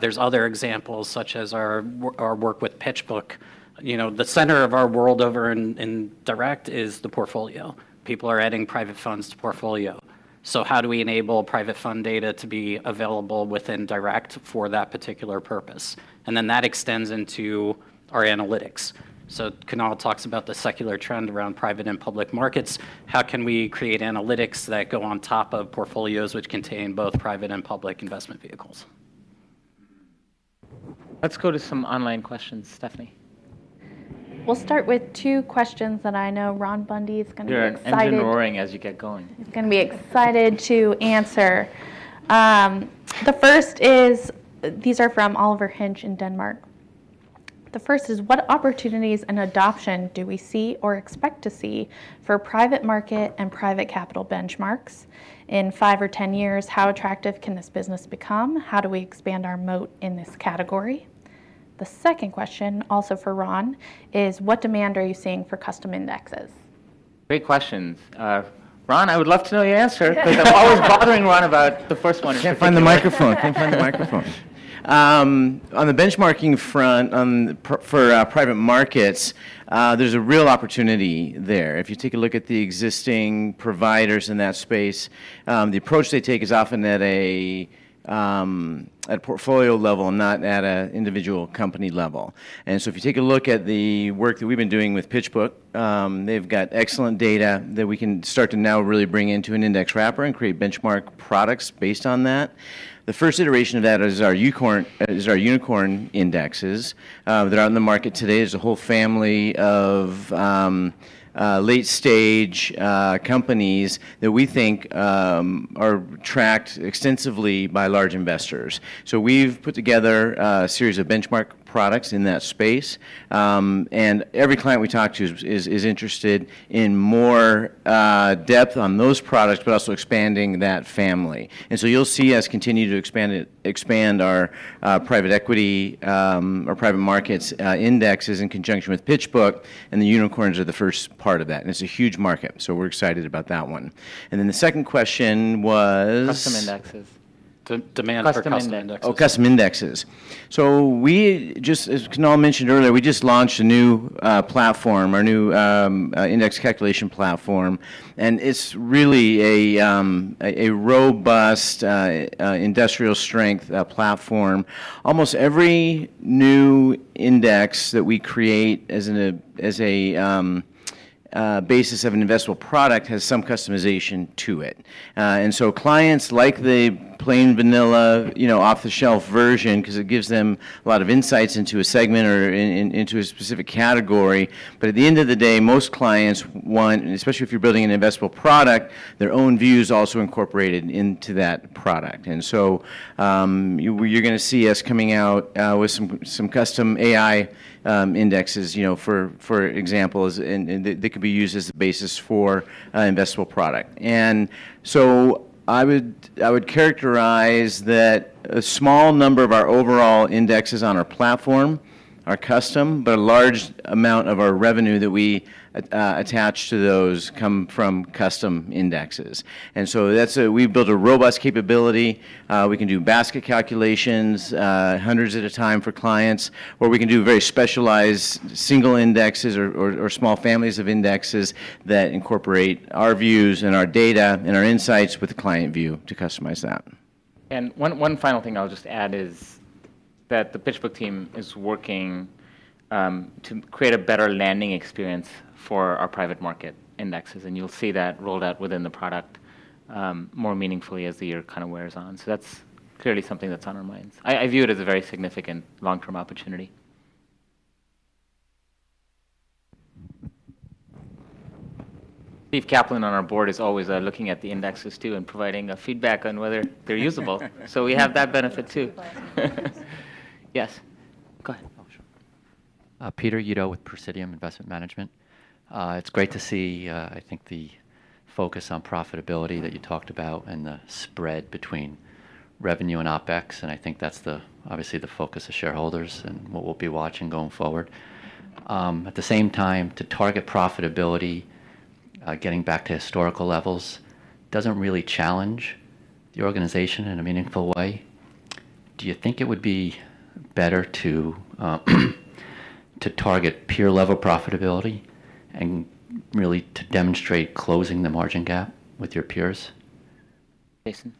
There's other examples such as our, our work with PitchBook. You know, the center of our world over in, in Direct is the portfolio. People are adding private funds to portfolio. So how do we enable private fund data to be available within Direct for that particular purpose? And then that extends into our analytics. So Kunal talks about the secular trend around private and public markets. How can we create analytics that go on top of portfolios which contain both private and public investment vehicles? Let's go to some online questions, Stephanie. We'll start with two questions that I know Ron Bundy's going to be excited. Yeah. Engineering as you get going. He's going to be excited to answer. The first is these are from Oliver Hinch in Denmark. The first is, "What opportunities and adoption do we see or expect to see for private market and private capital benchmarks? In 5 or 10 years, how attractive can this business become? How do we expand our moat in this category?" The second question, also for Ron, is, "What demand are you seeing for custom indexes?" Great questions. Ron, I would love to know your answer because I'm always bothering Ron about the first one if you can't find the microphone. Can't find the microphone. On the benchmarking front, on the private markets, there's a real opportunity there. If you take a look at the existing providers in that space, the approach they take is often at a portfolio level and not at an individual company level. And so if you take a look at the work that we've been doing with PitchBook, they've got excellent data that we can start to now really bring into an index wrapper and create benchmark products based on that. The first iteration of that is our Unicorn Indexes that are on the market today. There's a whole family of late-stage companies that we think are tracked extensively by large investors. So we've put together a series of benchmark products in that space. and every client we talk to is interested in more depth on those products but also expanding that family. And so you'll see us continue to expand our private equity or private markets indexes in conjunction with PitchBook. And the unicorns are the first part of that. And it's a huge market. So we're excited about that one. And then the second question was custom indexes. Demand for custom indexes. Oh. Custom indexes. So we just as Kunal mentioned earlier, we just launched a new platform, our new index calculation platform. And it's really a robust industrial-strength platform. Almost every new index that we create as a basis of an investable product has some customization to it. So clients like the plain vanilla, you know, off-the-shelf version because it gives them a lot of insights into a segment or into a specific category. But at the end of the day, most clients want, especially if you're building an investable product, their own views also incorporated into that product. And so, you're going to see us coming out with some custom AI indexes, you know, for example, ESG and that could be used as the basis for an investable product. And so I would characterize that a small number of our overall indexes on our platform are custom. But a large amount of our revenue that we attach to those comes from custom indexes. And so that's how we've built a robust capability. We can do basket calculations, hundreds at a time for clients, or we can do very specialized single indexes or small families of indexes that incorporate our views and our data and our insights with the client view to customize that. And one final thing I'll just add is that the PitchBook team is working to create a better landing experience for our private market indexes. And you'll see that rolled out within the product, more meaningfully as the year kind of wears on. So that's clearly something that's on our minds. I view it as a very significant long-term opportunity. Steve Kaplan on our board is always looking at the indexes too and providing feedback on whether they're usable. So we have that benefit too. Yes. Go ahead. Oh. Sure. Peter Uddo with Praesidium Investment Management. It's great to see, I think, the focus on profitability that you talked about and the spread between revenue and OpEx. I think that's obviously the focus of shareholders and what we'll be watching going forward. At the same time, to target profitability, getting back to historical levels doesn't really challenge the organization in a meaningful way. Do you think it would be better to, to target peer-level profitability and really to demonstrate closing the margin gap with your peers? Jason.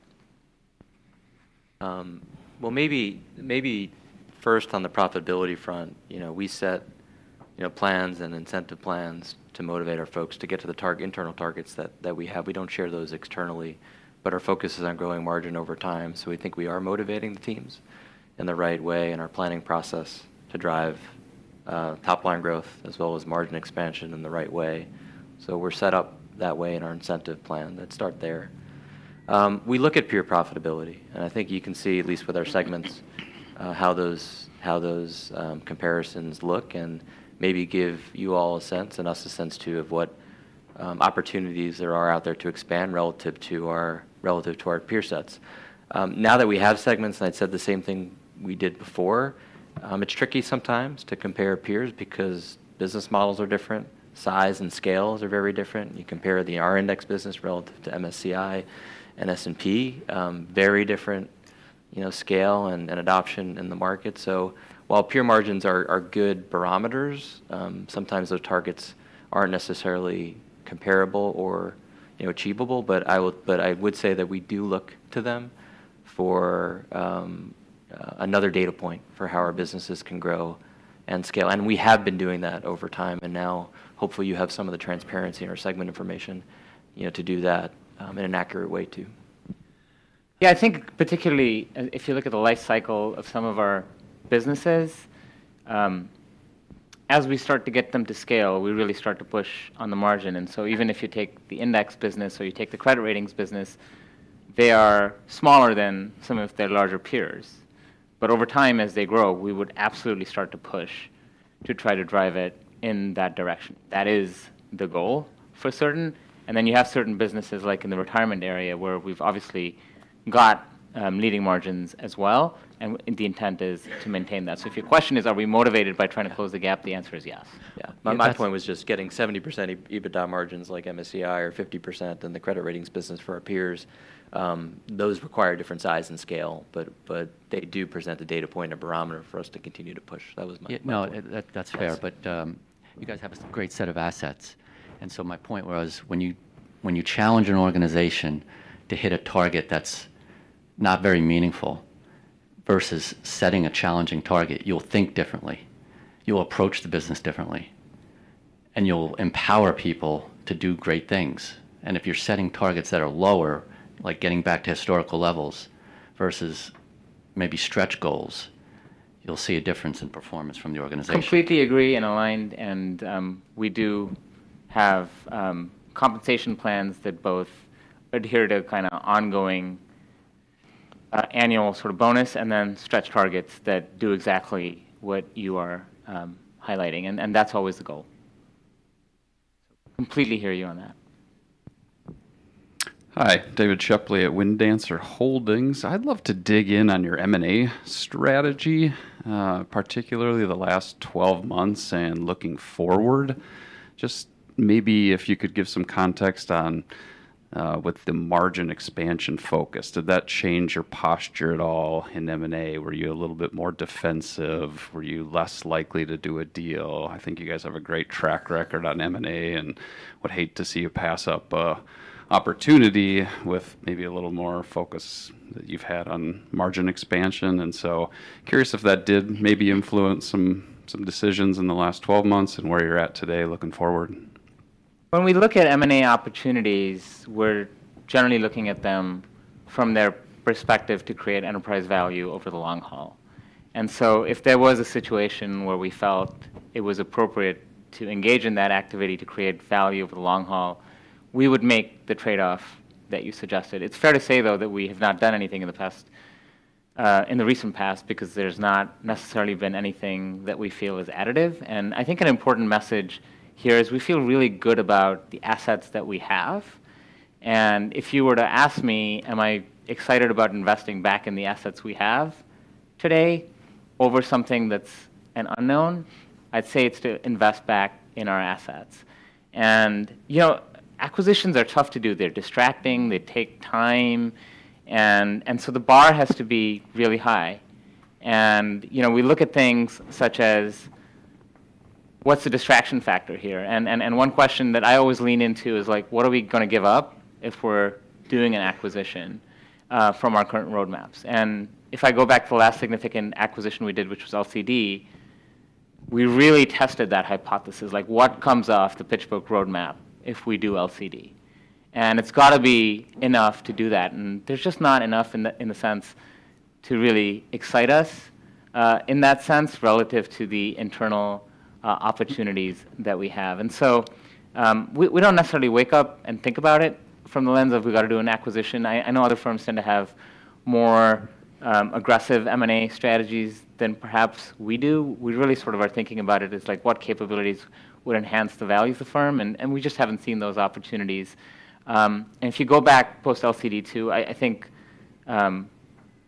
Well, maybe, maybe first on the profitability front, you know, we set, you know, plans and incentive plans to motivate our folks to get to the target internal targets that, that we have. We don't share those externally. But our focus is on growing margin over time. So we think we are motivating the teams in the right way in our planning process to drive top-line growth as well as margin expansion in the right way. So we're set up that way in our incentive plan. Let's start there. We look at peer profitability. And I think you can see, at least with our segments, how those comparisons look and maybe give you all a sense and us a sense too of what opportunities there are out there to expand relative to our peer sets. Now that we have segments and I'd said the same thing we did before, it's tricky sometimes to compare peers because business models are different. Size and scales are very different. You compare the our Index business relative to MSCI and S&P, very different, you know, scale and adoption in the market. So while peer margins are good barometers, sometimes those targets aren't necessarily comparable or, you know, achievable. But I would say that we do look to them for another data point for how our businesses can grow and scale. And we have been doing that over time. And now, hopefully, you have some of the transparency in our segment information, you know, to do that, in an accurate way too. Yeah. I think particularly, if you look at the life cycle of some of our businesses, as we start to get them to scale, we really start to push on the margin. And so even if you take the index business or you take the credit ratings business, they are smaller than some of their larger peers. But over time, as they grow, we would absolutely start to push to try to drive it in that direction. That is the goal for certain. And then you have certain businesses, like in the retirement area, where we've obviously got leading margins as well. And the intent is to maintain that. So if your question is, "Are we motivated by trying to close the gap?" the answer is yes. Yeah. My, my point was just getting 70% EBITDA margins like MSCI or 50% in the credit ratings business for our peers. Those require different size and scale. But, but they do present a data point, a barometer for us to continue to push. That was my point. No. That, that's fair. But, you guys have a great set of assets. So my point was when you challenge an organization to hit a target that's not very meaningful versus setting a challenging target, you'll think differently. You'll approach the business differently. And you'll empower people to do great things. And if you're setting targets that are lower, like getting back to historical levels versus maybe stretch goals, you'll see a difference in performance from the organization. Completely agree and aligned. And we do have compensation plans that both adhere to kind of ongoing annual sort of bonus and then stretch targets that do exactly what you are highlighting. And that's always the goal. Completely hear you on that. Hi. David Shepley at Wind Dancer Holdings. I'd love to dig in on your M&A strategy, particularly the last 12 months and looking forward. Just maybe if you could give some context on with the margin expansion focus. Did that change your posture at all in M&A? Were you a little bit more defensive? Were you less likely to do a deal? I think you guys have a great track record on M&A. And I would hate to see you pass up an opportunity with maybe a little more focus that you've had on margin expansion. And so curious if that did maybe influence some, some decisions in the last 12 months and where you're at today looking forward. When we look at M&A opportunities, we're generally looking at them from their perspective to create enterprise value over the long haul. And so if there was a situation where we felt it was appropriate to engage in that activity to create value over the long haul, we would make the trade-off that you suggested. It's fair to say, though, that we have not done anything in the past, in the recent past because there's not necessarily been anything that we feel is additive. And I think an important message here is we feel really good about the assets that we have. And if you were to ask me, "Am I excited about investing back in the assets we have today over something that's an unknown?" I'd say it's to invest back in our assets. And, you know, acquisitions are tough to do. They're distracting. They take time. And so the bar has to be really high. You know, we look at things such as, "What's the distraction factor here?" And one question that I always lean into is like, "What are we going to give up if we're doing an acquisition, from our current roadmaps?" And if I go back to the last significant acquisition we did, which was LCD, we really tested that hypothesis. Like, what comes off the PitchBook roadmap if we do LCD? And it's got to be enough to do that. And there's just not enough in the sense to really excite us, in that sense relative to the internal opportunities that we have. And so, we don't necessarily wake up and think about it from the lens of, "We've got to do an acquisition." I know other firms tend to have more aggressive M&A strategies than perhaps we do. We really sort of are thinking about it as like, "What capabilities would enhance the value of the firm?" And we just haven't seen those opportunities. And if you go back post-LCD too, I think,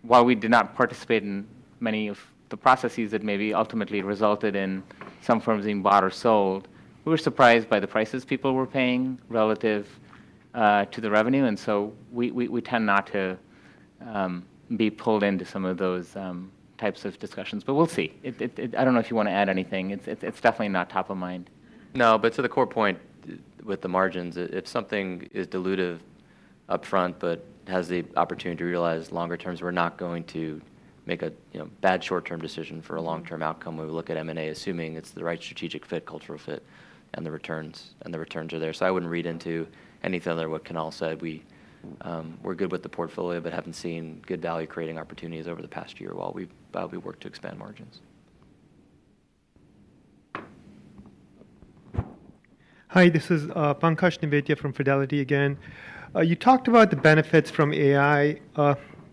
while we did not participate in many of the processes that maybe ultimately resulted in some firms being bought or sold, we were surprised by the prices people were paying relative to the revenue. And so we tend not to be pulled into some of those types of discussions. But we'll see. It I don't know if you want to add anything. It's definitely not top of mind. No. But to the core point with the margins, if something is dilutive upfront but has the opportunity to realize longer terms, we're not going to make a, you know, bad short-term decision for a long-term outcome. We would look at M&A assuming it's the right strategic fit, cultural fit, and the returns and the returns are there. So I wouldn't read into anything other than what Kunal said. We, we're good with the portfolio but haven't seen good value-creating opportunities over the past year while we've, we've worked to expand margins. Hi. This is, Pankaj Nevetia from Fidelity again. You talked about the benefits from AI.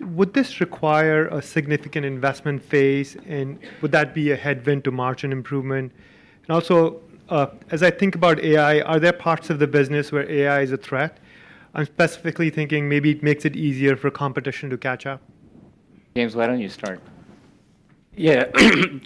Would this require a significant investment phase? And would that be a headwind to margin improvement? And also, as I think about AI, are there parts of the business where AI is a threat? I'm specifically thinking maybe it makes it easier for competition to catch up. James, why don't you start? Yeah.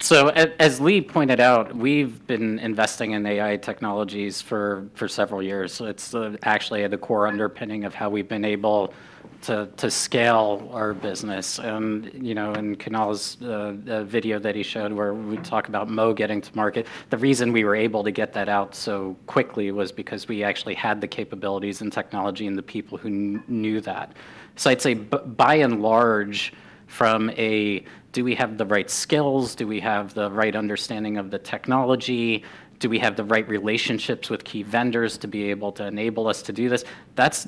So as, as Lee pointed out, we've been investing in AI technologies for, for several years. So it's, actually the core underpinning of how we've been able to, to scale our business. And, you know, in Kunal's, video that he showed where we talk about Mo getting to market, the reason we were able to get that out so quickly was because we actually had the capabilities and technology and the people who knew that. So I'd say, by and large, from a, "Do we have the right skills? Do we have the right understanding of the technology? Do we have the right relationships with key vendors to be able to enable us to do this?" that's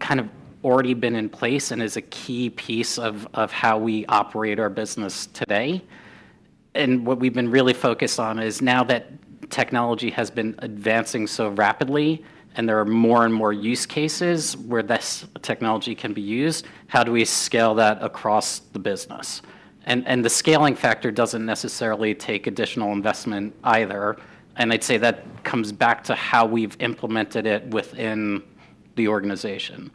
kind of already been in place and is a key piece of, of how we operate our business today. And what we've been really focused on is now that technology has been advancing so rapidly and there are more and more use cases where this technology can be used, how do we scale that across the business? And the scaling factor doesn't necessarily take additional investment either. And I'd say that comes back to how we've implemented it within the organization.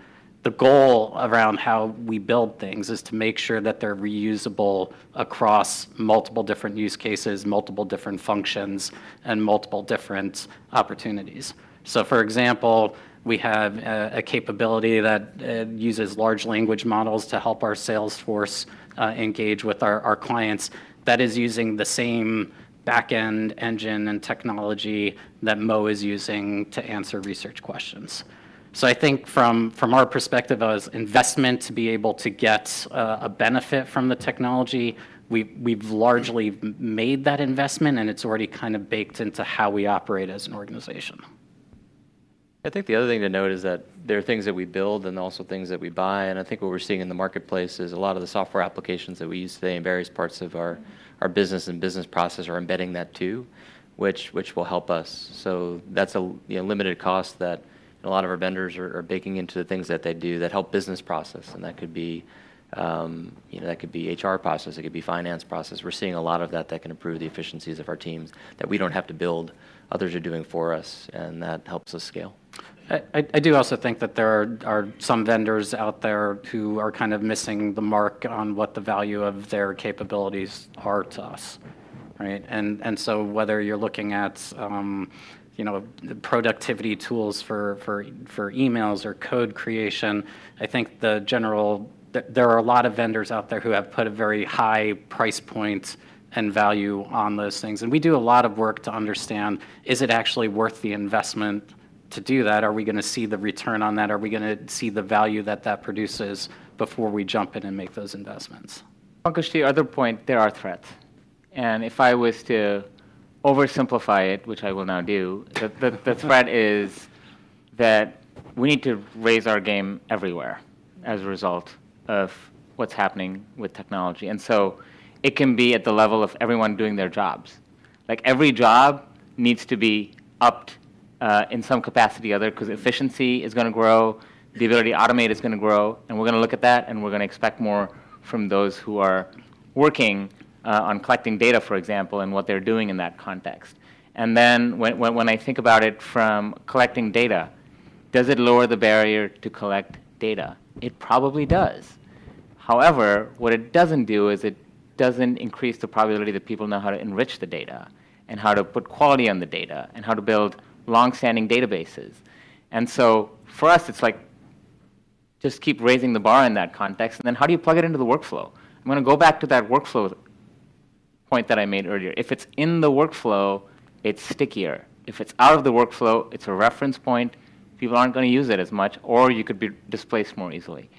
The goal around how we build things is to make sure that they're reusable across multiple different use cases, multiple different functions, and multiple different opportunities. So for example, we have a capability that uses large language models to help our sales force engage with our clients that is using the same backend engine and technology that Mo is using to answer research questions. So I think from our perspective, as investors to be able to get a benefit from the technology, we've largely made that investment. And it's already kind of baked into how we operate as an organization. I think the other thing to note is that there are things that we build and also things that we buy. And I think what we're seeing in the marketplace is a lot of the software applications that we use today in various parts of our business and business process are embedding that too, which will help us. So that's a, you know, limited cost that a lot of our vendors are baking into the things that they do that help business process. And that could be, you know, that could be HR process. It could be finance process. We're seeing a lot of that that can improve the efficiencies of our teams that we don't have to build. Others are doing for us. And that helps us scale. I do also think that there are some vendors out there who are kind of missing the mark on what the value of their capabilities are to us, right? And so whether you're looking at, you know, productivity tools for emails or code creation, I think the general there are a lot of vendors out there who have put a very high price point and value on those things. And we do a lot of work to understand, is it actually worth the investment to do that? Are we going to see the return on that? Are we going to see the value that that produces before we jump in and make those investments? Pankaj, to your other point, there are threats. And if I was to oversimplify it, which I will now do, the threat is that we need to raise our game everywhere as a result of what's happening with technology. And so it can be at the level of everyone doing their jobs. Like, every job needs to be upped, in some capacity or other because efficiency is going to grow. The ability to automate is going to grow. And we're going to look at that. And we're going to expect more from those who are working on collecting data, for example, and what they're doing in that context. And then when I think about it from collecting data, does it lower the barrier to collect data? It probably does. However, what it doesn't do is it doesn't increase the probability that people know how to enrich the data and how to put quality on the data and how to build longstanding databases. And so for us, it's like, just keep raising the bar in that context. And then how do you plug it into the workflow? I'm going to go back to that workflow point that I made earlier. If it's in the workflow, it's stickier. If it's out of the workflow, it's a reference point. People aren't going to use it as much. Or you could be displaced more easily.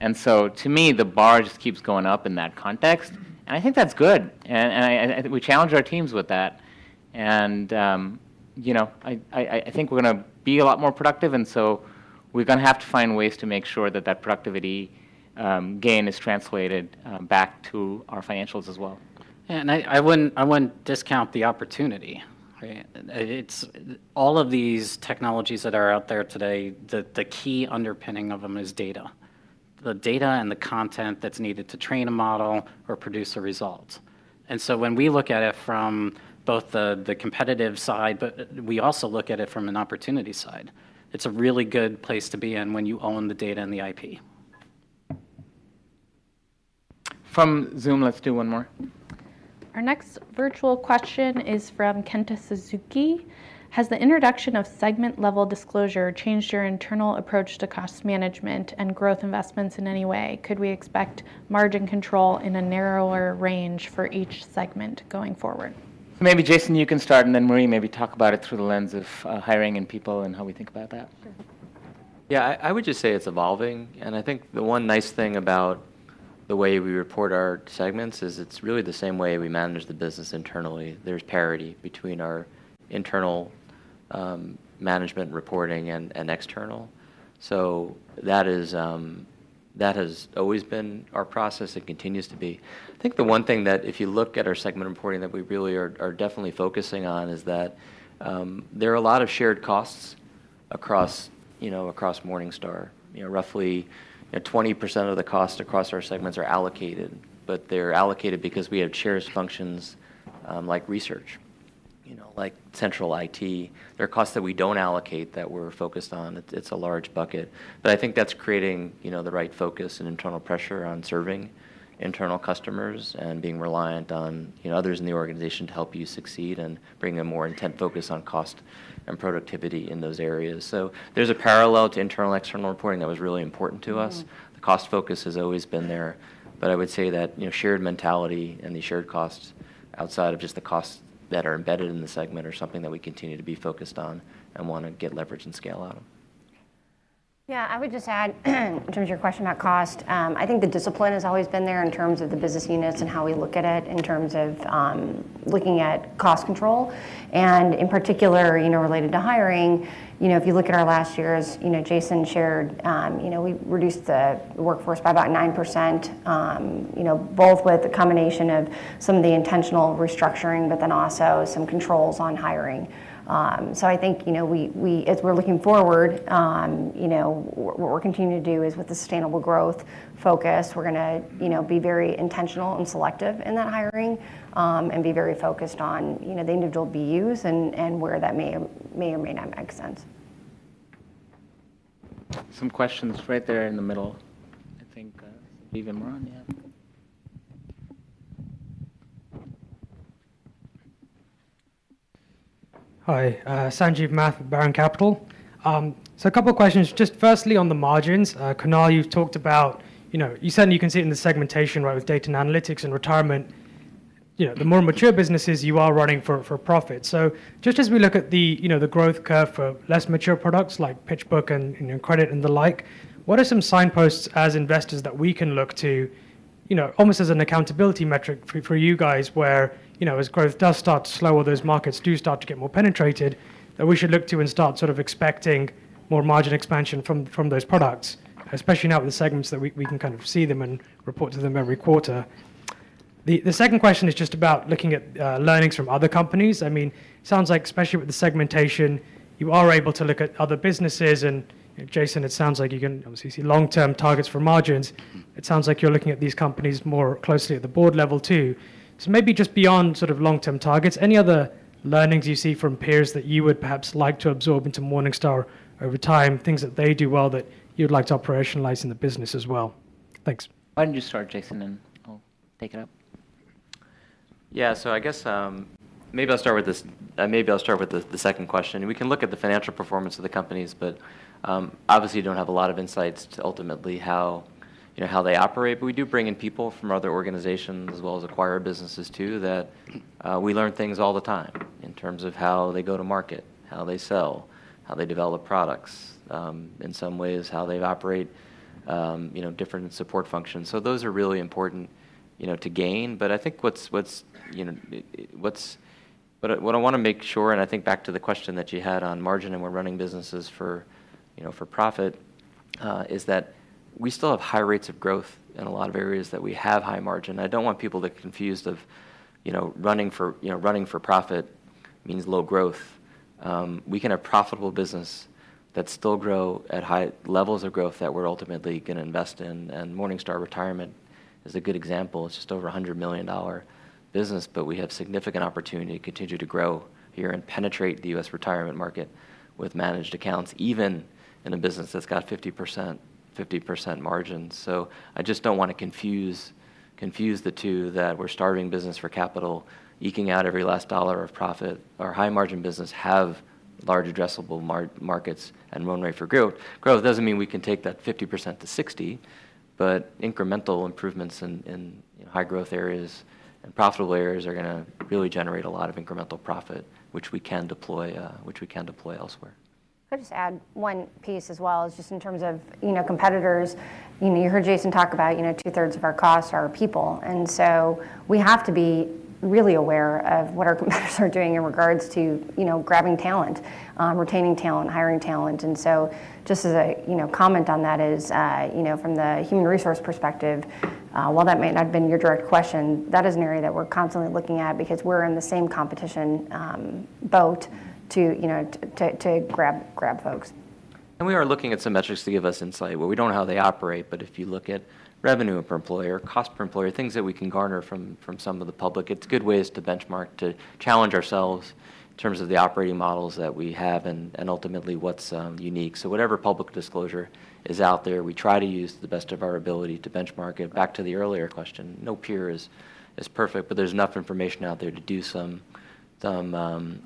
And so to me, the bar just keeps going up in that context. And I think that's good. And I think we're going to be a lot more productive. So we're going to have to find ways to make sure that that productivity gain is translated back to our financials as well. Yeah. And I, I wouldn't I wouldn't discount the opportunity, right? It's all of these technologies that are out there today, the key underpinning of them is data, the data and the content that's needed to train a model or produce a result. And so when we look at it from both the competitive side, but we also look at it from an opportunity side, it's a really good place to be in when you own the data and the IP. From Zoom, let's do one more. Our next virtual question is from Kenta Suzuki. Has the introduction of segment-level disclosure changed your internal approach to cost management and growth investments in any way? Could we expect margin control in a narrower range for each segment going forward? Maybe Jason, you can start. And then Marie, maybe talk about it through the lens of hiring and people and how we think about that. Sure. Yeah. I would just say it's evolving. And I think the one nice thing about the way we report our segments is it's really the same way we manage the business internally. There's parity between our internal management reporting and external. So that is, that has always been our process. It continues to be. I think the one thing that if you look at our segment reporting that we really are definitely focusing on is that there are a lot of shared costs across, you know, across Morningstar. You know, roughly, you know, 20% of the costs across our segments are allocated. But they're allocated because we have shared functions, like research, you know, like central IT. There are costs that we don't allocate that we're focused on. It's a large bucket. I think that's creating, you know, the right focus and internal pressure on serving internal customers and being reliant on, you know, others in the organization to help you succeed and bring a more intense focus on cost and productivity in those areas. So there's a parallel to internal external reporting that was really important to us. The cost focus has always been there. I would say that, you know, shared mentality and the shared costs outside of just the costs that are embedded in the segment are something that we continue to be focused on and want to get leverage and scale out of. I would just add in terms of your question about cost, I think the discipline has always been there in terms of the business units and how we look at it in terms of looking at cost control. And in particular, you know, related to hiring, you know, if you look at our last years, you know, Jason shared, you know, we reduced the workforce by about 9%, you know, both with a combination of some of the intentional restructuring but then also some controls on hiring. So I think, you know, we, we as we're looking forward, you know, what we're continuing to do is with the sustainable growth focus, we're going to, you know, be very intentional and selective in that hiring, and be very focused on, you know, the individual BUs and, and where that may, may or may not make sense. Some questions right there in the middle, I think, so Javier Moran, you have? Hi. Sanjeev Mahtani at Baron Capital. So a couple of questions. Just firstly, on the margins, Kunal, you've talked about, you know, you certainly can see it in the segmentation, right, with data and analytics and retirement. You know, the more mature businesses, you are running for, for profit. So just as we look at the, you know, the growth curve for less mature products like PitchBook and Credit and the like, what are some signposts as investors that we can look to, you know, almost as an accountability metric for you guys where, you know, as growth does start to slow or those markets do start to get more penetrated, that we should look to and start sort of expecting more margin expansion from those products, especially now with the segments that we can kind of see them and report to them every quarter? The second question is just about looking at learnings from other companies. I mean, it sounds like especially with the segmentation, you are able to look at other businesses. And, you know, Jason, it sounds like you can obviously see long-term targets for margins. It sounds like you're looking at these companies more closely at the board level too. So maybe just beyond sort of long-term targets, any other learnings you see from peers that you would perhaps like to absorb into Morningstar over time, things that they do well that you'd like to operationalize in the business as well? Thanks. Why don't you start, Jason, and I'll take it up? Yeah. So I guess, maybe I'll start with the second question. We can look at the financial performance of the companies. But, obviously, you don't have a lot of insights to ultimately how, you know, how they operate. But we do bring in people from other organizations as well as acquired businesses too that, we learn things all the time in terms of how they go to market, how they sell, how they develop products, in some ways, how they operate, you know, different support functions. So those are really important, you know, to gain. But I think what's what I want to make sure and I think back to the question that you had on margin and we're running businesses for, you know, for profit, is that we still have high rates of growth in a lot of areas that we have high margin. I don't want people to get confused of, you know, running for, you know, running for profit means low growth. We can have profitable business that still grow at high levels of growth that we're ultimately going to invest in. Morningstar Retirement is a good example. It's just over $100 million business. But we have significant opportunity to continue to grow here and penetrate the U.S. retirement market with managed accounts even in a business that's got 50% margins. So I just don't want to confuse the two that we're starting business for capital, eking out every last dollar of profit. Our high-margin business have large addressable markets and run rate for growth. Growth doesn't mean we can take that 50% to 60%. But incremental improvements in, you know, high-growth areas and profitable areas are going to really generate a lot of incremental profit, which we can deploy, which we can deploy elsewhere. I'll just add one piece as well is just in terms of, you know, competitors. You know, you heard Jason talk about, you know, two-thirds of our costs are people. And so we have to be really aware of what our competitors are doing in regards to, you know, grabbing talent, retaining talent, hiring talent. And so just as a, you know, comment on that is, you know, from the human resource perspective, while that may not have been your direct question, that is an area that we're constantly looking at because we're in the same competition boat to, you know, grab folks. And we are looking at some metrics to give us insight. Well, we don't know how they operate. But if you look at revenue per employer, cost per employer, things that we can garner from some of the public, it's good ways to benchmark to challenge ourselves in terms of the operating models that we have and ultimately what's unique. So whatever public disclosure is out there, we try to use the best of our ability to benchmark it. Back to the earlier question, no peer is perfect. But there's enough information out there to do some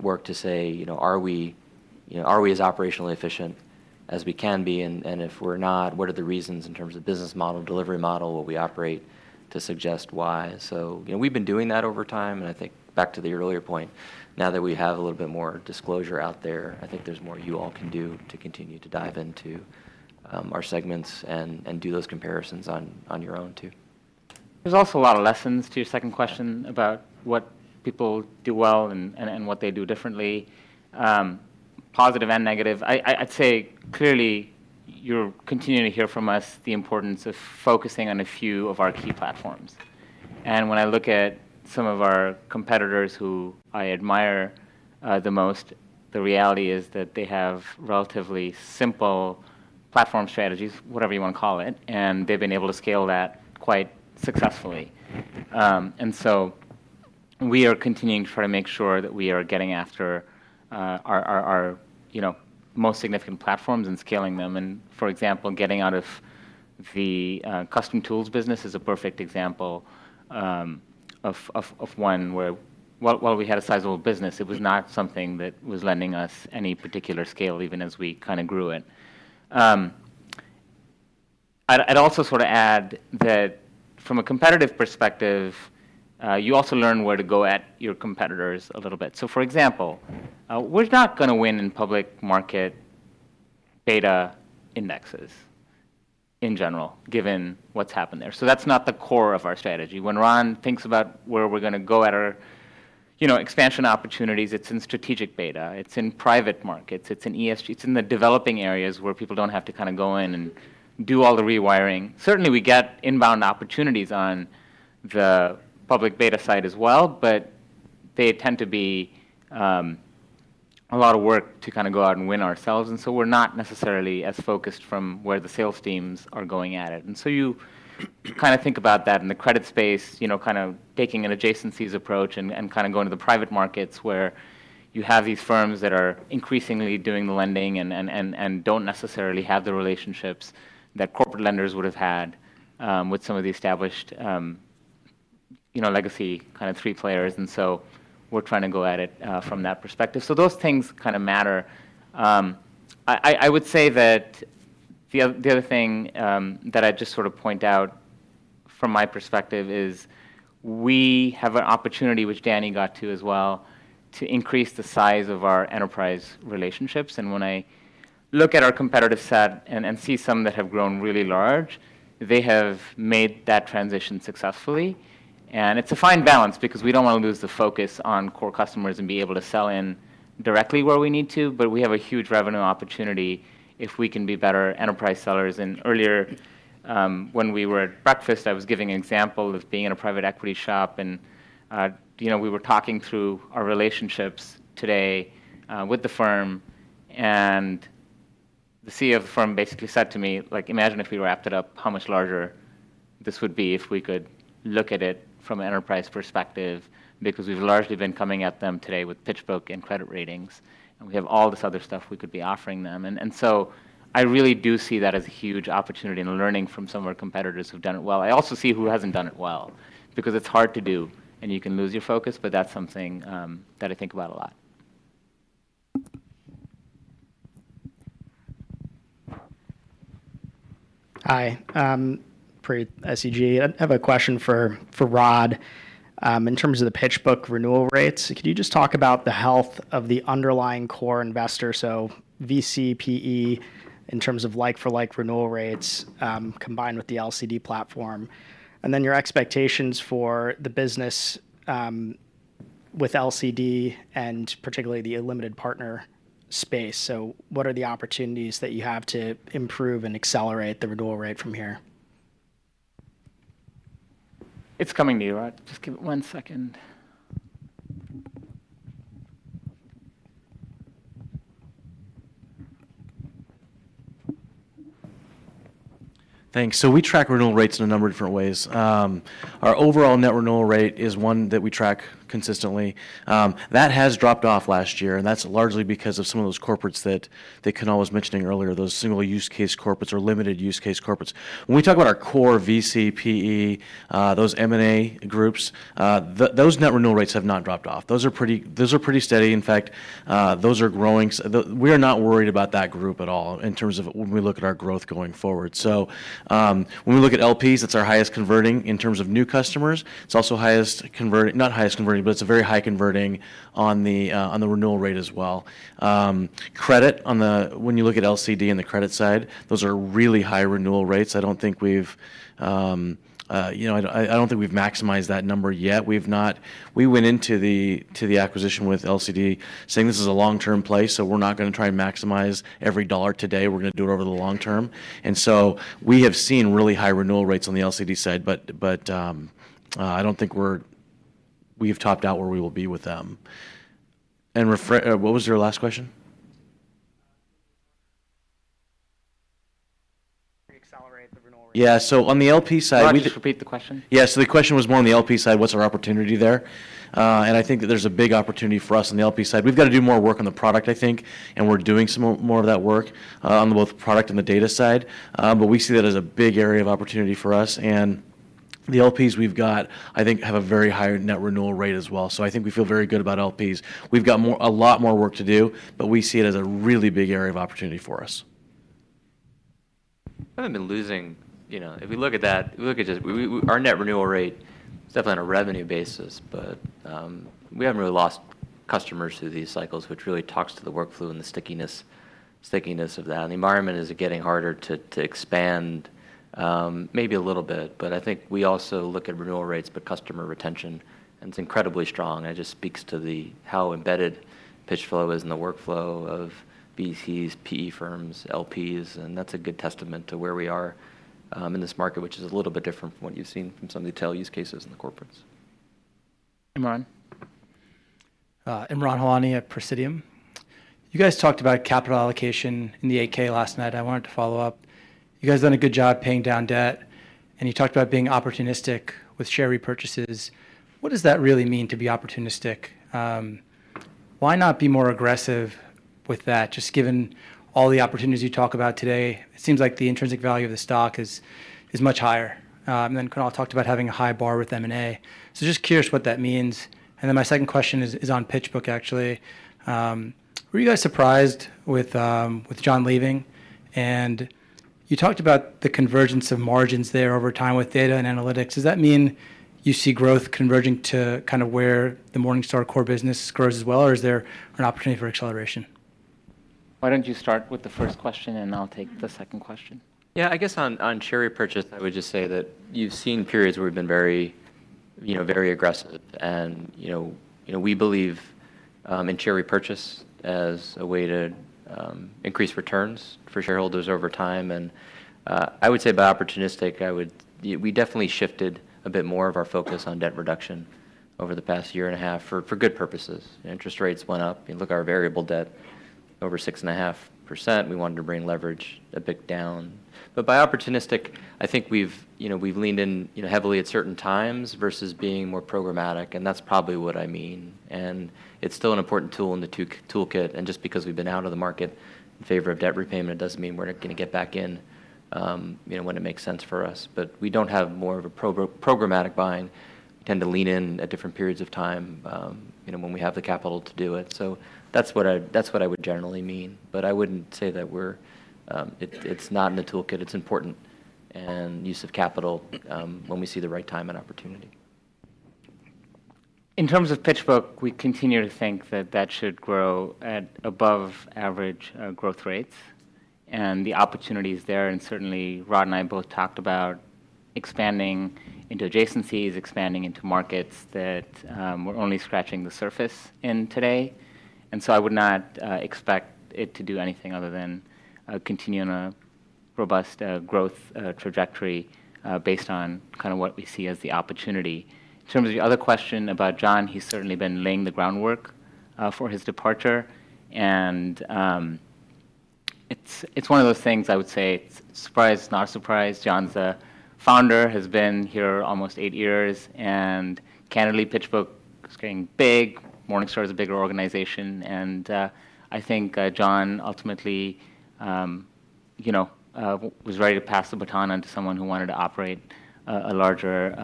work to say, you know, are we as operationally efficient as we can be? And if we're not, what are the reasons in terms of business model, delivery model, what we operate to suggest why? So, you know, we've been doing that over time. I think back to the earlier point. Now that we have a little bit more disclosure out there, I think there's more you all can do to continue to dive into our segments and do those comparisons on your own too. There's also a lot of lessons to your second question about what people do well and what they do differently, positive and negative. I'd say clearly, you're continuing to hear from us the importance of focusing on a few of our key platforms. And when I look at some of our competitors who I admire the most, the reality is that they have relatively simple platform strategies, whatever you want to call it. And they've been able to scale that quite successfully. And so we are continuing to try to make sure that we are getting after our you know most significant platforms and scaling them. And for example, getting out of the custom tools business is a perfect example of one where while we had a sizable business, it was not something that was lending us any particular scale even as we kind of grew it. I'd also sort of add that from a competitive perspective, you also learn where to go at your competitors a little bit. So for example, we're not going to win in public market beta indexes in general given what's happened there. So that's not the core of our strategy. When Ron thinks about where we're going to go at our you know expansion opportunities, it's in strategic beta. It's in private markets. It's in ESG. It's in the developing areas where people don't have to kind of go in and do all the rewiring. Certainly, we get inbound opportunities on the public beta side as well. But they tend to be a lot of work to kind of go out and win ourselves. So we're not necessarily as focused from where the sales teams are going at it. So you kind of think about that in the credit space, you know, kind of taking an adjacencies approach and kind of going to the private markets where you have these firms that are increasingly doing the lending and don't necessarily have the relationships that corporate lenders would have had with some of the established, you know, legacy kind of three players. So we're trying to go at it from that perspective. So those things kind of matter. I would say that the other thing that I'd just sort of point out from my perspective is we have an opportunity, which Danny got to as well, to increase the size of our enterprise relationships. And when I look at our competitive set and see some that have grown really large, they have made that transition successfully. And it's a fine balance because we don't want to lose the focus on core customers and be able to sell in directly where we need to. But we have a huge revenue opportunity if we can be better enterprise sellers. And earlier, when we were at breakfast, I was giving an example of being in a private equity shop. And, you know, we were talking through our relationships today, with the firm. And the CEO of the firm basically said to me, like, imagine if we wrapped it up, how much larger this would be if we could look at it from an enterprise perspective because we've largely been coming at them today with PitchBook and credit ratings. And we have all this other stuff we could be offering them. And, and so I really do see that as a huge opportunity in learning from some of our competitors who've done it well. I also see who hasn't done it well because it's hard to do. And you can lose your focus. But that's something, that I think about a lot. Hi. I have a question for Rod. In terms of the PitchBook renewal rates, could you just talk about the health of the underlying core investor, so VC, PE, in terms of like-for-like renewal rates, combined with the LCD platform, and then your expectations for the business, with LCD and particularly the unlimited partner space? So what are the opportunities that you have to improve and accelerate the renewal rate from here? It's coming to you, Rod. Just give it one second. Thanks. So we track renewal rates in a number of different ways. Our overall net renewal rate is one that we track consistently. That has dropped off last year. And that's largely because of some of those corporates that, that Kunal was mentioning earlier, those single-use case corporates or limited-use case corporates. When we talk about our core VC, PE, those M&A groups, those net renewal rates have not dropped off. Those are pretty those are pretty steady. In fact, those are growing. We are not worried about that group at all in terms of when we look at our growth going forward. So, when we look at LPs, that's our highest converting in terms of new customers. It's also highest converting not highest converting. But it's a very high converting on the, on the renewal rate as well. Credit on the when you look at LCD and the credit side, those are really high renewal rates. I don't think we've, you know, I don't I don't think we've maximized that number yet. We've not we went into the to the acquisition with LCD saying, "This is a long-term place. So we're not going to try and maximize every dollar today. We're going to do it over the long term. And so we have seen really high renewal rates on the LCD side. But I don't think we have topped out where we will be with them. And, Rod, what was your last question? Can we accelerate the renewal rate? Yeah. So on the LP side, Rod, just repeat the question. Yeah. So the question was more on the LP side, what's our opportunity there? And I think that there's a big opportunity for us on the LP side. We've got to do more work on the product, I think. And we're doing some more of that work, on both the product and the data side. But we see that as a big area of opportunity for us. And the LPs we've got, I think, have a very high net renewal rate as well. So I think we feel very good about LPs. We've got a lot more work to do. But we see it as a really big area of opportunity for us. We haven't been losing, you know, if we look at that, our net renewal rate; it's definitely on a revenue basis. But we haven't really lost customers through these cycles, which really talks to the workflow and the stickiness of that. And the environment is getting harder to expand, maybe a little bit. But I think we also look at renewal rates, but customer retention. And it's incredibly strong. And it just speaks to how embedded PitchBook is in the workflow of VCs, PE firms, LPs. And that's a good testament to where we are in this market, which is a little bit different from what you've seen from some of the tele use cases in the corporates. And Imran? And Imran Halani at Praesidium. You guys talked about capital allocation in the 8-K last night. I wanted to follow up. You guys have done a good job paying down debt. And you talked about being opportunistic with share repurchases. What does that really mean to be opportunistic? Why not be more aggressive with that just given all the opportunities you talk about today? It seems like the intrinsic value of the stock is, is much higher. And then Kunal talked about having a high bar with M&A. So just curious what that means. And then my second question is on PitchBook, actually. Were you guys surprised with, with John leaving? And you talked about the convergence of margins there over time with data and analytics. Does that mean you see growth converging to kind of where the Morningstar core business grows as well? Or is there an opportunity for acceleration? Why don't you start with the first question? And I'll take the second question. Yeah. I guess on share repurchase, I would just say that you've seen periods where we've been very, you know, very aggressive. And, you know, we believe in share repurchase as a way to increase returns for shareholders over time. And I would say by opportunistic, we definitely shifted a bit more of our focus on debt reduction over the past year and a half for good purposes. Interest rates went up. You look at our variable debt over 6.5%. We wanted to bring leverage a bit down. But by opportunistic, I think we've, you know, we've leaned in, you know, heavily at certain times versus being more programmatic. And that's probably what I mean. And it's still an important tool in the tool kit. And just because we've been out of the market in favor of debt repayment, it doesn't mean we're not going to get back in, you know, when it makes sense for us. But we don't have more of a probe programmatic buying. We tend to lean in at different periods of time, you know, when we have the capital to do it. So that's what I would generally mean. But I wouldn't say that it's not in the tool kit. It's important and use of capital, when we see the right time and opportunity. In terms of PitchBook, we continue to think that that should grow at above-average growth rates. And the opportunities there, and certainly, Rod and I both talked about expanding into adjacencies, expanding into markets that we're only scratching the surface in today. And so I would not expect it to do anything other than continue on a robust growth trajectory, based on kind of what we see as the opportunity. In terms of your other question about John, he's certainly been laying the groundwork for his departure. And it's one of those things, I would say, it's surprise, not surprise. John's the founder. Has been here almost eight years. And candidly, PitchBook is getting big. Morningstar is a bigger organization. And I think John ultimately, you know, was ready to pass the baton on to someone who wanted to operate a larger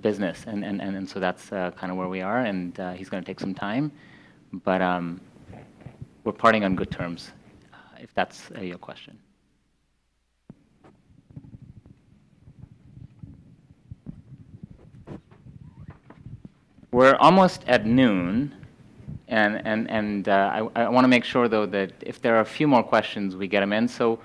business. And so that's kind of where we are. He's going to take some time. But we're parting on good terms, if that's your question. We're almost at 12:00 P.M. I want to make sure, though, that if there are a few more questions, we get them in. So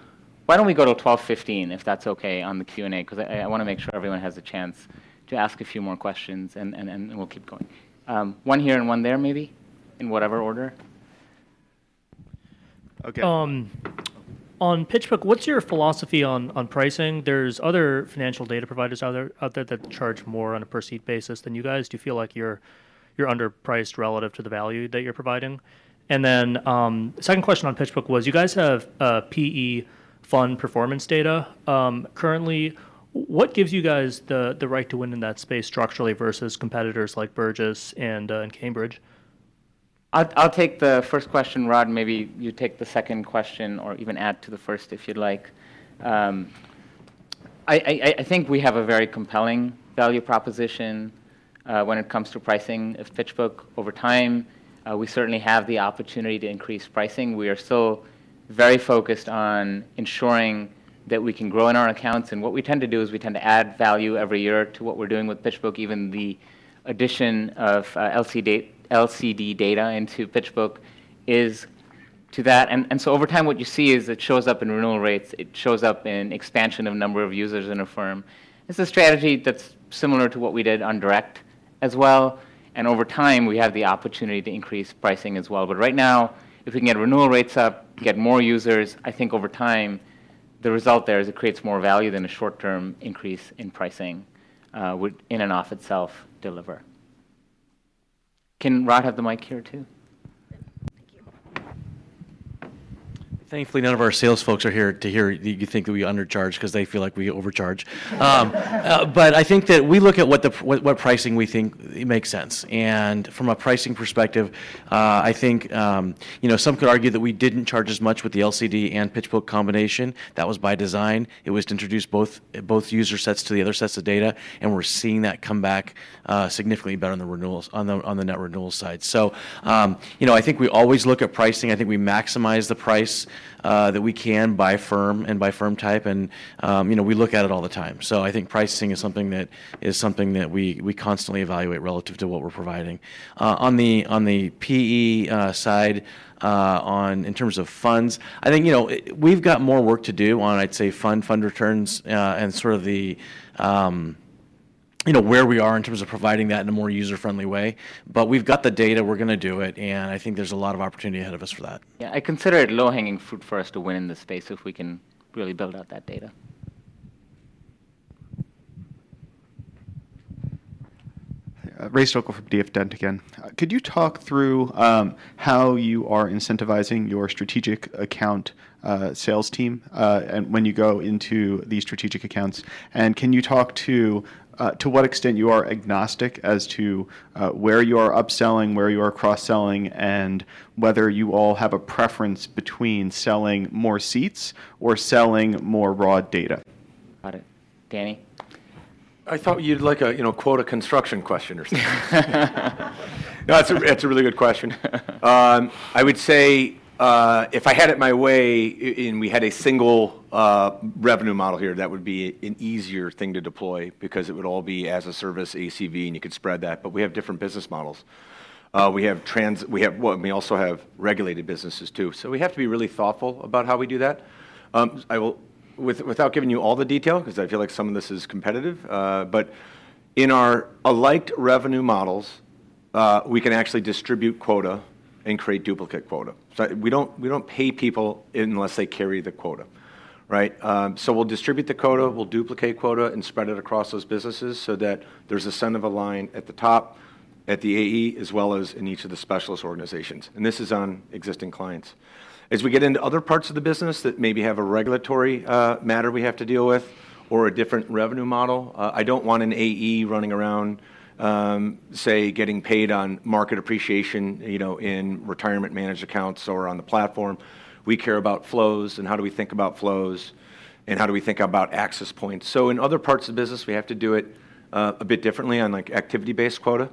why don't we go till 12:15 P.M. if that's OK on the Q&A? Because I want to make sure everyone has a chance to ask a few more questions. We'll keep going. One here and one there, maybe, in whatever order. OK. On PitchBook, what's your philosophy on pricing? There's other financial data providers out there that charge more on a perceived basis than you guys. Do you feel like you're underpriced relative to the value that you're providing? Then, second question on PitchBook was, you guys have PE fund performance data currently. What gives you guys the right to win in that space structurally versus competitors like Burgiss and Cambridge Associates? I'll take the first question, Rod. And maybe you take the second question or even add to the first if you'd like. I think we have a very compelling value proposition when it comes to pricing at PitchBook over time. We certainly have the opportunity to increase pricing. We are still very focused on ensuring that we can grow in our accounts. And what we tend to do is we tend to add value every year to what we're doing with PitchBook. Even the addition of LCD data into PitchBook is to that. And so over time, what you see is it shows up in renewal rates. It shows up in expansion of number of users in a firm. It's a strategy that's similar to what we did on Direct as well. Over time, we have the opportunity to increase pricing as well. But right now, if we can get renewal rates up, get more users, I think over time, the result there is, it creates more value than a short-term increase in pricing would in and of itself deliver. Can Rod have the mic here, too? Thank you. Thankfully, none of our sales folks are here to hear you think that we undercharge because they feel like we overcharge. But I think that we look at what pricing we think makes sense. And from a pricing perspective, I think, you know, some could argue that we didn't charge as much with the LCD and PitchBook combination. That was by design. It was to introduce both user sets to the other sets of data. And we're seeing that come back significantly better on the renewals on the net renewal side. So, you know, I think we always look at pricing. I think we maximize the price that we can by firm and by firm type. And, you know, we look at it all the time. So I think pricing is something that we constantly evaluate relative to what we're providing. On the PE side, in terms of funds, I think, you know, we've got more work to do on, I'd say, fund returns, and sort of the, you know, where we are in terms of providing that in a more user-friendly way. But we've got the data. We're going to do it. And I think there's a lot of opportunity ahead of us for that. Yeah. I consider it low-hanging fruit for us to win in this space if we can really build out that data. Ray Stochel from D.F. Dent again. Could you talk through how you are incentivizing your strategic account sales team, and when you go into these strategic accounts? And can you talk to what extent you are agnostic as to where you are upselling, where you are cross-selling, and whether you all have a preference between selling more seats or selling more raw data? Got it. Danny? I thought you'd like a, you know, quota construction question or something. No, that's a really good question. I would say, if I had it my way, and we had a single revenue model here, that would be an easier thing to deploy because it would all be as-a-service ACV. And you could spread that. But we have different business models. We have, well, we also have regulated businesses, too. So we have to be really thoughtful about how we do that. I will without giving you all the detail because I feel like some of this is competitive, but in our aligned revenue models, we can actually distribute quota and create duplicate quota. So we don't pay people unless they carry the quota, right? So we'll distribute the quota. We'll duplicate quota and spread it across those businesses so that there's an incentive alignment at the top, at the AE, as well as in each of the specialist organizations. This is on existing clients. As we get into other parts of the business that maybe have a regulatory matter we have to deal with or a different revenue model, I don't want an AE running around, say, getting paid on market appreciation, you know, in retirement managed accounts or on the platform. We care about flows. And how do we think about flows? And how do we think about access points? So in other parts of business, we have to do it a bit differently on, like, activity-based quota,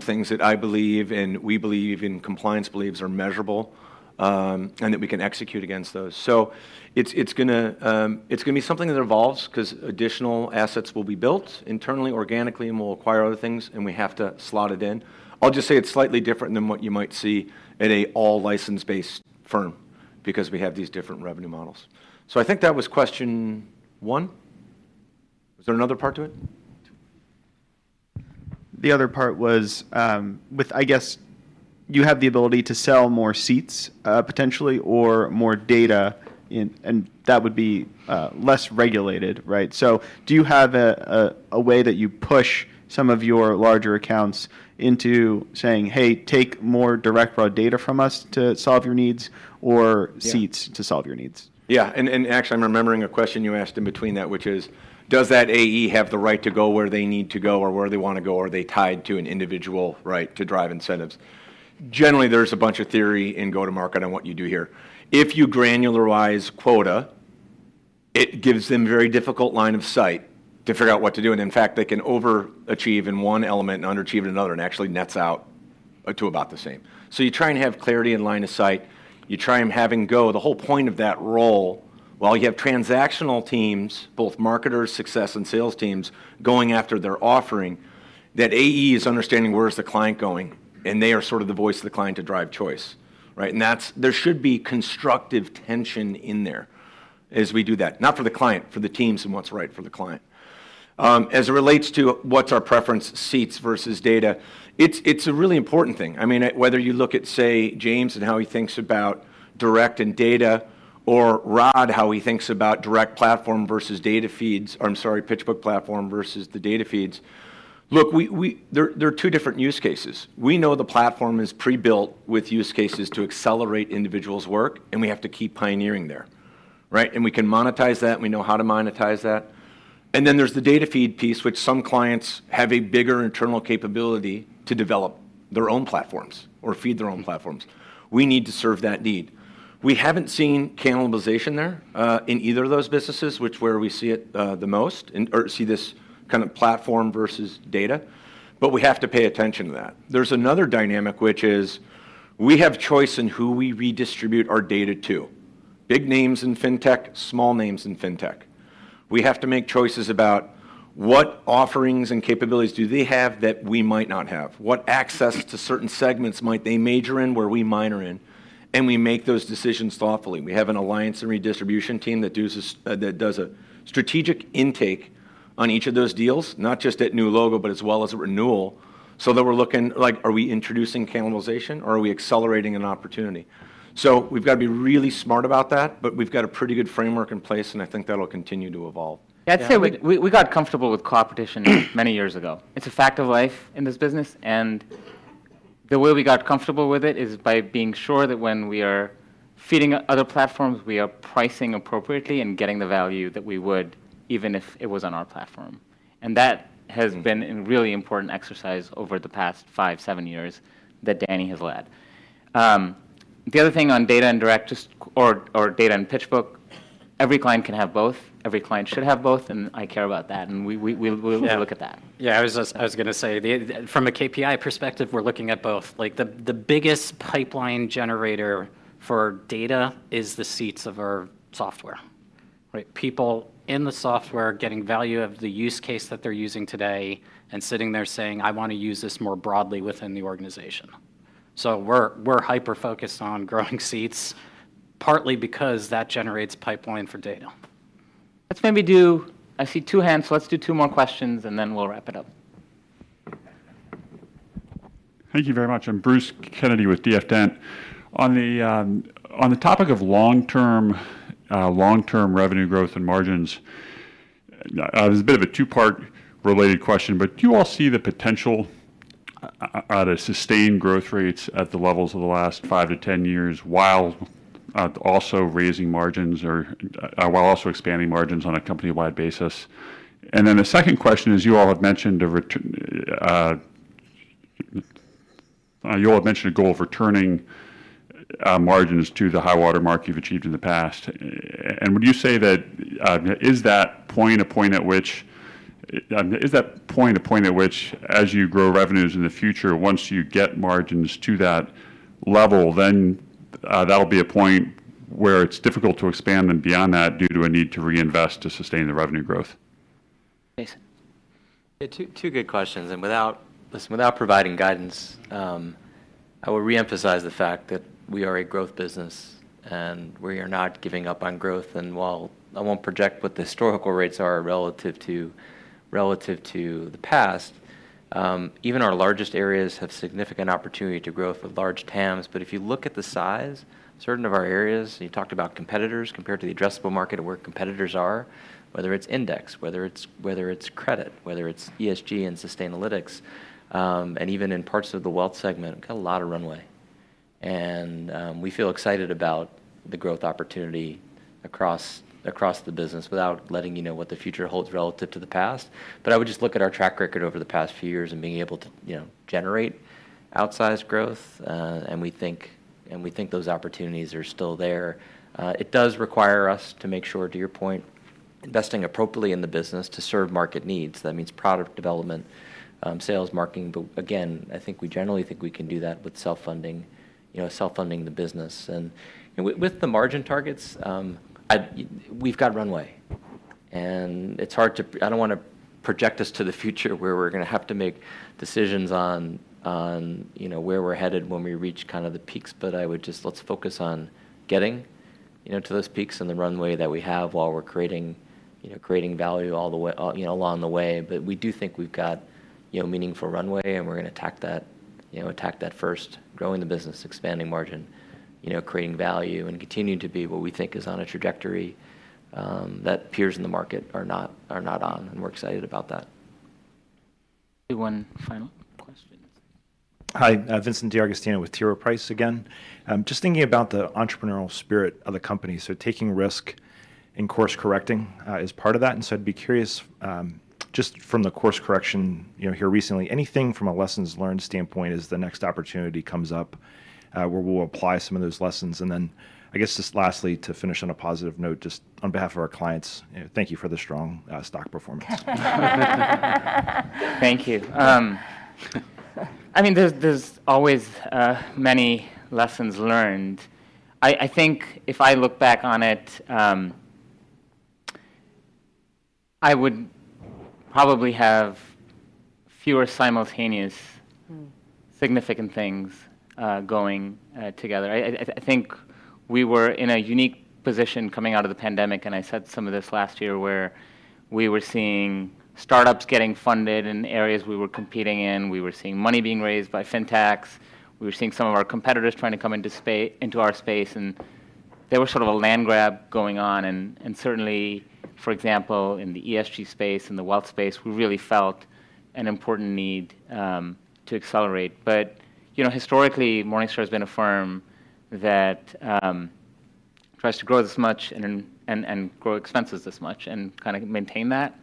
things that I believe and we believe in compliance believes are measurable, and that we can execute against those. So it's going to be something that evolves because additional assets will be built internally, organically, and we'll acquire other things. And we have to slot it in. I'll just say it's slightly different than what you might see at a all-license-based firm because we have these different revenue models. So I think that was question one. Was there another part to it? The other part was, with I guess you have the ability to sell more seats, potentially or more data. And, and that would be, less regulated, right? So do you have a, a, a way that you push some of your larger accounts into saying, "Hey, take more direct raw data from us to solve your needs," or seats to solve your needs? Yeah. And, and actually, I'm remembering a question you asked in between that, which is, does that AE have the right to go where they need to go or where they want to go? Are they tied to an individual right to drive incentives? Generally, there's a bunch of theory in go-to-market on what you do here. If you granularize quota, it gives them a very difficult line of sight to figure out what to do. And in fact, they can overachieve in one element and underachieve in another and actually nets out to about the same. So you try and have clarity and line of sight. You try and have them go the whole point of that role, while you have transactional teams, both marketers, success, and sales teams going after their offering, that AE is understanding where is the client going. And they are sort of the voice of the client to drive choice, right? And that's there should be constructive tension in there as we do that, not for the client, for the teams and what's right for the client. As it relates to what's our preference, seats versus data, it's, it's a really important thing. I mean, whether you look at, say, James and how he thinks about Direct and data or Rod, how he thinks about Direct platform versus data feeds or, I'm sorry, PitchBook platform versus the data feeds, look, we, we there are two different use cases. We know the platform is pre-built with use cases to accelerate individuals' work. And we have to keep pioneering there, right? And we can monetize that. And we know how to monetize that. And then there's the data feed piece, which some clients have a bigger internal capability to develop their own platforms or feed their own platforms. We need to serve that need. We haven't seen cannibalization there, in either of those businesses, which is where we see it the most in or see this kind of platform versus data. But we have to pay attention to that. There's another dynamic, which is we have choice in who we redistribute our data to, big names in fintech, small names in fintech. We have to make choices about what offerings and capabilities do they have that we might not have, what access to certain segments might they major in, where we minor in. And we make those decisions thoughtfully. We have an alliance and redistribution team that does a strategic intake on each of those deals, not just at new logo but as well as renewal, so that we're looking like, are we introducing cannibalization, or are we accelerating an opportunity? So we've got to be really smart about that. But we've got a pretty good framework in place. And I think that'll continue to evolve. Yeah. I'd say we got comfortable with cooperation many years ago. It's a fact of life in this business. And the way we got comfortable with it is by being sure that when we are feeding other platforms, we are pricing appropriately and getting the value that we would even if it was on our platform. And that has been a really important exercise over the past 5, 7 years that Danny has led. The other thing on data and Direct, or data and PitchBook, every client can have both. Every client should have both. And I care about that. And we'll look at that. Yeah. I was just going to say, from a KPI perspective, we're looking at both. Like, the biggest pipeline generator for data is the seats of our software, right? People in the software getting value of the use case that they're using today and sitting there saying, "I want to use this more broadly within the organization." So we're hyper-focused on growing seats, partly because that generates pipeline for data. Let's maybe do. I see 2 hands. So let's do 2 more questions. And then we'll wrap it up. Thank you very much. I'm Bruce Kennedy with D.F. Dent. On the topic of long-term revenue growth and margins, it's a bit of a two-part related question. But do you all see the potential to sustain growth rates at the levels of the last 5-10 years while also raising margins or while also expanding margins on a company-wide basis? And then the second question is, you all have mentioned a return, you all have mentioned a goal of returning margins to the high water mark you've achieved in the past. And would you say that, is that point a point at which, as you grow revenues in the future, once you get margins to that level, then, that'll be a point where it's difficult to expand them beyond that due to a need to reinvest to sustain the revenue growth? Jason. Yeah. Two good questions. And without providing guidance, I will reemphasize the fact that we are a growth business. And we are not giving up on growth. And while I won't project what the historical rates are relative to the past, even our largest areas have significant opportunity to growth with large TAMs. But if you look at the size certain of our areas and you talked about competitors compared to the addressable market of where competitors are, whether it's index, whether it's credit, whether it's ESG and Sustainalytics, and even in parts of the wealth segment, we've got a lot of runway. And we feel excited about the growth opportunity across the business without letting you know what the future holds relative to the past. But I would just look at our track record over the past few years and being able to, you know, generate outsized growth. And we think those opportunities are still there. It does require us to make sure, to your point, investing appropriately in the business to serve market needs. That means product development, sales marketing. But again, I think we generally think we can do that with self-funding, you know, self-funding the business. And with the margin targets, I've got runway. And it's hard to. I don't want to project us to the future where we're going to have to make decisions on, you know, where we're headed when we reach kind of the peaks. But I would just let's focus on getting, you know, to those peaks and the runway that we have while we're creating, you know, creating value all the way, you know, along the way. But we do think we've got, you know, meaningful runway. And we're going to attack that, you know, attack that first, growing the business, expanding margin, you know, creating value, and continue to be what we think is on a trajectory, that peers in the market are not on. And we're excited about that. One final question. Hi. Vincent DeAugustino with T. Rowe Price again. Just thinking about the entrepreneurial spirit of the company, so taking risk and course-correcting is part of that. And so I'd be curious, just from the course correction, you know, here recently, anything from a lessons learned standpoint as the next opportunity comes up, where we'll apply some of those lessons? And then I guess just lastly, to finish on a positive note, just on behalf of our clients, you know, thank you for the strong stock performance. Thank you. I mean, there's always many lessons learned. I think if I look back on it, I would probably have fewer simultaneous significant things going together. I think we were in a unique position coming out of the pandemic. And I said some of this last year where we were seeing startups getting funded in areas we were competing in. We were seeing money being raised by fintechs. We were seeing some of our competitors trying to come into space into our space. And there was sort of a land grab going on. And, and certainly, for example, in the ESG space, in the wealth space, we really felt an important need to accelerate. But, you know, historically, Morningstar has been a firm that tries to grow this much and, and, and grow expenses this much and kind of maintain that.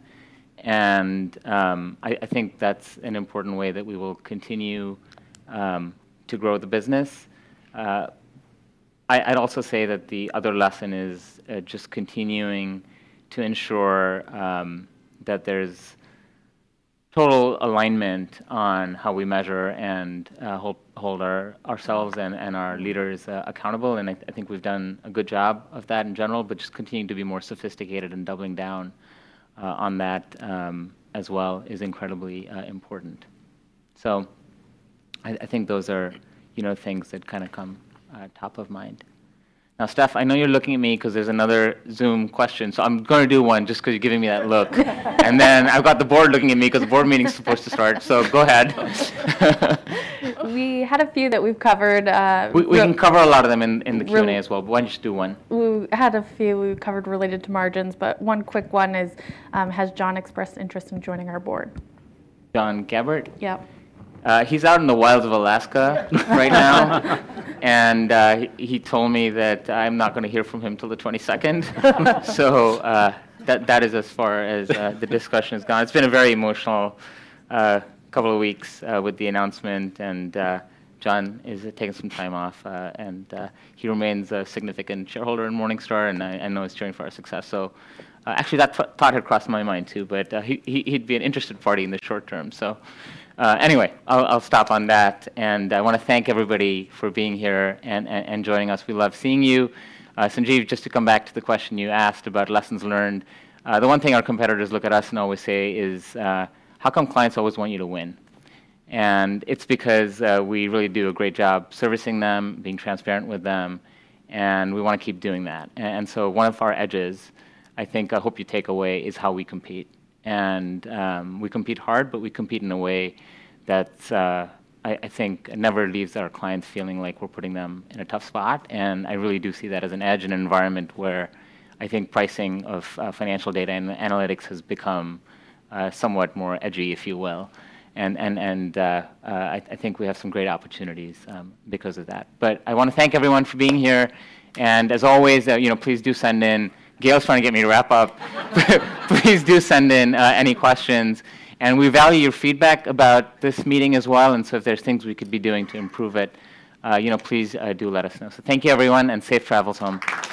And, I, I think that's an important way that we will continue to grow the business. I, I'd also say that the other lesson is just continuing to ensure that there's total alignment on how we measure and hold ourselves and our leaders accountable. And I, I think we've done a good job of that in general. But just continuing to be more sophisticated and doubling down on that as well is incredibly important. So I, I think those are, you know, things that kind of come top of mind. Now, Steph, I know you're looking at me because there's another Zoom question. So I'm going to do one just because you're giving me that look. And then I've got the board looking at me because the board meeting's supposed to start. So go ahead. We had a few that we've covered. We can cover a lot of them in the Q&A as well. But why don't you just do one? We had a few we covered related to margins. But one quick one is, has John expressed interest in joining our board? John Gabbert? Yeah. He's out in the wilds of Alaska right now. And, he told me that I'm not going to hear from him till the 22nd. So, that is as far as the discussion has gone. It's been a very emotional couple of weeks with the announcement. And, John is taking some time off. And, he remains a significant shareholder in Morningstar. And I know he's cheering for our success. So, actually, that thought had crossed my mind too. But, he'd be an interested party in the short term. So, anyway, I'll stop on that. And I want to thank everybody for being here and joining us. We love seeing you. Sanjeev, just to come back to the question you asked about lessons learned, the one thing our competitors look at us and always say is, how come clients always want you to win? And it's because we really do a great job servicing them, being transparent with them. And we want to keep doing that. And so one of our edges, I think, I hope you take away, is how we compete. And we compete hard. But we compete in a way that's, I think, never leaves our clients feeling like we're putting them in a tough spot. And I really do see that as an edge in an environment where I think pricing of financial data and analytics has become somewhat more edgy, if you will. And I think we have some great opportunities because of that. But I want to thank everyone for being here. And as always, you know, please do send in. Gail's trying to get me to wrap up. Please do send in any questions. And we value your feedback about this meeting as well. And so if there's things we could be doing to improve it, you know, please, do let us know. So thank you, everyone. And safe travels home.